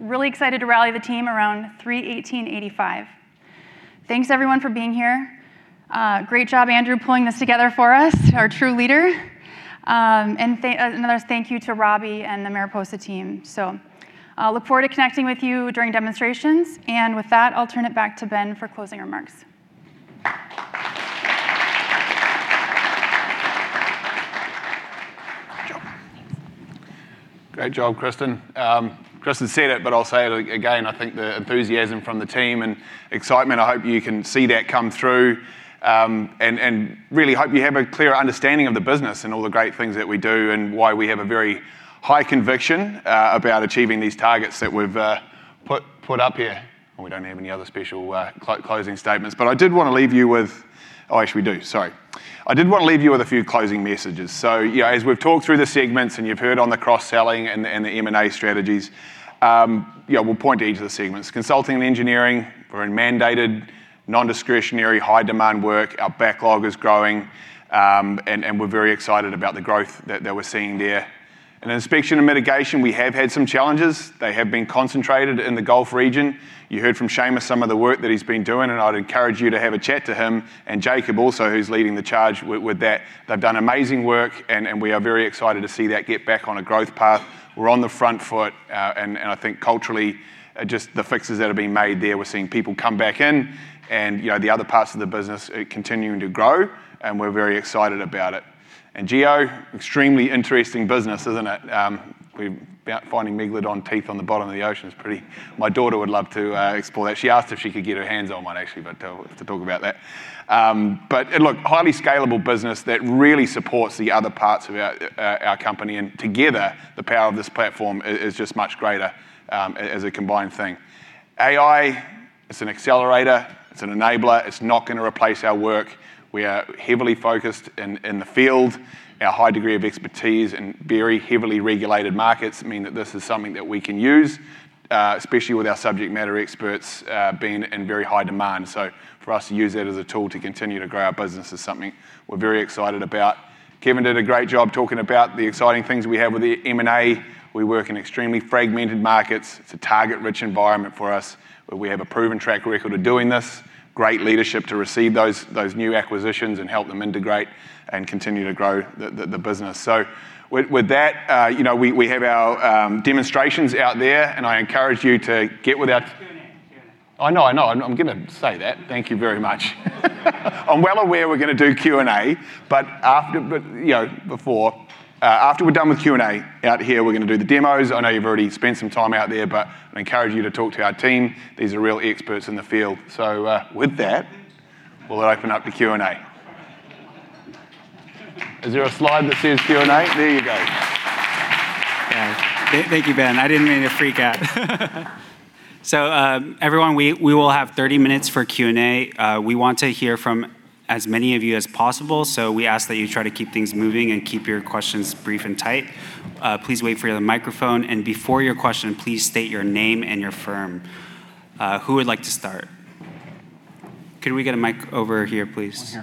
Really excited to rally the team around 3-18-85. Thanks everyone for being here. Great job, Andrew, pulling this together for us, our true leader. Another thank you to Robbie and the Mariposa team. I'll look forward to connecting with you during demonstrations, and with that, I'll turn it back to Ben for closing remarks. Great job, Kristin. Kristin said it, but I'll say it again. I think the enthusiasm from the team and excitement, I hope you can see that come through. I really hope you have a clear understanding of the business and all the great things that we do and why we have a very high conviction about achieving these targets that we've put up here. We don't have any other special closing statements. I did wanna leave you with, oh, actually we do, sorry. I did wanna leave you with a few closing messages. You know, as we've talked through the segments, and you've heard on the cross-selling and the M&A strategies, we'll point to each of the segments. Consulting and Engineering, we're in mandated, non-discretionary, high demand work. Our backlog is growing. We're very excited about the growth that we're seeing there. In Inspection & Mitigation, we have had some challenges. They have been concentrated in the Gulf region. You heard from Shamus Sullivan some of the work that he's been doing, and I'd encourage you to have a chat to him, and Jacob also, who's leading the charge with that. They've done amazing work and we are very excited to see that get back on a growth path. We're on the front foot. I think culturally, just the fixes that are being made there, we're seeing people come back in and, you know, the other parts of the business, continuing to grow, and we're very excited about it. Geospatial, extremely interesting business, isn't it? We're about finding Megalodon teeth on the bottom of the ocean. My daughter would love to explore that. She asked if she could get her hands on one, actually, but we'll have to talk about that. Look, highly scalable business that really supports the other parts of our company, and together, the power of this platform is just much greater as a combined thing. AI, it's an accelerator, it's an enabler. It's not gonna replace our work. We are heavily focused in the field. Our high degree of expertise in very heavily regulated markets mean that this is something that we can use, especially with our subject matter experts being in very high demand. For us to use that as a tool to continue to grow our business is something we're very excited about. Kevin did a great job talking about the exciting things we have with the M&A. We work in extremely fragmented markets. It's a target-rich environment for us, where we have a proven track record of doing this. Great leadership to receive those new acquisitions and help them integrate and continue to grow the business. With that, you know, we have our demonstrations out there, and I encourage you to get with that. Q&A. Q&A. I know. I know. I'm going to say that. Thank you very much. I'm well aware we're going to do Q&A. After we're done with Q&A out here, we're going to do the demos. I know you've already spent some time out there, but I encourage you to talk to our team. These are real experts in the field. With that, we'll open up the Q&A. Is there a slide that says Q&A? There you go. Thank you, Ben. I didn't mean to freak out. Everyone, we will have 30 minutes for Q&A. We want to hear from as many of you as possible, so we ask that you try to keep things moving and keep your questions brief and tight. Please wait for the microphone, and before your question, please state your name and your firm. Who would like to start? Could we get a mic over here, please?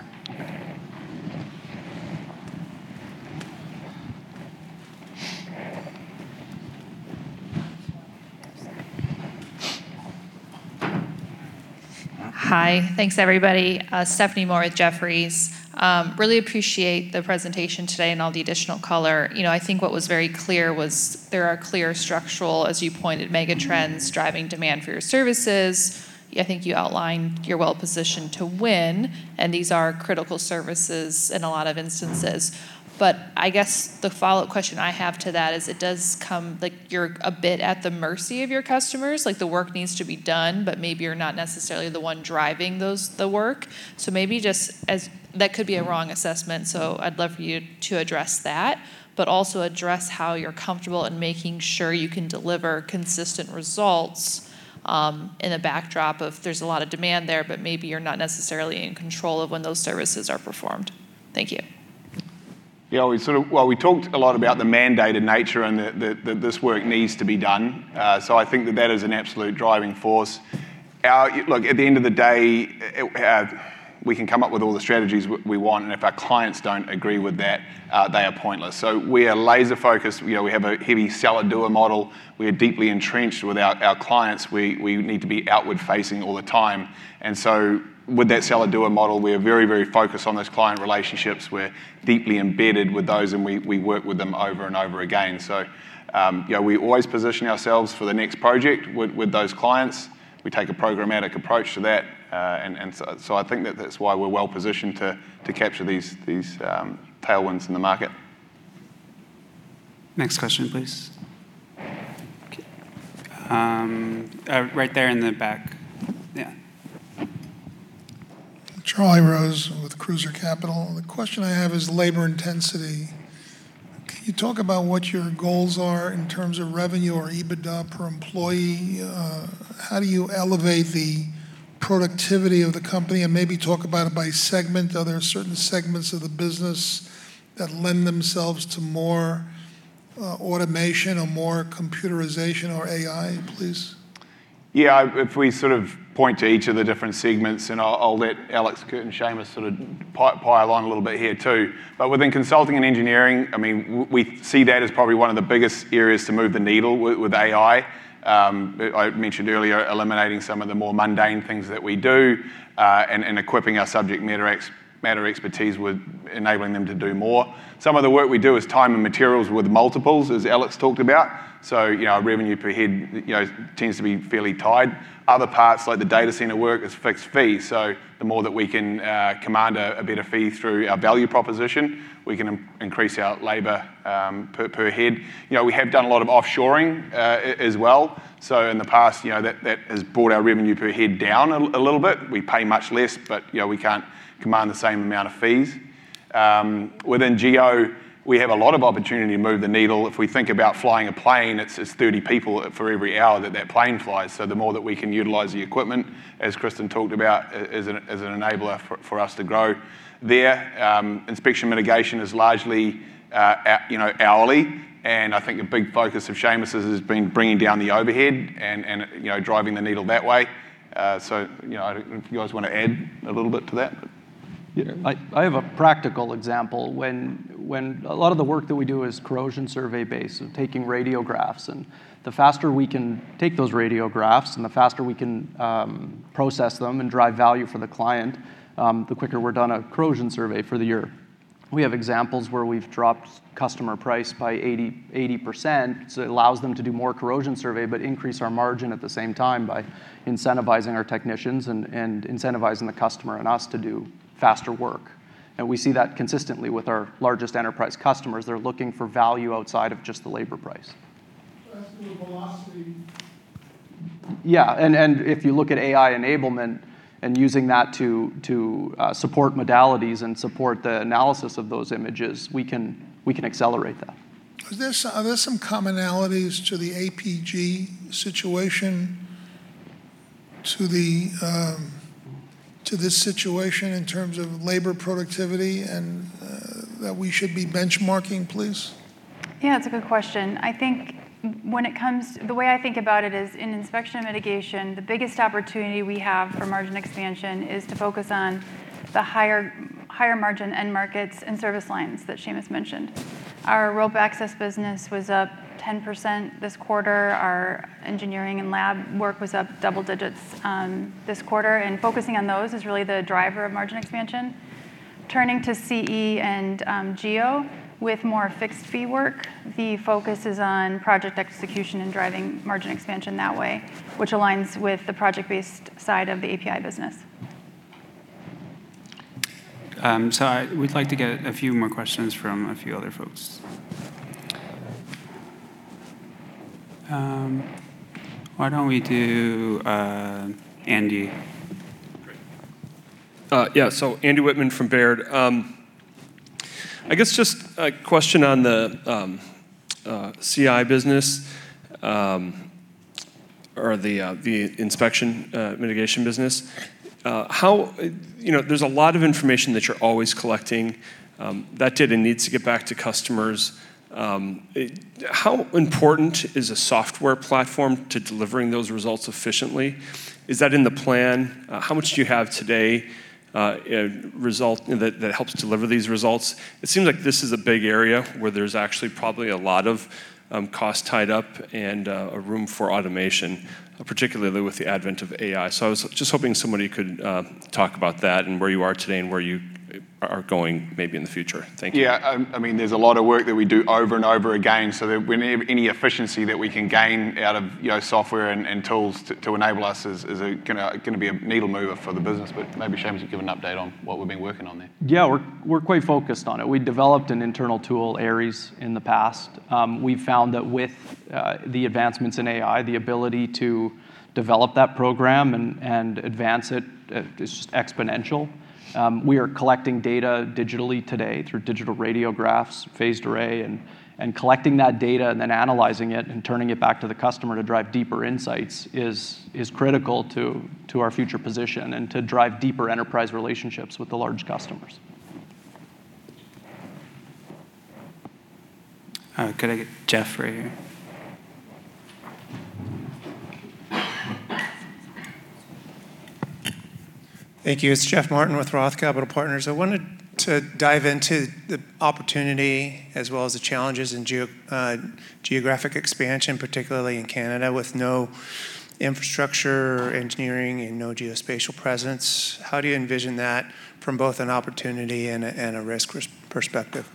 One here. Hi. Thanks, everybody. Stephanie Moore with Jefferies. I really appreciate the presentation today and all the additional color. You know, I think what was very clear was there are clear structural, as you pointed, mega trends driving demand for your services. I think you outlined you're well positioned to win, and these are critical services in a lot of instances. I guess the follow-up question I have to that is it does come, like you're a bit at the mercy of your customers. Like the work needs to be done, but maybe you're not necessarily the one driving those, the work. Maybe just as, that could be a wrong assessment, so I'd love for you to address that, but also address how you're comfortable in making sure you can deliver consistent results, in the backdrop of there's a lot of demand there, but maybe you're not necessarily in control of when those services are performed. Thank you. Yeah, we sort of we talked a lot about the mandated nature and that this work needs to be done. I think that that is an absolute driving force. Our Look, at the end of the day, it, we can come up with all the strategies we want, if our clients don't agree with that, they are pointless. We are laser-focused. You know, we have a heavy seller-doer model. We are deeply entrenched with our clients. We need to be outward-facing all the time. With that seller-doer model, we are very focused on those client relationships. We're deeply embedded with those, we work with them over and over again. Yeah, we always position ourselves for the next project with those clients. We take a programmatic approach to that. I think that that's why we're well positioned to capture these tailwinds in the market. Next question, please. Right there in the back. Charlie Rose with Cruiser Capital. The question I have is labor intensity. Can you talk about what your goals are in terms of revenue or EBITDA per employee? How do you elevate the productivity of the company? Maybe talk about it by segment. Are there certain segments of the business that lend themselves to more automation or more computerization or AI, please? Yeah, if we sort of point to each of the different segments, and I'll let Alex, Kurt, and Shamus sort of pile on a little bit here too. Within consulting and engineering, I mean, we see that as probably one of the biggest areas to move the needle with AI. I mentioned earlier eliminating some of the more mundane things that we do, and equipping our subject matter expertise with enabling them to do more. Some of the work we do is time and materials with multiples, as Alex Hockman talked about. You know, our revenue per head, you know, tends to be fairly tied. Other parts, like the data center work, is fixed fee. The more that we can command a better fee through our value proposition, we can increase our labor per head. You know, we have done a lot of offshoring, as well. In the past, you know, that has brought our revenue per head down a little bit. We pay much less, you know, we can't command the same amount of fees. Within Geo, we have a lot of opportunity to move the needle. If we think about flying a plane, it's 30 people for every hour that plane flies. The more that we can utilize the equipment, as Kristin talked about, as an enabler for us to grow. There, Inspection & Mitigation is largely, you know, hourly, and I think a big focus of Shamus' has been bringing down the overhead and, you know, driving the needle that way. You know, I don't know if you guys want to add a little bit to that? Yeah, I have a practical example. When a lot of the work that we do is corrosion survey based, so taking radiographs. The faster we can take those radiographs, and the faster we can process them and drive value for the client, the quicker we're done a corrosion survey for the year. We have examples where we've dropped customer price by 80%, so it allows them to do more corrosion survey, but increase our margin at the same time by incentivizing our technicians and incentivizing the customer and us to do faster work. We see that consistently with our largest enterprise customers. They're looking for value outside of just the labor price. That's through a velocity- Yeah. If you look at AI enablement and using that to support modalities and support the analysis of those images, we can accelerate that. Are there some commonalities to the APG situation, to the, to this situation in terms of labor productivity and that we should be benchmarking, please? Yeah, that's a good question. I think the way I think about it is in inspection mitigation, the biggest opportunity we have for margin expansion is to focus on the higher margin end markets and service lines that Shamus mentioned. Our rope access business was up 10% this quarter. Our engineering and lab work was up double digits this quarter. Focusing on those is really the driver of margin expansion. Turning to CE and Geo, with more fixed fee work, the focus is on project execution and driving margin expansion that way, which aligns with the project-based side of the APi business. We'd like to get a few more questions from a few other folks. Why don't we do, Andy? Great. Andy Wittmann from Baird. I guess just a question on the CI business, or the Inspection & Mitigation business. You know, there's a lot of information that you're always collecting, that data needs to get back to customers. How important is a software platform to delivering those results efficiently? Is that in the plan? How much do you have today, that helps deliver these results? It seems like this is a big area where there's actually probably a lot of cost tied up and a room for automation, particularly with the advent of AI. I was just hoping somebody could talk about that and where you are today and where you are going maybe in the future. Thank you. Yeah. I mean, there's a lot of work that we do over and over again. We need any efficiency that we can gain out of, you know, software and tools to enable us is gonna be a needle mover for the business. Maybe Shamus can give an update on what we've been working on there. Yeah. We're quite focused on it. We developed an internal tool, Aries, in the past. We found that with the advancements in AI, the ability to develop that program and advance it is just exponential. We are collecting data digitally today through digital radiographs, phased array. Collecting that data and then analyzing it and turning it back to the customer to drive deeper insights is critical to our future position and to drive deeper enterprise relationships with the large customers. Could I get Jeff right here? Thank you. It is Jeff Martin with Roth Capital Partners. I wanted to dive into the opportunity as well as the challenges in geographic expansion, particularly in Canada, with no infrastructure, engineering, and no geospatial presence. How do you envision that from both an opportunity and a risk perspective?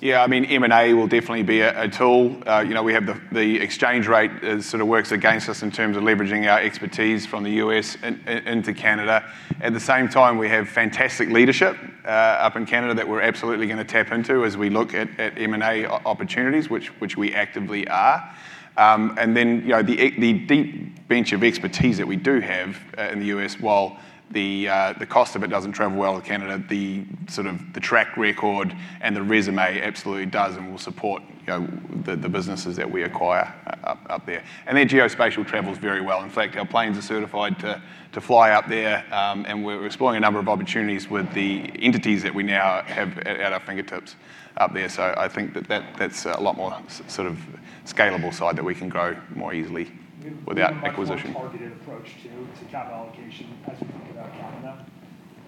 Yeah, I mean, M&A will definitely be a tool. You know, we have the exchange rate sort of works against us in terms of leveraging our expertise from the U.S. into Canada. At the same time, we have fantastic leadership up in Canada that we're absolutely gonna tap into as we look at M&A opportunities, which we actively are. You know, the deep bench of expertise that we do have in the U.S., while the cost of it doesn't travel well to Canada, the sort of the track record and the resume absolutely does and will support, you know, the businesses that we acquire up there. Their Geospatial travels very well. In fact, our planes are certified to fly up there. We're exploring a number of opportunities with the entities that we now have at our fingertips up there. I think that that's a lot more sort of scalable side that we can grow more easily without acquisition. We have a much more targeted approach to capital allocation as we think about Canada.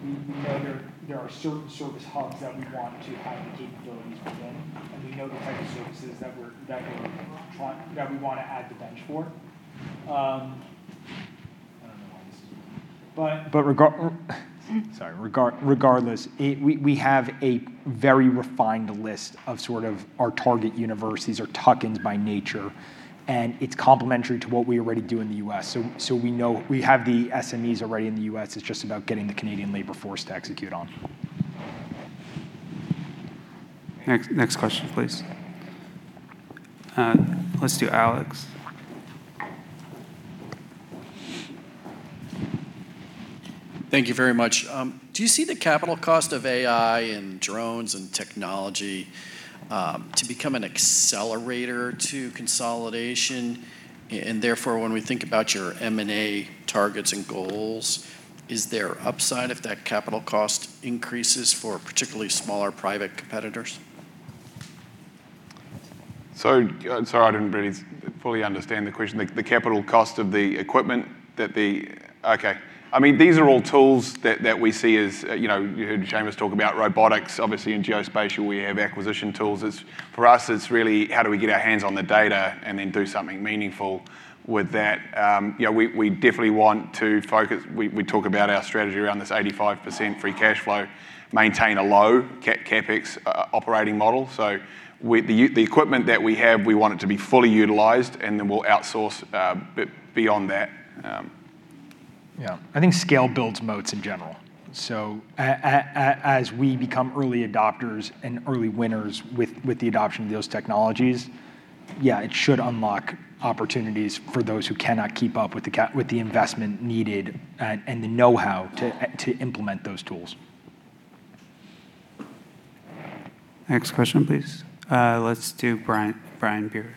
We know there are certain service hubs that we want to have the capabilities within, and we know the type of services that we wanna add the bench for. I don't know why this is working. Sorry. Regardless, we have a very refined list of sort of our target universe or tuck-ins by nature, and it's complementary to what we already do in the U.S. We know we have the SMEs already in the U.S. It's just about getting the Canadian labor force to execute on. Next question, please. Let's do Alex. Thank you very much. Do you see the capital cost of AI and drones and technology, to become an accelerator to consolidation? When we think about your M&A targets and goals, is there upside if that capital cost increases for particularly smaller private competitors? Sorry, I didn't really fully understand the question. The, the capital cost of the equipment that the Okay. I mean, these are all tools that we see as, you know, you heard Shamus talk about robotics. Obviously in Geospatial we have acquisition tools. It's, for us, it's really how do we get our hands on the data and then do something meaningful with that. You know, we definitely want to focus. We talk about our strategy around this 85% free cash flow, maintain a low CapEx operating model. The equipment that we have, we want it to be fully utilized and then we'll outsource beyond that. Yeah. I think scale builds moats in general. As we become early adopters and early winners with the adoption of those technologies, yeah, it should unlock opportunities for those who cannot keep up with the investment needed and the know-how to implement those tools. Next question, please. let's do Brian Biros.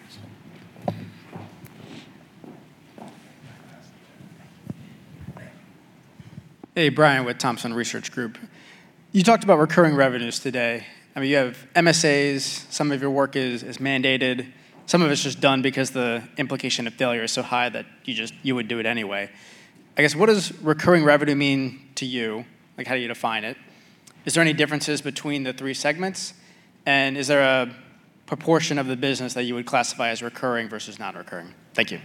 Hey, Brian with Thompson Research Group. You talked about recurring revenues today. I mean, you have MSAs, some of your work is mandated, some of it's just done because the implication of failure is so high that you would do it anyway. I guess, what does recurring revenue mean to you? Like, how do you define it? Is there any differences between the three segments? And is there a proportion of the business that you would classify as recurring versus non-recurring? Thank you.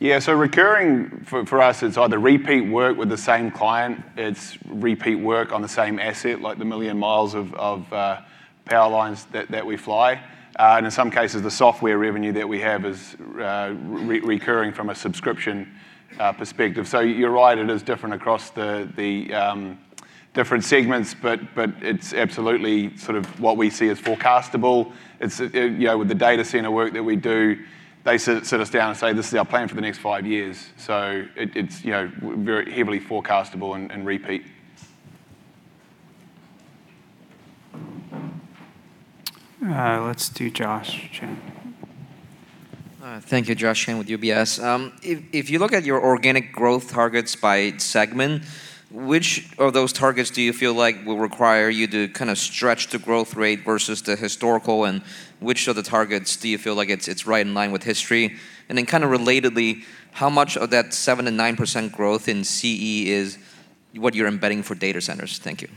Recurring for us, it's either repeat work with the same client, it's repeat work on the same asset, like the million miles of power lines that we fly. In some cases, the software revenue that we have is recurring from a subscription perspective. You're right, it is different across the different segments, but it's absolutely sort of what we see as forecastable. It's, you know, with the data center work that we do, they sit us down and say, "This is our plan for the next five years." It's, you know, very heavily forecastable and repeat. Let's do Josh Chan. Thank you. Josh Chan with UBS. If you look at your organic growth targets by segment, which of those targets do you feel like will require you to kind of stretch the growth rate versus the historical, and which of the targets do you feel like it's right in line with history? Then kind of relatedly, how much of that 7%-9% growth in CE is what you're embedding for data centers? Thank you.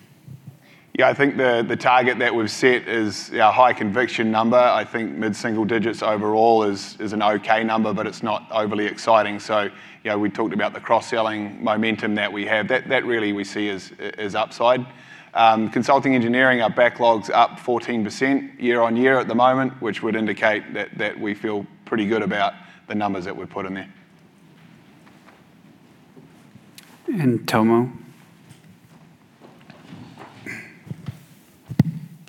Yeah. I think the target that we've set is a high conviction number. I think mid-single digits overall is an okay number, but it's not overly exciting. You know, we talked about the cross-selling momentum that we have. That really we see as upside. Consulting engineering, our backlog's up 14% year-over-year at the moment, which would indicate that we feel pretty good about the numbers that we put in there. Tomo.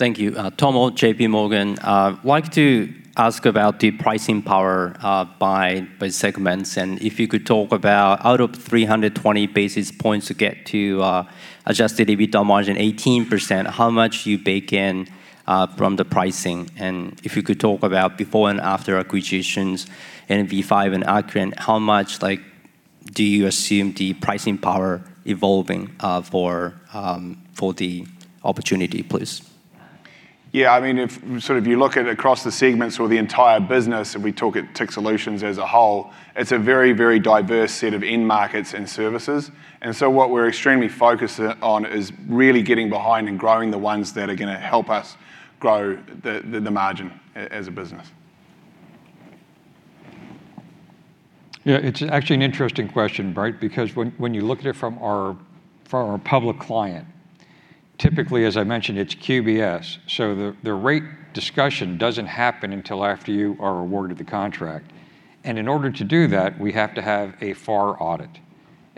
Thank you. Tomo, JP Morgan. Like to ask about the pricing power by segments, and if you could talk about out of 320 basis points to get to adjusted EBITDA margin 18%, how much you bake in from the pricing. If you could talk about before and after acquisitions, NV5 and Acuren, how much, like, do you assume the pricing power evolving for the opportunity, please? Yeah, I mean, if sort of you look at across the segments or the entire business. We talk at TIC Solutions as a whole, it's a very diverse set of end markets and services. What we're extremely focused on is really getting behind and growing the ones that are going to help us grow the margin as a business. Yeah, it's actually an interesting question, right? When you look at it from our public client, typically, as I mentioned, it's QBS, the rate discussion doesn't happen until after you are awarded the contract. In order to do that, we have to have a FAR audit.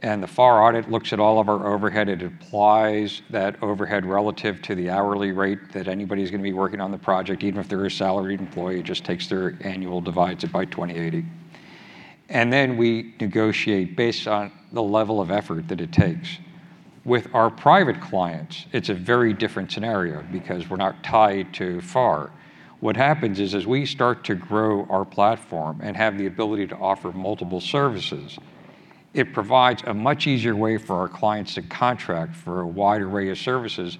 The FAR audit looks at all of our overhead, it applies that overhead relative to the hourly rate that anybody's gonna be working on the project, even if they're a salaried employee, it just takes their annual, divides it by 2080. Then we negotiate based on the level of effort that it takes. With our private clients, it's a very different scenario because we're not tied to FAR. What happens is, as we start to grow our platform and have the ability to offer multiple services, it provides a much easier way for our clients to contract for a wide array of services.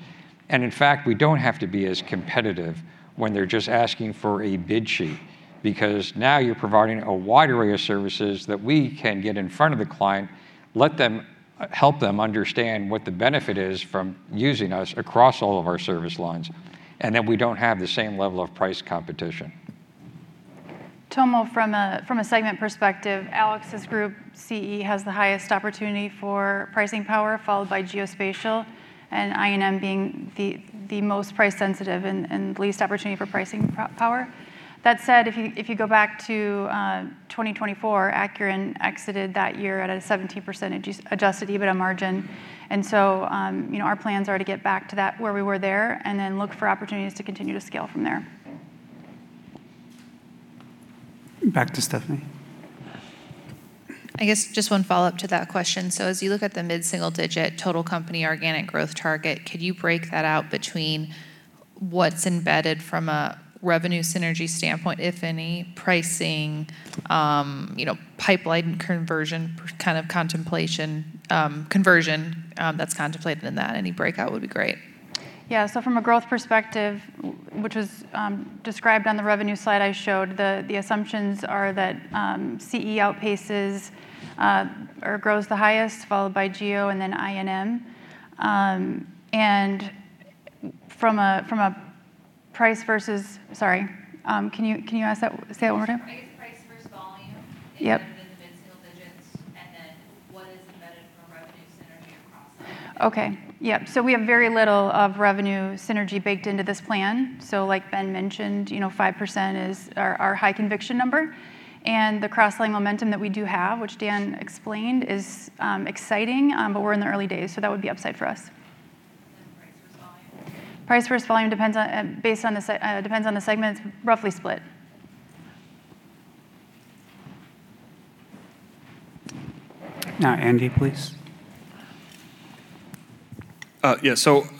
In fact, we don't have to be as competitive when they're just asking for a bid sheet, because now you're providing a wide array of services that we can get in front of the client, let them, help them understand what the benefit is from using us across all of our service lines, and then we don't have the same level of price competition. Tomo, from a segment perspective, Alex's group, CE, has the highest opportunity for pricing power, followed by Geospatial, and I&M being the most price sensitive and least opportunity for pricing power. That said, if you go back to 2024, Acuren exited that year at a 17% adjusted EBITDA margin. You know, our plans are to get back to that, where we were there, and then look for opportunities to continue to scale from there. Back to Stephanie. I guess just one follow-up to that question. As you look at the mid-single digit total company organic growth target, could you break that out between what's embedded from a revenue synergy standpoint, if any, pricing, you know, pipeline conversion, kind of contemplation, conversion, that's contemplated in that? Any breakout would be great. From a growth perspective, which was described on the revenue slide I showed, the assumptions are that CE outpaces or grows the highest, followed by Geospatial and then I&M. From a price versus... Sorry, can you ask that, say it one more time? Is price versus volume in the mid-single digits. What is the benefit from revenue synergy across. Okay. Yep. We have very little of revenue synergy baked into this plan. Like Ben mentioned, you know, 5% is our high conviction number, and the cross-sell momentum that we do have, which Dan explained, is exciting. We're in the early days, that would be upside for us. Price versus volume? Price versus volume depends on, depends on the segment. Roughly split. Andy, please.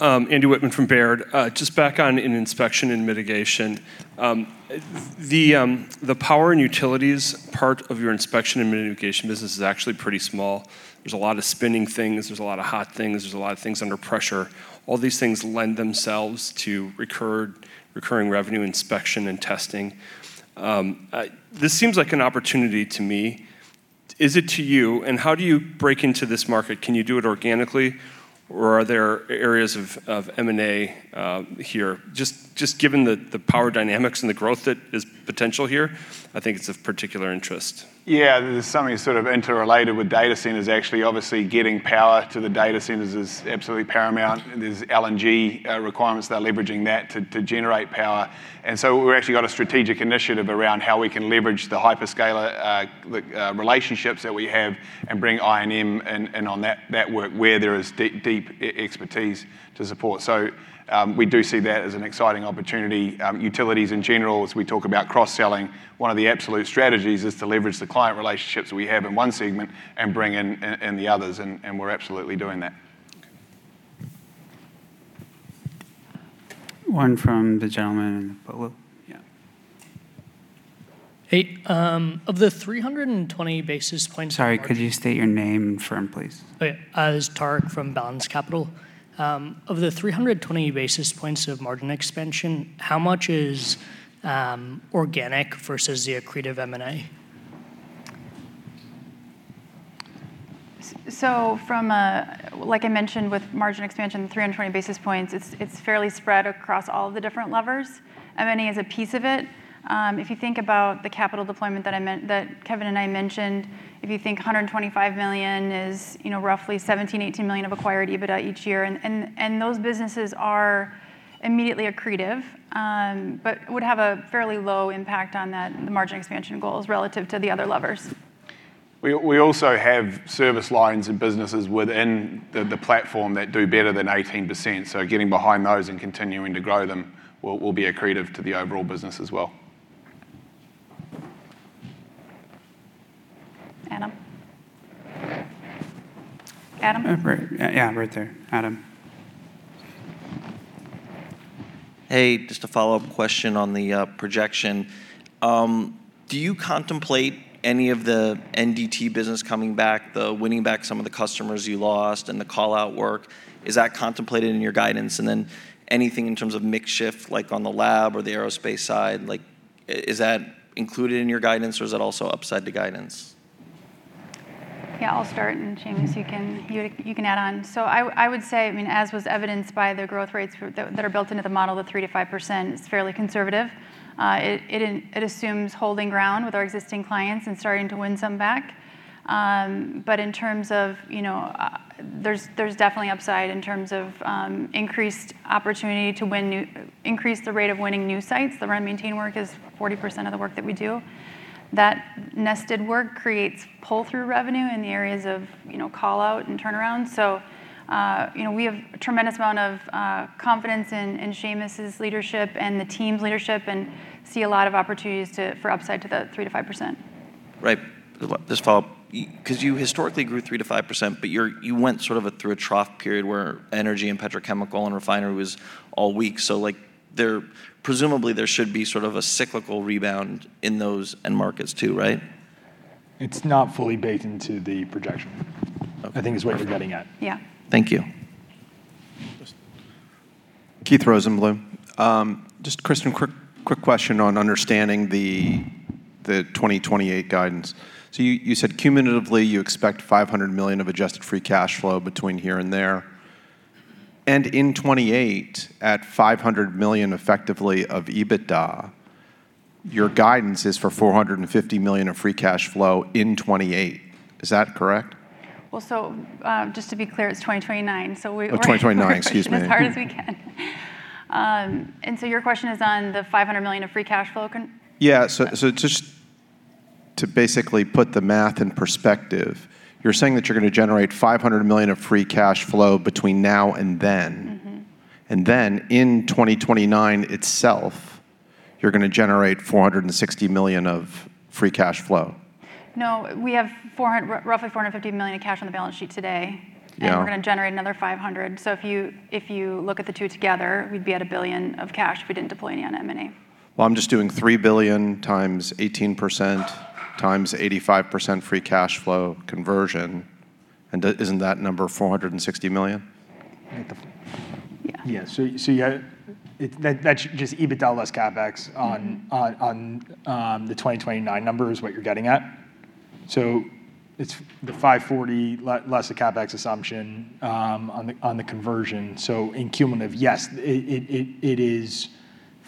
Andy Wittmann from Baird. Just back on in Inspection & Mitigation. The power and utilities part of your Inspection & Mitigation business is actually pretty small. There's a lot of spinning things, there's a lot of hot things, there's a lot of things under pressure. All these things lend themselves to recurring revenue inspection and testing. This seems like an opportunity to me. Is it to you? How do you break into this market? Can you do it organically, or are there areas of M&A here? Given the power dynamics and the growth that is potential here, I think it's of particular interest. There's something sort of interrelated with data centers actually. Obviously, getting power to the data centers is absolutely paramount. There's LNG requirements, they're leveraging that to generate power. We've actually got a strategic initiative around how we can leverage the hyperscaler relationships that we have and bring I&M in on that work where there is deep expertise to support. We do see that as an exciting opportunity. Utilities in general, as we talk about cross-selling, one of the absolute strategies is to leverage the client relationships we have in one segment and bring in the others, and we're absolutely doing that. Okay. One from the gentleman in the blue. Yeah. Hey. of the 320 basis points- Sorry, could you state your name and firm, please? Oh, yeah. It's Tariq from Balance Capital. Of the 320 basis points of margin expansion, how much is organic versus the accretive M&A? From a... Like I mentioned with margin expansion, 320 basis points, it's fairly spread across all of the different levers. M&A is a piece of it. If you think about the capital deployment that Kevin and I mentioned, if you think $125 million is, you know, roughly $17 million-$18 million of acquired EBITDA each year, and those businesses are immediately accretive. Would have a fairly low impact on that the margin expansion goals relative to the other levers. We also have service lines and businesses within the platform that do better than 18%. Getting behind those and continuing to grow them will be accretive to the overall business as well. Adam? Adam? Right. Yeah, right there. Adam. Hey, just a follow-up question on the projection. Do you contemplate any of the NDT business coming back, the winning back some of the customers you lost and the call out work? Is that contemplated in your guidance? Anything in terms of mix shift, like on the lab or the aerospace side, is that included in your guidance or is it also upside to guidance? Yeah, I'll start, Shamus, you can add on. I would say, I mean, as was evidenced by the growth rates for that are built into the model, the 3%-5% is fairly conservative. It assumes holding ground with our existing clients and starting to win some back. In terms of, you know, there's definitely upside in terms of increased opportunity to win new, increase the rate of winning new sites. The run maintain work is 40% of the work that we do. That nested work creates pull-through revenue in the areas of, you know, call out and turnaround. You know, we have a tremendous amount of confidence in Shamus's leadership and the team's leadership and see a lot of opportunities to, for upside to the 3%-5%. Right. Just follow up. Because you historically grew 3%-5%, you went sort of a through a trough period where energy and petrochemical and refinery was all weak. Like there, presumably there should be sort of a cyclical rebound in those end markets too, right? It's not fully baked into the projection. Okay. I think is what you're getting at. Yeah. Thank you. Yes. Keith Rosenbloom. Just Kristin, quick question on understanding the 2028 guidance. You said cumulatively, you expect $500 million of adjusted free cash flow between here and there. In 2028, at $500 million effectively of EBITDA, your guidance is for $450 million of free cash flow in 2028. Is that correct? Just to be clear, it's 2029. Oh, 2029. Excuse me. We're working as hard as we can. Your question is on the $500 million of free cash flow. Yeah. Just to basically put the math in perspective, you're saying that you're gonna generate $500 million of free cash flow between now and then. In 2029 itself, you're gonna generate $460 million of free cash flow. No, we have roughly $450 million of cash on the balance sheet today. Yeah. We're gonna generate another $500 million. If you look at the two together, we'd be at $1 billion of cash if we didn't deploy any on M&A. Well, I'm just doing $3 billion times 18% times 85% free cash flow conversion. Isn't that number $460 million? Yeah. Yeah. That's just EBITDA less CapEx on the 2029 number is what you're getting at? It's the $540 less the CapEx assumption on the conversion. In cumulative, yes, it is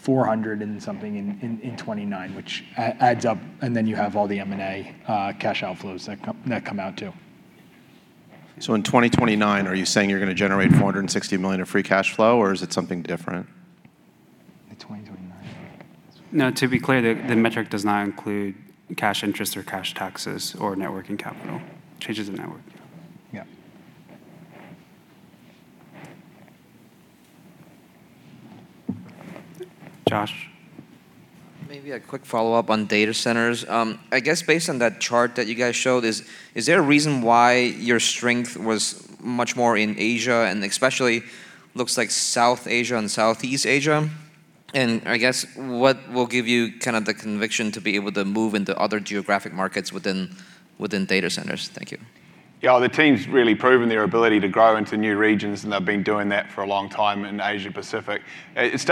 $400 and something in 2029, which adds up, and then you have all the M&A cash outflows that come out too. In 2029, are you saying you're gonna generate $460 million of free cash flow or is it something different? The 2029. No, to be clear, the metric does not include cash interest or cash taxes or net working capital, changes in net working capital. Yeah. Josh. Maybe a quick follow-up on data centers. I guess based on that chart that you guys showed, is there a reason why your strength was much more in Asia, and especially looks like South Asia and Southeast Asia? I guess what will give you kind of the conviction to be able to move into other geographic markets within data centers? Thank you. The team's really proven their ability to grow into new regions, and they've been doing that for a long time in Asia Pacific.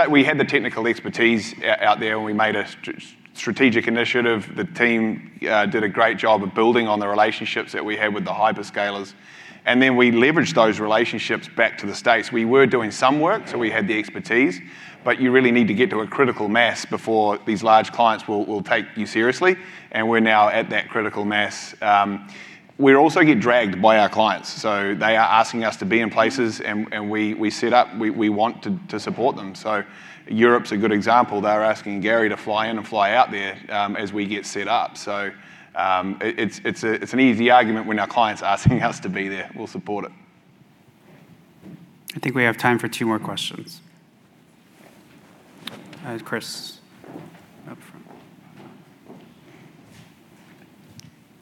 We had the technical expertise out there when we made a strategic initiative. The team did a great job of building on the relationships that we had with the hyperscalers. Then we leveraged those relationships back to the States. We were doing some work, so we had the expertise, but you really need to get to a critical mass before these large clients will take you seriously, and we're now at that critical mass. We also get dragged by our clients. They are asking us to be in places and we sit up. We want to support them. Europe's a good example. They're asking Gary to fly in and fly out there, as we get set up. It's an easy argument when our client's asking us to be there. We'll support it. I think we have time for two more questions. Chris, up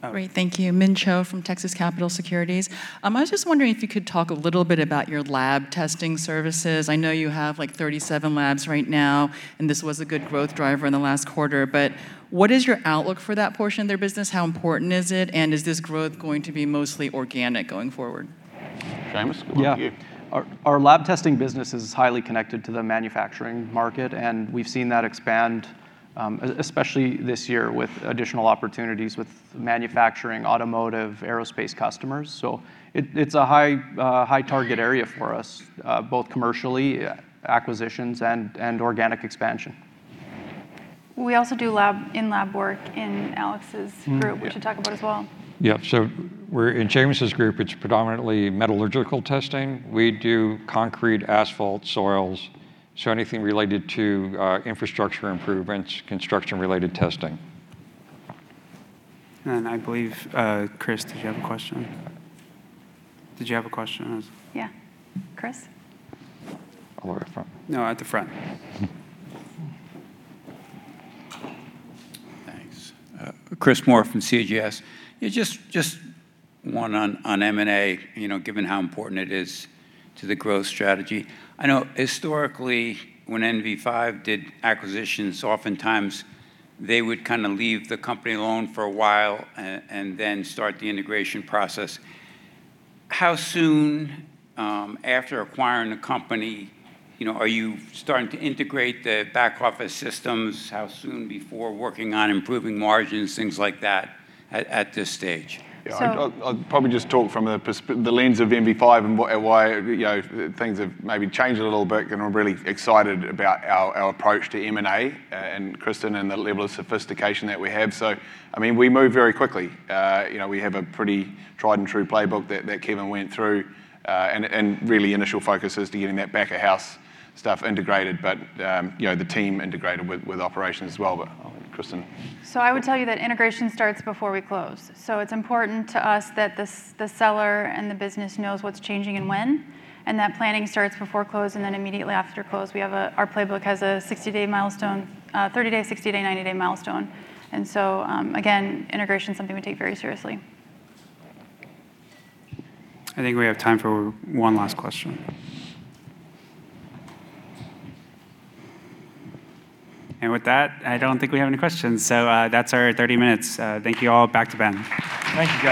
front. Great. Thank you. Min Cho from Texas Capital Securities. I was just wondering if you could talk a little bit about your lab testing services. I know you have, like, 37 labs right now, and this was a good growth driver in the last quarter, but what is your outlook for that portion of their business? How important is it, and is this growth going to be mostly organic going forward? Shamus? Yeah. Our lab testing business is highly connected to the manufacturing market, and we've seen that expand especially this year with additional opportunities with manufacturing, automotive, aerospace customers. It's a high target area for us, both commercially, acquisitions and organic expansion. We also do in lab work in Alex's group. Yeah. Which you talk about as well. Yeah. We're in Shamus' group, it's predominantly metallurgical testing. We do concrete, asphalt, soils. Anything related to infrastructure improvements, construction related testing. I believe, Chris, did you have a question? Yeah. Chris? All the way at the front. No, at the front. Thanks. Chris Moore from CJS. Just one on M&A, you know, given how important it is to the growth strategy. I know historically when NV5 did acquisitions, oftentimes they would kind of leave the company alone for a while and then start the integration process. How soon after acquiring a company, you know, are you starting to integrate the back office systems? How soon before working on improving margins, things like that at this stage? I'll probably just talk from the lens of NV5 and why, you know, things have maybe changed a little bit, and I'm really excited about our approach to M&A, and Kristin, and the level of sophistication that we have. I mean, we move very quickly. You know, we have a pretty tried and true playbook that Kevin went through. And really initial focus is to getting that back of house stuff integrated, but, you know, the team integrated with operations as well. Kristin. I would tell you that integration starts before we close. It's important to us that the seller and the business knows what's changing and when, and that planning starts before close and then immediately after close. Our playbook has a 60-day milestone, 30-day, 60-day, 90-day milestone. Again, integration is something we take very seriously. I think we have time for one last question. I don't think we have any questions. That's our 30 minutes. Thank you all. Back to Ben. Thank you, guys.